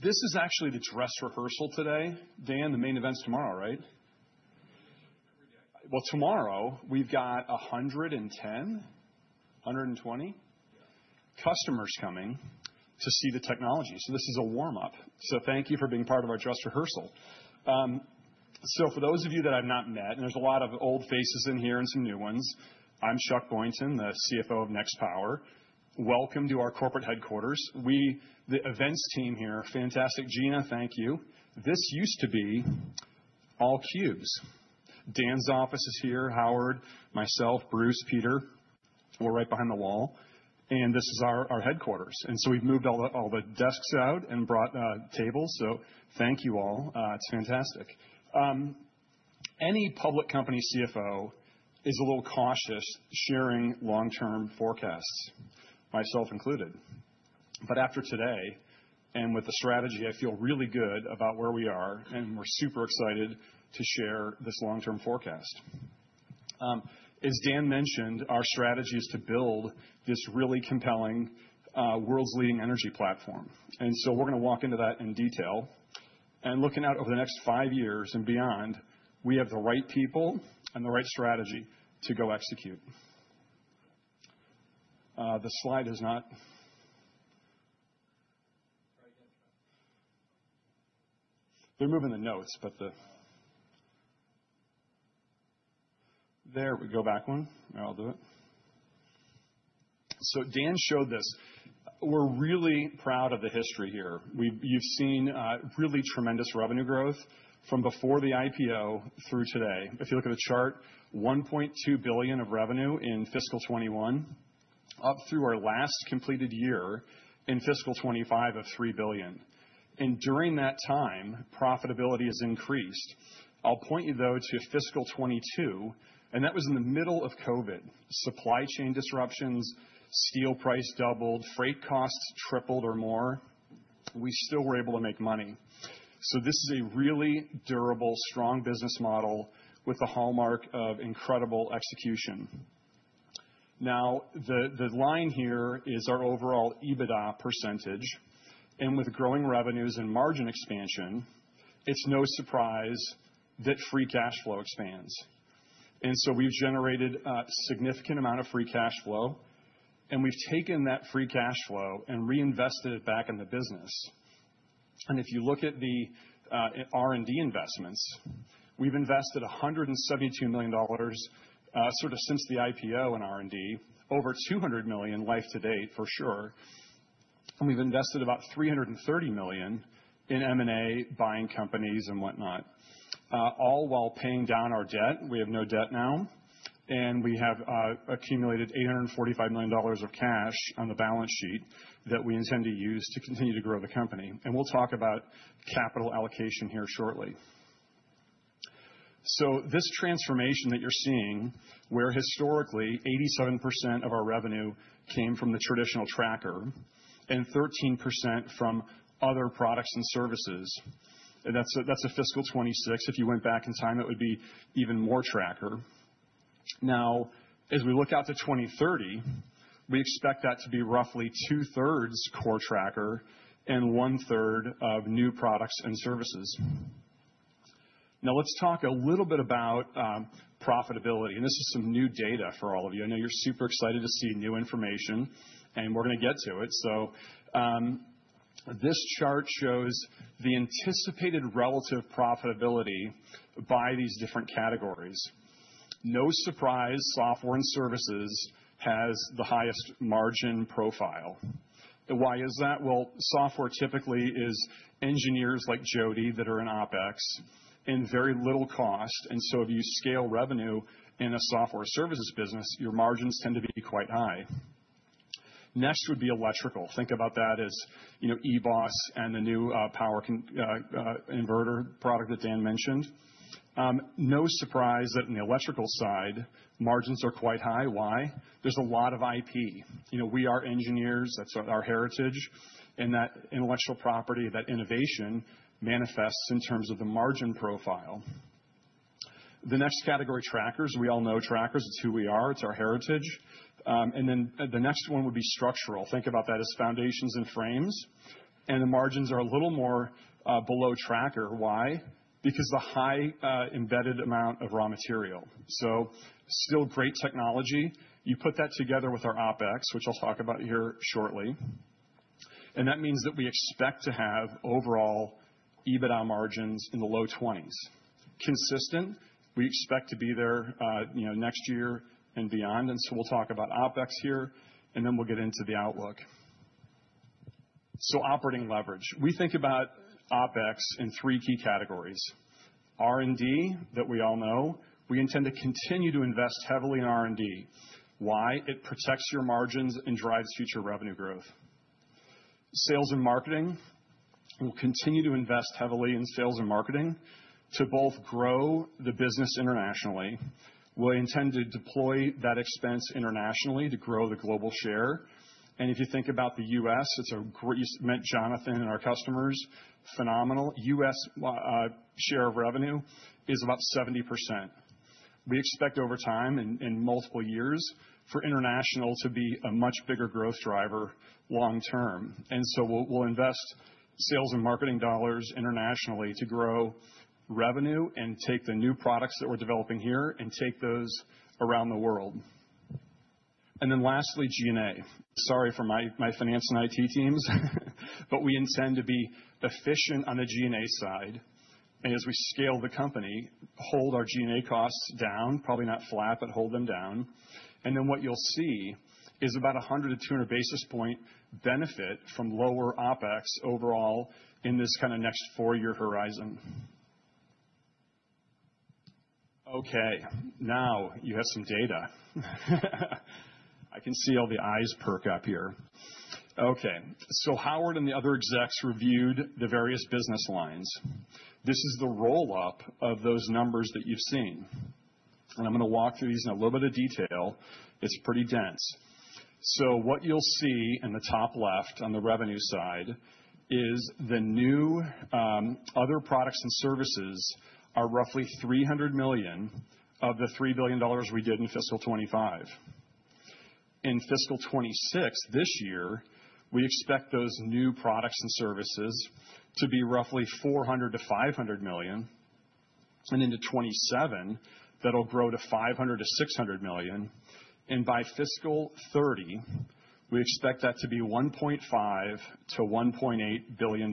This is actually the dress rehearsal today. Dan, the main event's tomorrow, right? Well, tomorrow we've got 110, 120 customers coming to see the technology. So this is a warm-up. So thank you for being part of our dress rehearsal. So for those of you that I've not met, and there's a lot of old faces in here and some new ones, I'm Chuck Boynton, the CFO of Nextpower. Welcome to our corporate headquarters. The events team here, fantastic. Gina, thank you. This used to be all cubes. Dan's office is here, Howard, myself, Bruce, Peter. We're right behind the wall, and this is our headquarters. And so we've moved all the desks out and brought tables. So thank you all. It's fantastic. Any public company CFO is a little cautious sharing long-term forecasts, myself included. But after today and with the strategy, I feel really good about where we are, and we're super excited to share this long-term forecast. As Dan mentioned, our strategy is to build this really compelling world's leading energy platform. And so we're going to walk into that in detail. And looking out over the next five years and beyond, we have the right people and the right strategy to go execute. So Dan showed this. We're really proud of the history here. You've seen really tremendous revenue growth from before the IPO through today. If you look at the chart, $1.2 billion of revenue in fiscal 2021, up through our last completed year in fiscal 2025 of $3 billion. And during that time, profitability has increased. I'll point you, though, to fiscal 2022, and that was in the middle of COVID. Supply chain disruptions, steel price doubled, freight costs tripled or more. We still were able to make money. So this is a really durable, strong business model with a hallmark of incredible execution. Now, the line here is our overall EBITDA percentage. And with growing revenues and margin expansion, it's no surprise that free cash flow expands. And so we've generated a significant amount of free cash flow, and we've taken that free cash flow and reinvested it back in the business. And if you look at the R&D investments, we've invested $172 million sort of since the IPO in R&D, over $200 million life to date, for sure. And we've invested about $330 million in M&A, buying companies and whatnot, all while paying down our debt. We have no debt now. And we have accumulated $845 million of cash on the balance sheet that we intend to use to continue to grow the company. And we'll talk about capital allocation here shortly. So this transformation that you're seeing, where historically 87% of our revenue came from the traditional tracker and 13% from other products and services, that's fiscal 2026. If you went back in time, it would be even more tracker. Now, as we look out to 2030, we expect that to be roughly 2/3 core tracker and 1/3 of new products and services. Now, let's talk a little bit about profitability. And this is some new data for all of you. I know you're super excited to see new information, and we're going to get to it. So this chart shows the anticipated relative profitability by these different categories. No surprise, software and services has the highest margin profile. Why is that? Well, software typically is engineers like Jyoti that are in OpEx and very little cost. And so if you scale revenue in a software services business, your margins tend to be quite high. Next would be electrical. Think about that as eBOS and the new power inverter product that Dan mentioned. No surprise that on the electrical side, margins are quite high. Why? There's a lot of IP. We are engineers. That's our heritage. And that intellectual property, that innovation manifests in terms of the margin profile. The next category, trackers. We all know trackers. It's who we are. It's our heritage, and then the next one would be structural. Think about that as foundations and frames, and the margins are a little more below tracker. Why? Because the high embedded amount of raw material. So still great technology. You put that together with our OpEx, which I'll talk about here shortly, and that means that we expect to have overall EBITDA margins in the low 20s. Consistent, we expect to be there next year and beyond, and so we'll talk about OpEx here, and then we'll get into the outlook. So operating leverage. We think about OpEx in three key categories. R&D, that we all know. We intend to continue to invest heavily in R&D. Why? It protects your margins and drives future revenue growth. Sales and marketing. We'll continue to invest heavily in sales and marketing to both grow the business internationally. We intend to deploy that expense internationally to grow the global share, and if you think about the U.S., it's a great market, Jonathan, and our customers. Phenomenal. U.S. share of revenue is about 70%. We expect over time and multiple years for international to be a much bigger growth driver long-term, and so we'll invest sales and marketing dollars internationally to grow revenue and take the new products that we're developing here and take those around the world, and then lastly, G&A. Sorry for my finance and IT teams, but we intend to be efficient on the G&A side, and as we scale the company, hold our G&A costs down, probably not flat, but hold them down. Then what you'll see is about 100-200 basis points benefit from lower OpEx overall in this kind of next four-year horizon. Okay, now you have some data. I can see all the eyes perk up here. Okay, so Howard and the other execs reviewed the various business lines. This is the roll-up of those numbers that you've seen. And I'm going to walk through these in a little bit of detail. It's pretty dense. So what you'll see in the top left on the revenue side is the new other products and services are roughly $300 million of the $3 billion we did in fiscal 2025. In fiscal 2026 this year, we expect those new products and services to be roughly $400 million-$500 million. And into 2027, that'll grow to $500 million-$600 million. By fiscal 2030, we expect that to be $1.5 billion-$1.8 billion.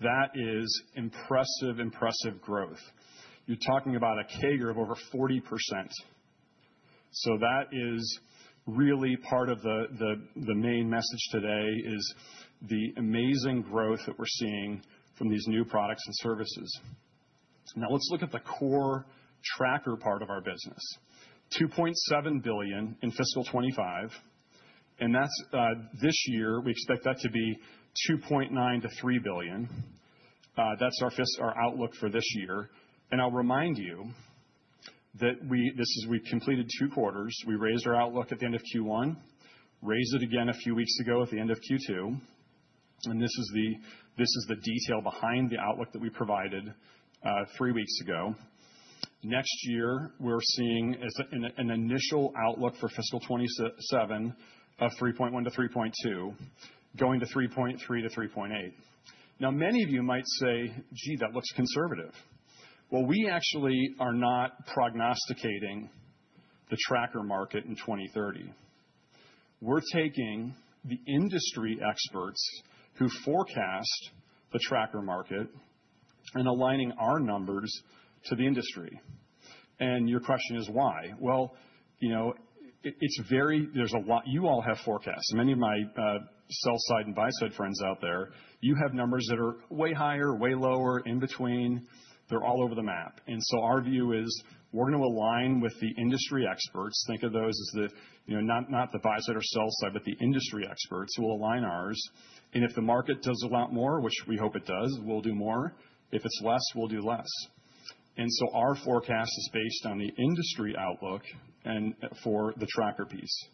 That is impressive, impressive growth. You're talking about a CAGR of over 40%. That is really part of the main message today is the amazing growth that we're seeing from these new products and services. Now let's look at the core tracker part of our business. $2.7 billion in fiscal 2025. This year, we expect that to be $2.9 billion-$3 billion. That's our outlook for this year. I'll remind you that we completed two quarters. We raised our outlook at the end of Q1, raised it again a few weeks ago at the end of Q2. This is the detail behind the outlook that we provided three weeks ago. Next year, we're seeing an initial outlook for fiscal 2027 of $3.1 billion-$3.2 billion, going to $3.3 billion-$3.8 billion. Now, many of you might say, "Gee, that looks conservative." Well, we actually are not prognosticating the tracker market in 2030. We're taking the industry experts who forecast the tracker market and aligning our numbers to the industry. And your question is why? Well, there's a lot. You all have forecasts. Many of my sell-side and buy-side friends out there, you have numbers that are way higher, way lower, in between. They're all over the map. And so our view is we're going to align with the industry experts. Think of those as the not the buy-side or sell-side, but the industry experts. We'll align ours. And if the market does a lot more, which we hope it does, we'll do more. If it's less, we'll do less. And so our forecast is based on the industry outlook for the tracker piece.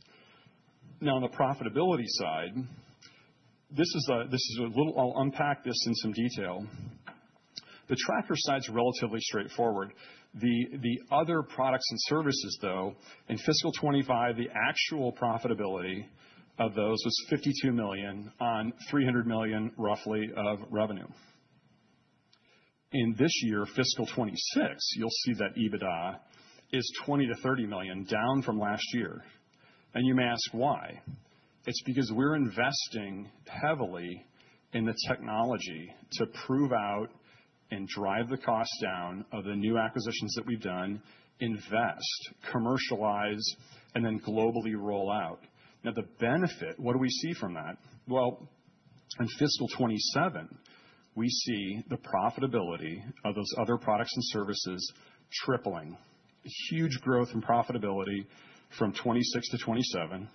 Now, on the profitability side, this is a little. I'll unpack this in some detail. The tracker side's relatively straightforward. The other products and services, though, in fiscal 2025, the actual profitability of those was $52 million on $300 million, roughly, of revenue. In this year, fiscal 2026, you'll see that EBITDA is $20 million-$30 million down from last year. And you may ask why. It's because we're investing heavily in the technology to prove out and drive the cost down of the new acquisitions that we've done, invest, commercialize, and then globally roll out. Now, the benefit, what do we see from that? Well, in fiscal 2027, we see the profitability of those other products and services tripling. Huge growth in profitability from 2026 to 2027.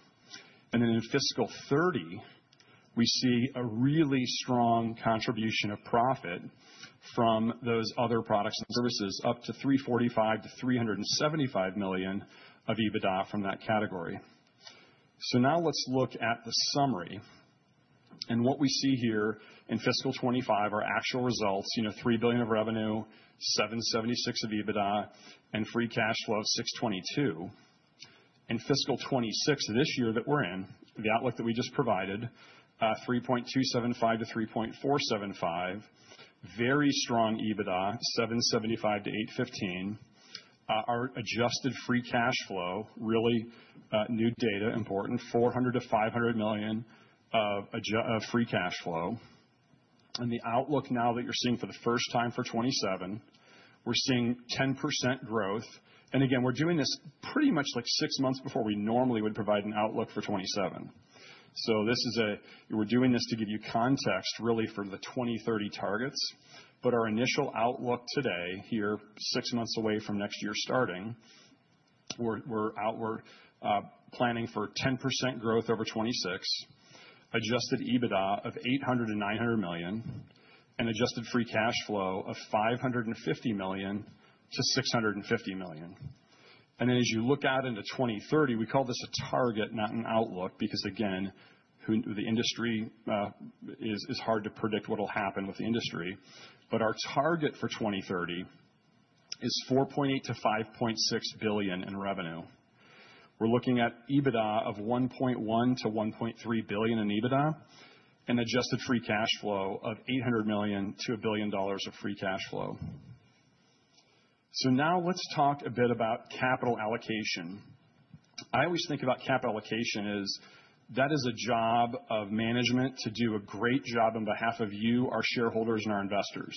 Then in fiscal 2030, we see a really strong contribution of profit from those other products and services, up to $345 million-$375 million of EBITDA from that category. So now let's look at the summary. What we see here in fiscal 2025 are actual results, $3 billion of revenue, $776 million of EBITDA, and free cash flow of $622 million. In fiscal 2026 this year that we're in, the outlook that we just provided, $3.275 billion-$3.475 billion, very strong EBITDA, $775 million-$815 million. Our adjusted free cash flow, really new data important, $400 million-$500 million of free cash flow. The outlook now that you're seeing for the first time for fiscal 2027, we're seeing 10% growth. Again, we're doing this pretty much like six months before we normally would provide an outlook for fiscal 2027. So we're doing this to give you context, really, for the 2030 targets. But our initial outlook today here, six months away from next year starting, we're planning for 10% growth over 26, adjusted EBITDA of $800 million-$900 million, and adjusted free cash flow of $550 million-$650 million. And then as you look out into 2030, we call this a target, not an outlook, because, again, the industry is hard to predict what will happen with the industry. But our target for 2030 is $4.8 billion-$5.6 billion in revenue. We're looking at EBITDA of $1.1 billion-$1.3 billion in EBITDA and adjusted free cash flow of $800 million-$1 billion of free cash flow. So now let's talk a bit about capital allocation. I always think about capital allocation as that is a job of management to do a great job on behalf of you, our shareholders, and our investors.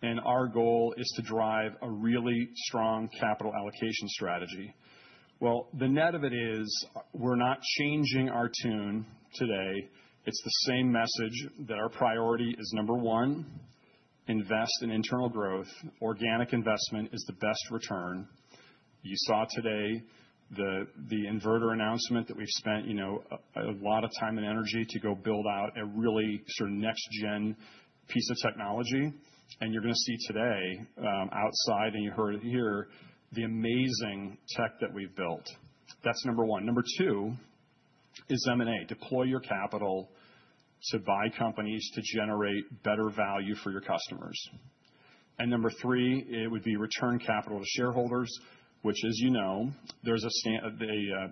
And our goal is to drive a really strong capital allocation strategy. Well, the net of it is we're not changing our tune today. It's the same message that our priority is number one, invest in internal growth. Organic investment is the best return. You saw today the inverter announcement that we've spent a lot of time and energy to go build out a really sort of next-gen piece of technology. And you're going to see today outside, and you heard it here, the amazing tech that we've built. That's number one. Number two is M&A. Deploy your capital to buy companies to generate better value for your customers. And number three, it would be return capital to shareholders, which, as you know, there's a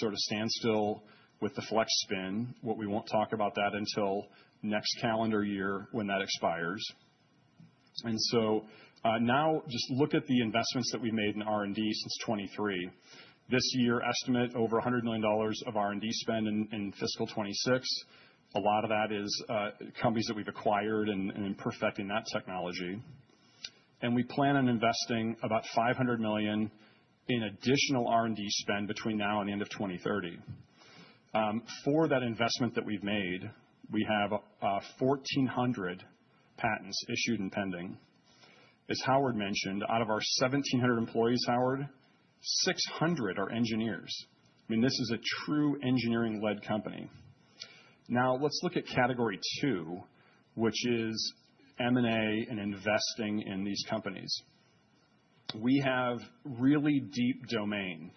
sort of standstill with the Flex spin. We won't talk about that until next calendar year when that expires. And so now just look at the investments that we've made in R&D since 2023. This year, estimate over $100 million of R&D spend in fiscal 2026. A lot of that is companies that we've acquired and perfecting that technology. And we plan on investing about $500 million in additional R&D spend between now and the end of 2030. For that investment that we've made, we have 1,400 patents issued and pending. As Howard mentioned, out of our 1,700 employees, Howard, 600 are engineers. I mean, this is a true engineering-led company. Now, let's look at category two, which is M&A and investing in these companies. We have really deep domain.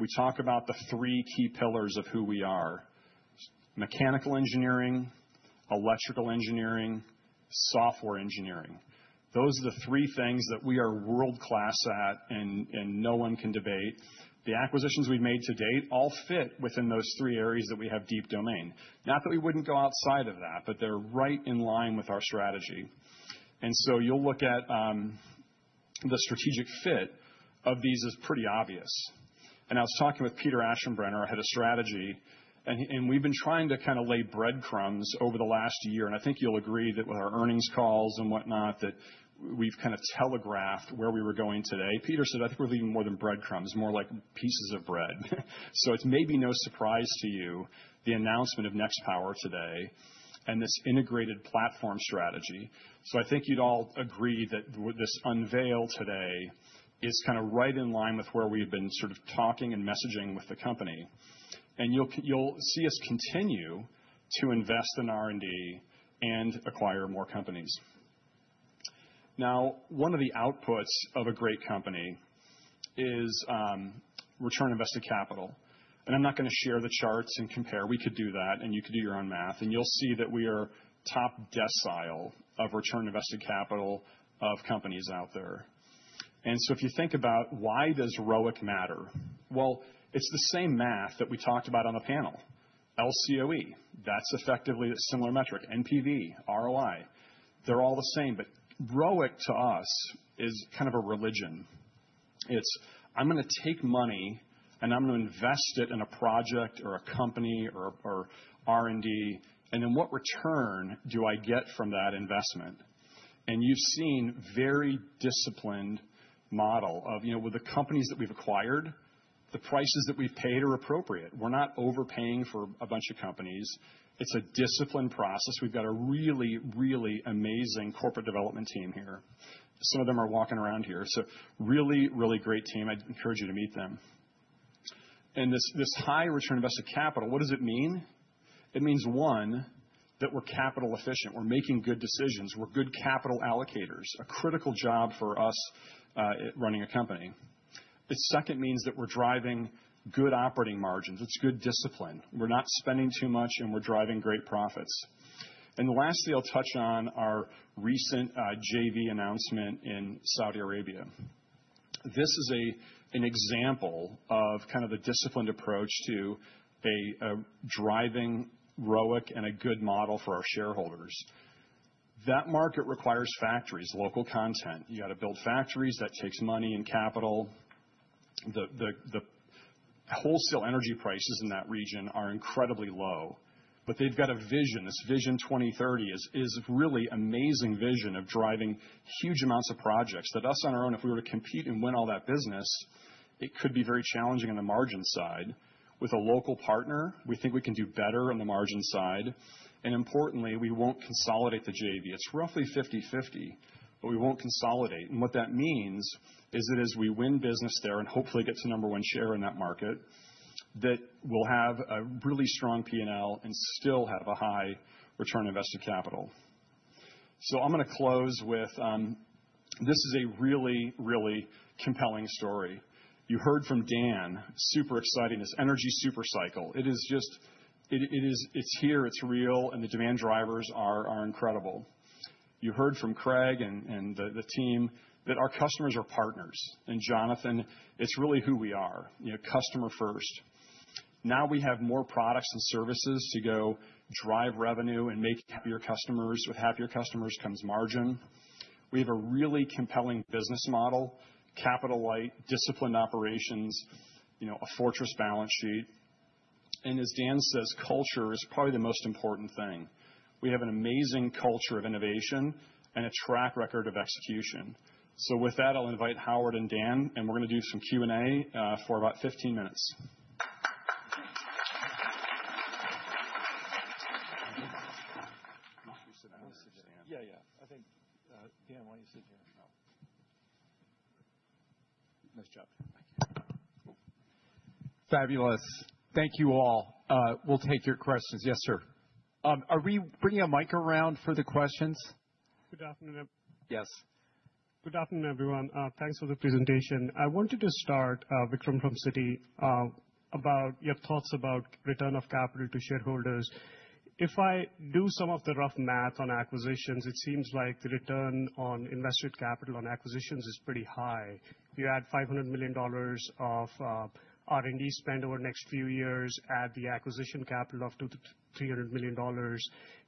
We talk about the three key pillars of who we are: mechanical engineering, electrical engineering, software engineering. Those are the three things that we are world-class at and no one can debate. The acquisitions we've made to date all fit within those three areas that we have deep domain. Not that we wouldn't go outside of that, but they're right in line with our strategy. And so you'll look at the strategic fit of these is pretty obvious. And I was talking with Peter Aschenbrenner, Head of Strategy, and we've been trying to kind of lay breadcrumbs over the last year. And I think you'll agree that with our earnings calls and whatnot, that we've kind of telegraphed where we were going today. Peter said, "I think we're leaving more than breadcrumbs, more like pieces of bread." So it's maybe no surprise to you, the announcement of Nextpower today and this integrated platform strategy. So I think you'd all agree that this unveil today is kind of right in line with where we've been sort of talking and messaging with the company. And you'll see us continue to invest in R&D and acquire more companies. Now, one of the outputs of a great company is return on invested capital. And I'm not going to share the charts and compare. We could do that, and you could do your own math. And you'll see that we are top decile of return on invested capital of companies out there. And so if you think about why does ROIC matter, well, it's the same math that we talked about on the panel. LCOE, that's effectively a similar metric. NPV, ROI, they're all the same. But ROIC to us is kind of a religion. It's, "I'm going to take money, and I'm going to invest it in a project or a company or R&D, and then what return do I get from that investment?" And you've seen a very disciplined model of, with the companies that we've acquired, the prices that we've paid are appropriate. We're not overpaying for a bunch of companies. It's a disciplined process. We've got a really, really amazing corporate development team here. Some of them are walking around here. So really, really great team. I'd encourage you to meet them. And this high return on invested capital, what does it mean? It means, one, that we're capital efficient. We're making good decisions. We're good capital allocators, a critical job for us running a company. It second means that we're driving good operating margins. It's good discipline. We're not spending too much, and we're driving great profits. Lastly, I'll touch on our recent JV announcement in Saudi Arabia. This is an example of kind of a disciplined approach to driving ROIC and a good model for our shareholders. That market requires factories, local content. You got to build factories. That takes money and capital. The wholesale energy prices in that region are incredibly low. But they've got a vision. This Vision 2030 is a really amazing vision of driving huge amounts of projects that us on our own, if we were to compete and win all that business, it could be very challenging on the margin side. With a local partner, we think we can do better on the margin side. And importantly, we won't consolidate the JV. It's roughly 50/50, but we won't consolidate. And what that means is that as we win business there and hopefully get to number one share in that market, that we'll have a really strong P&L and still have a high return on invested capital. So I'm going to close with this is a really, really compelling story. You heard from Dan, super exciting, this energy supercycle. It's here. It's real, and the demand drivers are incredible. You heard from Craig and the team that our customers are partners. And Jonathan, it's really who we are, customer first. Now we have more products and services to go drive revenue and make happier customers. With happier customers comes margin. We have a really compelling business model, capital light, disciplined operations, a fortress balance sheet. And as Dan says, culture is probably the most important thing. We have an amazing culture of innovation and a track record of execution. So with that, I'll invite Howard and Dan, and we're going to do some Q&A for about 15 minutes. Yeah, yeah. I think Dan, why don't you sit here? Nice job. Thank you. Fabulous. Thank you all. We'll take your questions. Yes, sir. Are we bringing a mic around for the questions? Good afternoon. Yes. Good afternoon, everyone. Thanks for the presentation. I wanted to start, Vikram from Citi, about your thoughts about return of capital to shareholders. If I do some of the rough math on acquisitions, it seems like the return on invested capital on acquisitions is pretty high. You add $500 million of R&D spend over the next few years, add the acquisition capital of $300 million. It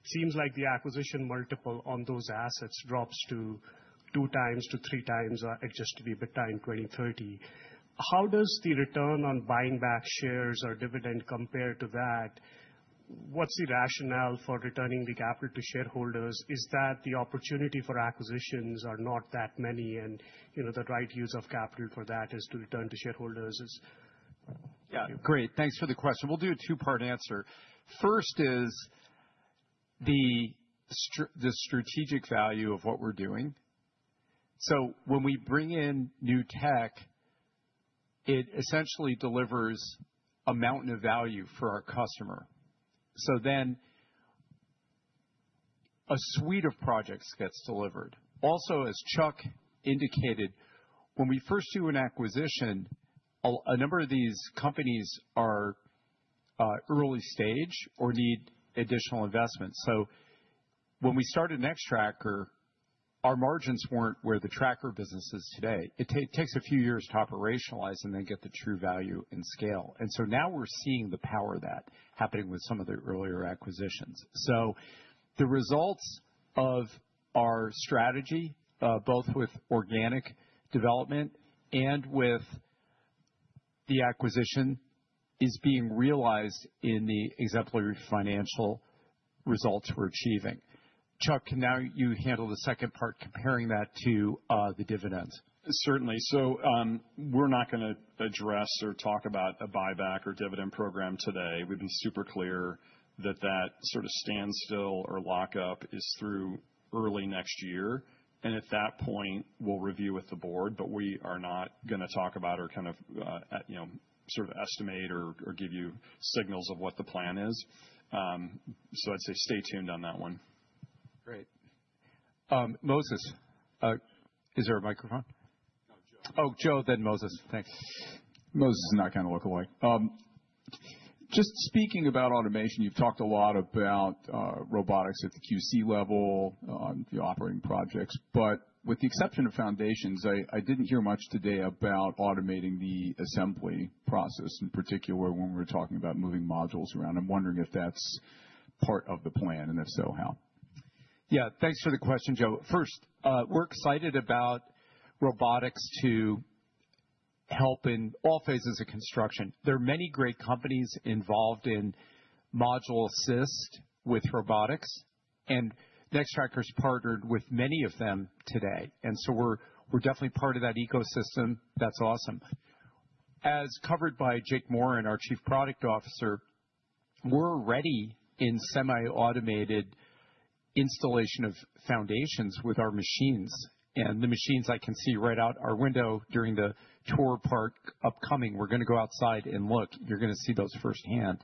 seems like the acquisition multiple on those assets drops to 2x to 3x adjusted EBITDA in 2030. How does the return on buying back shares or dividend compare to that? What's the rationale for returning the capital to shareholders? Is that the opportunity for acquisitions are not that many? And the right use of capital for that is to return to shareholders. Yeah, great. Thanks for the question. We'll do a two-part answer. First is the strategic value of what we're doing. So when we bring in new tech, it essentially delivers a mountain of value for our customer. So then a suite of projects gets delivered. Also, as Chuck indicated, when we first do an acquisition, a number of these companies are early stage or need additional investment. So when we started Nextracker, our margins weren't where the tracker business is today. It takes a few years to operationalize and then get the true value and scale. And so now we're seeing the power of that happening with some of the earlier acquisitions. So the results of our strategy, both with organic development and with the acquisition, is being realized in the exemplary financial results we're achieving. Chuck, now you handle the second part, comparing that to the dividends. Certainly. So we're not going to address or talk about a buyback or dividend program today. We've been super clear that that sort of standstill or lockup is through early next year. And at that point, we'll review with the Board. But we are not going to talk about or kind of sort of estimate or give you signals of what the plan is. So I'd say stay tuned on that one. Great. Moses, is there a microphone? No, Joe. Oh, Joe, then Moses. Thanks. Moses is not going to look away. Just speaking about automation, you've talked a lot about robotics at the QC level on the operating projects. But with the exception of foundations, I didn't hear much today about automating the assembly process, in particular when we were talking about moving modules around. I'm wondering if that's part of the plan, and if so, how? Yeah, thanks for the question, Joe. First, we're excited about robotics to help in all phases of construction. There are many great companies involved in module assist with robotics. Nextracker has partnered with many of them today. So we're definitely part of that ecosystem. That's awesome. As covered by Jake, our Chief Product Officer, we're ready in semi-automated installation of foundations with our machines. The machines I can see right out our window during the tour, parked upcoming. We're going to go outside and look. You're going to see those firsthand.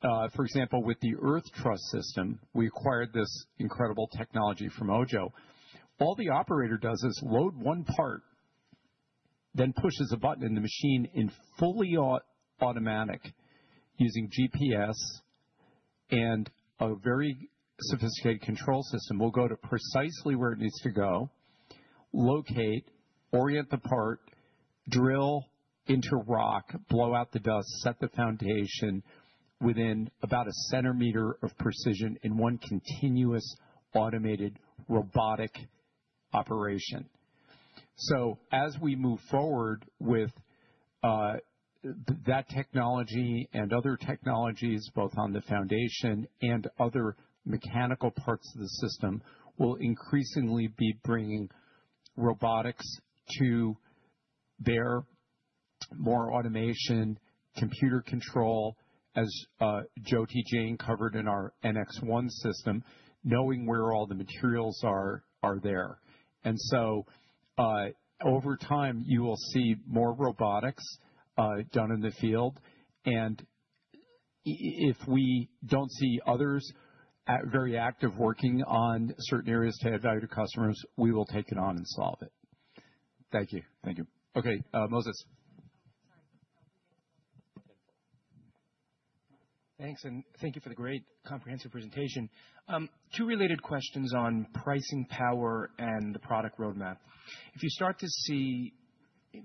For example, with the Earth Truss system, we acquired this incredible technology from Ojjo. All the operator does is load one part, then pushes a button in the machine in fully automatic using GPS and a very sophisticated control system. We'll go to precisely where it needs to go, locate, orient the part, drill into rock, blow out the dust, set the foundation within about a centimeter of precision in one continuous automated robotic operation. So as we move forward with that technology and other technologies, both on the foundation and other mechanical parts of the system, we'll increasingly be bringing robotics to bear more automation, computer control, as Jyoti Jain covered in our NX One system, knowing where all the materials are there. And so over time, you will see more robotics done in the field. And if we don't see others very active working on certain areas to add value to customers, we will take it on and solve it. Thank you. Thank you. Okay, Moses. Thanks. And thank you for the great comprehensive presentation. Two related questions on pricing power and the product roadmap. If you start to see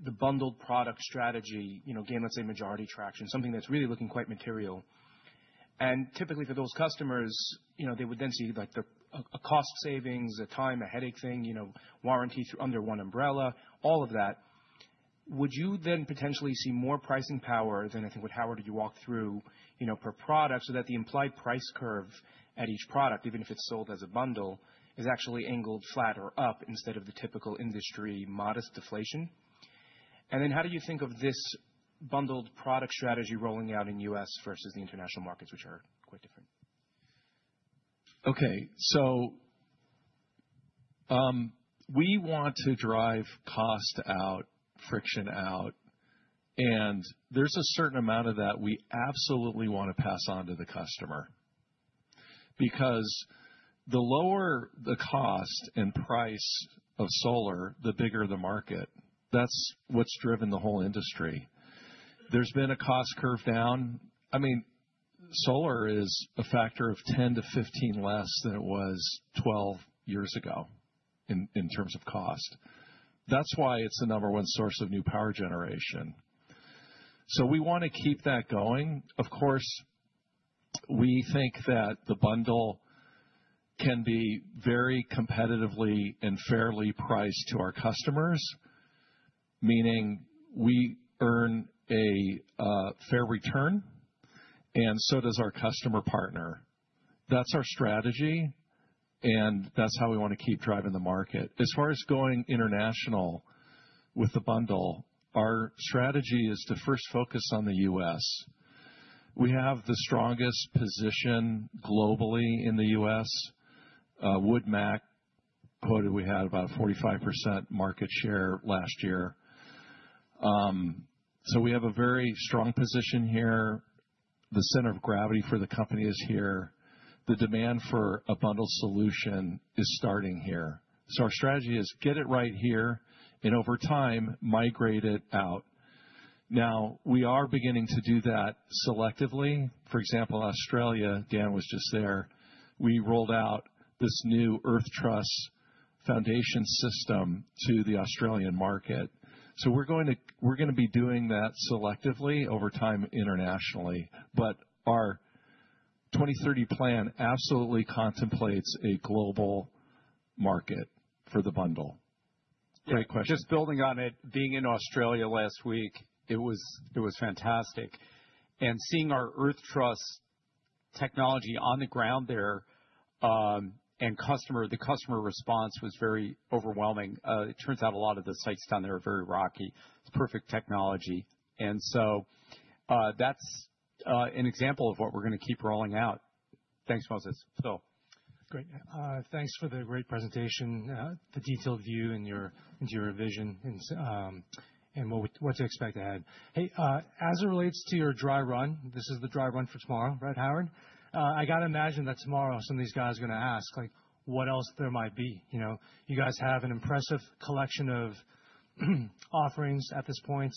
the bundled product strategy, again, let's say majority traction, something that's really looking quite material. And typically for those customers, they would then see a cost savings, a time, a headache thing, warranty under one umbrella, all of that. Would you then potentially see more pricing power than I think what Howard you walked through per product so that the implied price curve at each product, even if it's sold as a bundle, is actually angled flat or up instead of the typical industry modest deflation? And then how do you think of this bundled product strategy rolling out in the U.S. versus the international markets, which are quite different? Okay. So we want to drive cost out, friction out. And there's a certain amount of that we absolutely want to pass on to the customer. Because the lower the cost and price of solar, the bigger the market. That's what's driven the whole industry. There's been a cost curve down. I mean, solar is a factor of 10-15 less than it was 12 years ago in terms of cost. That's why it's the number one source of new power generation. So we want to keep that going. Of course, we think that the bundle can be very competitively and fairly priced to our customers, meaning we earn a fair return and so does our customer partner. That's our strategy, and that's how we want to keep driving the market. As far as going international with the bundle, our strategy is to first focus on the U.S. We have the strongest position globally in the U.S. WoodMac quoted, we had about a 45% market share last year. So we have a very strong position here. The center of gravity for the company is here. The demand for a bundled solution is starting here. So our strategy is get it right here and over time, migrate it out. Now, we are beginning to do that selectively. For example, Australia, Dan was just there, we rolled out this new Earth Truss foundation system to the Australian market. So we're going to be doing that selectively over time internationally. But our 2030 plan absolutely contemplates a global market for the bundle. Great question. Just building on it, being in Australia last week, it was fantastic. And seeing our Earth Truss technology on the ground there and the customer response was very overwhelming. It turns out a lot of the sites down there are very rocky. It's perfect technology, and so that's an example of what we're going to keep rolling out. Thanks, Moses. Great. Thanks for the great presentation, the detailed view and your vision and what to expect ahead. Hey, as it relates to your dry run, this is the dry run for tomorrow, right, Howard? I got to imagine that tomorrow some of these guys are going to ask what else there might be. You guys have an impressive collection of offerings at this point.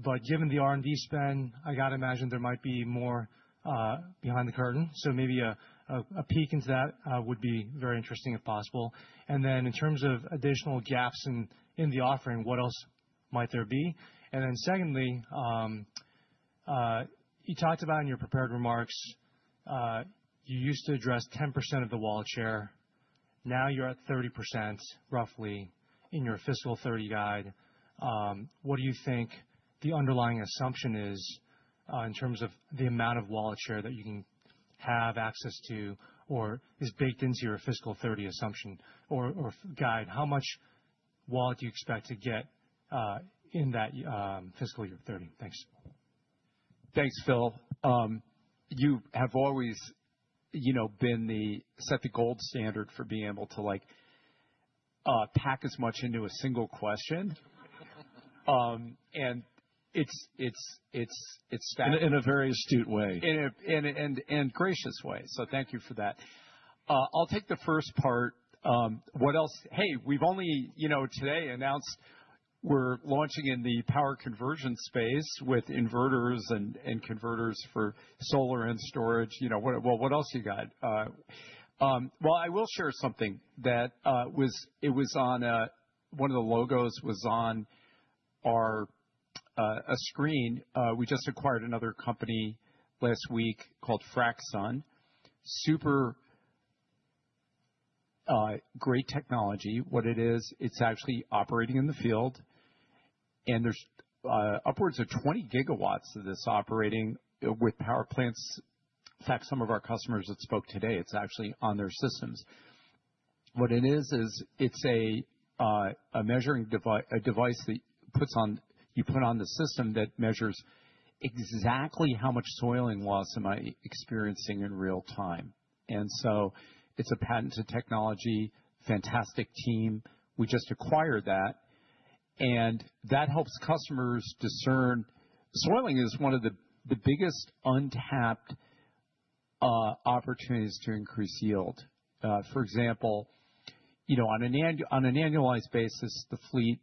But given the R&D spend, I got to imagine there might be more behind the curtain. So maybe a peek into that would be very interesting if possible. And then in terms of additional gaps in the offering, what else might there be? And then secondly, you talked about in your prepared remarks, you used to address 10% of the wallet share. Now you're at 30%, roughly, in your fiscal 2030 guide. What do you think the underlying assumption is in terms of the amount of wallet share that you can have access to or is baked into your fiscal 2030 assumption or guide? How much wallet do you expect to get in that fiscal year 2030? Thanks. Thanks, Phil. You have always set the gold standard for being able to pack as much into a single question, and it's stacked. In a very astute way. And gracious way. So thank you for that. I'll take the first part. Hey, we've only today announced we're launching in the power conversion space with inverters and converters for solar and storage. What else you got? Well, I will share something. It was on one of the logos was on a screen. We just acquired another company last week called Fracsun. Super great technology. What it is, it's actually operating in the field. And there's upwards of 20 GW of this operating with power plants. In fact, some of our customers that spoke today, it's actually on their systems. What it is, is it's a measuring device that you put on the system that measures exactly how much soiling loss am I experiencing in real time. And so it's a patented technology, fantastic team. We just acquired that. That helps customers discern soiling is one of the biggest untapped opportunities to increase yield. For example, on an annualized basis, the fleet,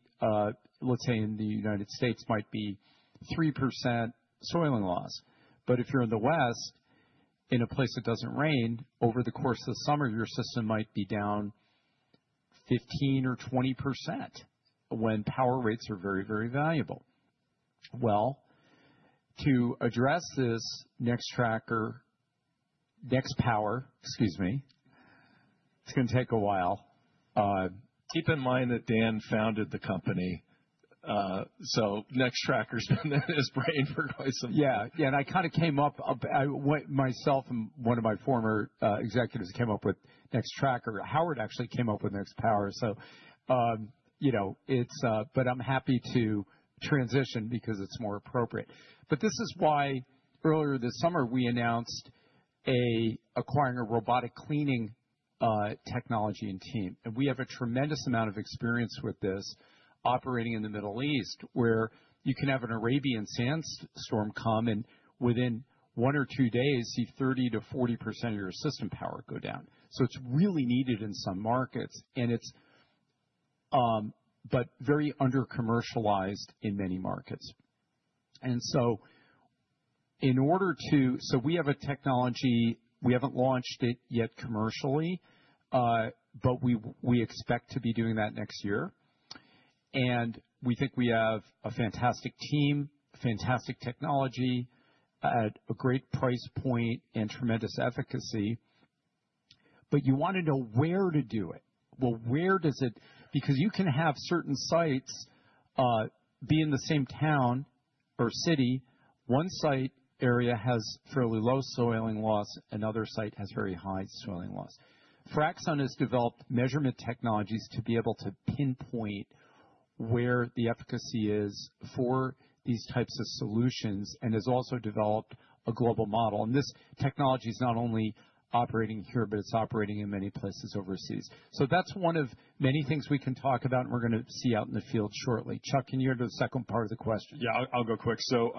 let's say in the United States, might be 3% soiling loss. But if you're in the West, in a place that doesn't rain, over the course of the summer, your system might be down 15%-20% when power rates are very, very valuable. To address this, Nextracker, Nextpower, excuse me, it's going to take a while. Keep in mind that Dan founded the company, so Nextracker's been in his brain for quite some time. Yeah, yeah. And I kind of came up myself and one of my former executives came up with Nextracker. Howard actually came up with Nextpower. But I'm happy to transition because it's more appropriate. But this is why earlier this summer, we announced acquiring a robotic cleaning technology and team. And we have a tremendous amount of experience with this operating in the Middle East, where you can have an Arabian sandstorm come, and within one or two days, see 30%-40% of your system power go down. So it's really needed in some markets, but very undercommercialized in many markets. And so we have a technology, we haven't launched it yet commercially, but we expect to be doing that next year. And we think we have a fantastic team, fantastic technology at a great price point and tremendous efficacy. But you want to know where to do it. Well, where does it, because you can have certain sites be in the same town or city. One site area has fairly low soiling loss. Another site has very high soiling loss. Fracsun has developed measurement technologies to be able to pinpoint where the efficacy is for these types of solutions and has also developed a global model. And this technology is not only operating here, but it's operating in many places overseas. So that's one of many things we can talk about, and we're going to see out in the field shortly. Chuck, can you go to the second part of the question? Yeah, I'll go quick, so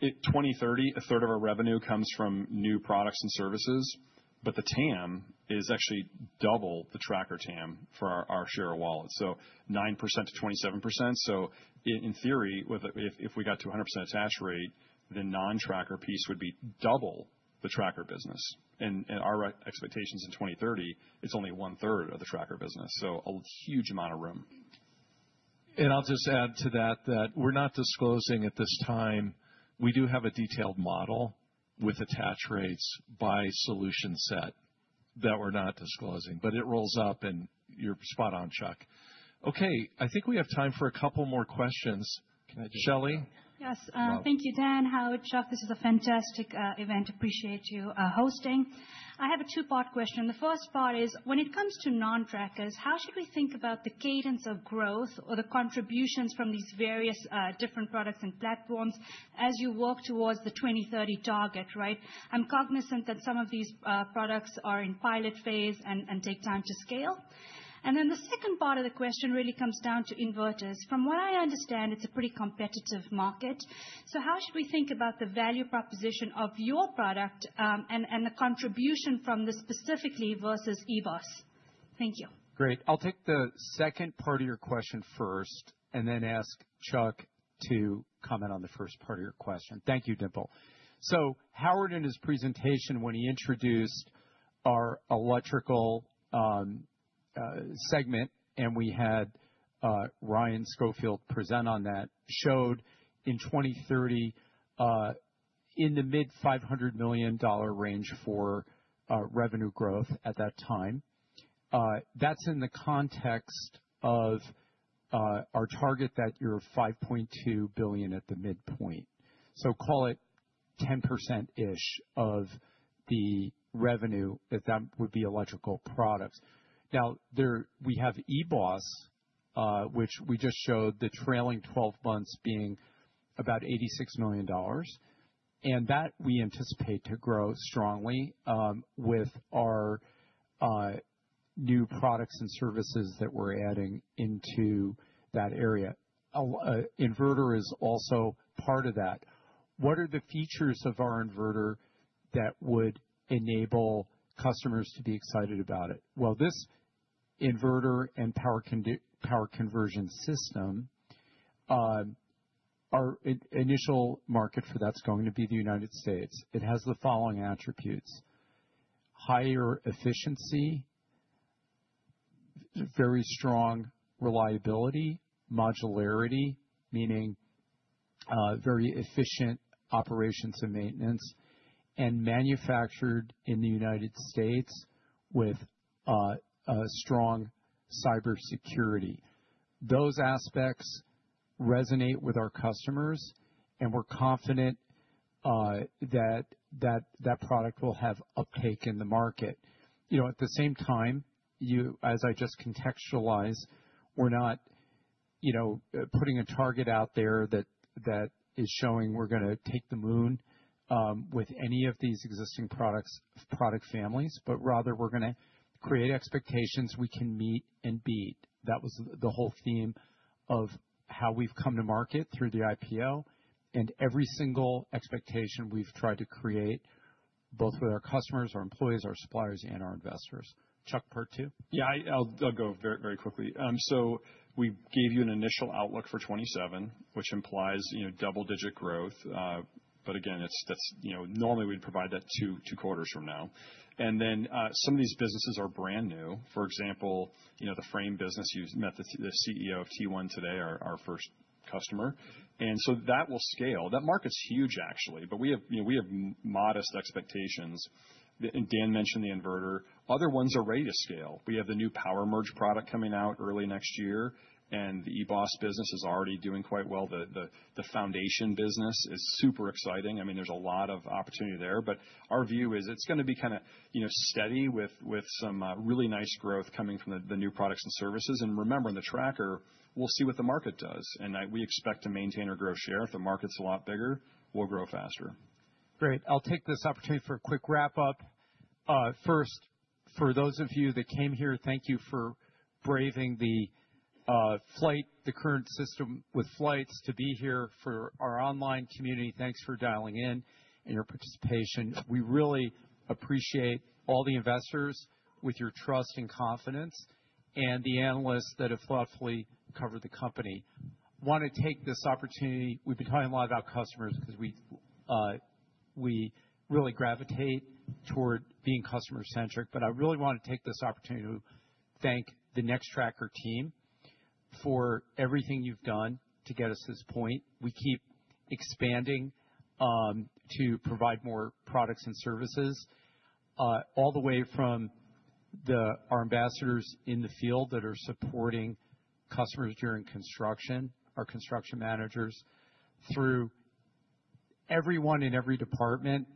2030, a third of our revenue comes from new products and services, but the TAM is actually double the tracker TAM for our share of wallets, so 9%-27%, so in theory, if we got to 100% attach rate, the non-tracker piece would be double the tracker business, and our expectations in 2030, it's only 1/3 of the tracker business, so a huge amount of room. And I'll just add to that that we're not disclosing at this time. We do have a detailed model with attach rates by solution set that we're not disclosing. But it rolls up, and you're spot on, Chuck. Okay, I think we have time for a couple more questions. Shall we? Yes. Thank you, Dan, Howard, Chuck. This is a fantastic event. Appreciate you hosting. I have a two-part question. The first part is, when it comes to non-trackers, how should we think about the cadence of growth or the contributions from these various different products and platforms as you work towards the 2030 target, right? I'm cognizant that some of these products are in pilot phase and take time to scale. And then the second part of the question really comes down to inverters. From what I understand, it's a pretty competitive market. So how should we think about the value proposition of your product and the contribution from this specifically versus eBOS? Thank you. Great. I'll take the second part of your question first and then ask Chuck to comment on the first part of your question. Thank you, Dimple. So Howard in his presentation, when he introduced our electrical segment, and we had Ryan Schofield present on that, showed in 2030, in the mid-$500 million range for revenue growth at that time. That's in the context of our target that is $5.2 billion at the midpoint. So call it 10%-ish of the revenue that that would be electrical products. Now, we have eBOS, which we just showed the trailing 12 months being about $86 million. And that we anticipate to grow strongly with our new products and services that we're adding into that area. Inverter is also part of that. What are the features of our inverter that would enable customers to be excited about it? This inverter and power conversion system, our initial market for that's going to be the United States. It has the following attributes: higher efficiency, very strong reliability, modularity, meaning very efficient operations and maintenance, and manufactured in the United States with strong cybersecurity. Those aspects resonate with our customers, and we're confident that that product will have a take in the market. At the same time, as I just contextualized, we're not putting a target out there that is showing we're going to take the moon with any of these existing product families, but rather we're going to create expectations we can meet and beat. That was the whole theme of how we've come to market through the IPO and every single expectation we've tried to create both with our customers, our employees, our suppliers, and our investors. Chuck, part two. Yeah, I'll go very quickly. So we gave you an initial outlook for 2027, which implies double-digit growth. But again, normally we'd provide that two quarters from now. And then some of these businesses are brand new. For example, the frame business, you've met the CEO of T1 today, our first customer. And so that will scale. That market's huge, actually. But we have modest expectations. Dan mentioned the inverter. Other ones are ready to scale. We have the new PowerMerge product coming out early next year. And the eBOS business is already doing quite well. The foundation business is super exciting. I mean, there's a lot of opportunity there. But our view is it's going to be kind of steady with some really nice growth coming from the new products and services. And remember, in the tracker, we'll see what the market does. We expect to maintain our growth share. If the market's a lot bigger, we'll grow faster. Great. I'll take this opportunity for a quick wrap-up. First, for those of you that came here, thank you for braving the current system with flights to be here. For our online community, thanks for dialing in and your participation. We really appreciate all the investors with your trust and confidence and the analysts that have thoughtfully covered the company. I want to take this opportunity. We've been talking a lot about customers because we really gravitate toward being customer-centric. But I really want to take this opportunity to thank the Nextracker team for everything you've done to get us to this point. We keep expanding to provide more products and services all the way from our ambassadors in the field that are supporting customers during construction, our construction managers, through everyone in every department.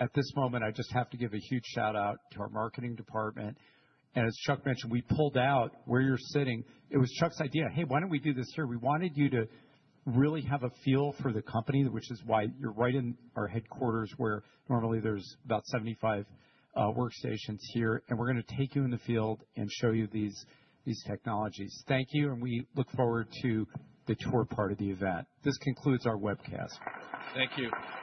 At this moment, I just have to give a huge shout-out to our marketing department. As Chuck mentioned, we pulled out where you're sitting. It was Chuck's idea. Hey, why don't we do this here? We wanted you to really have a feel for the company, which is why you're right in our headquarters, where normally there's about 75 workstations here. We're going to take you in the field and show you these technologies. Thank you. We look forward to the tour part of the event. This concludes our webcast. Thank you.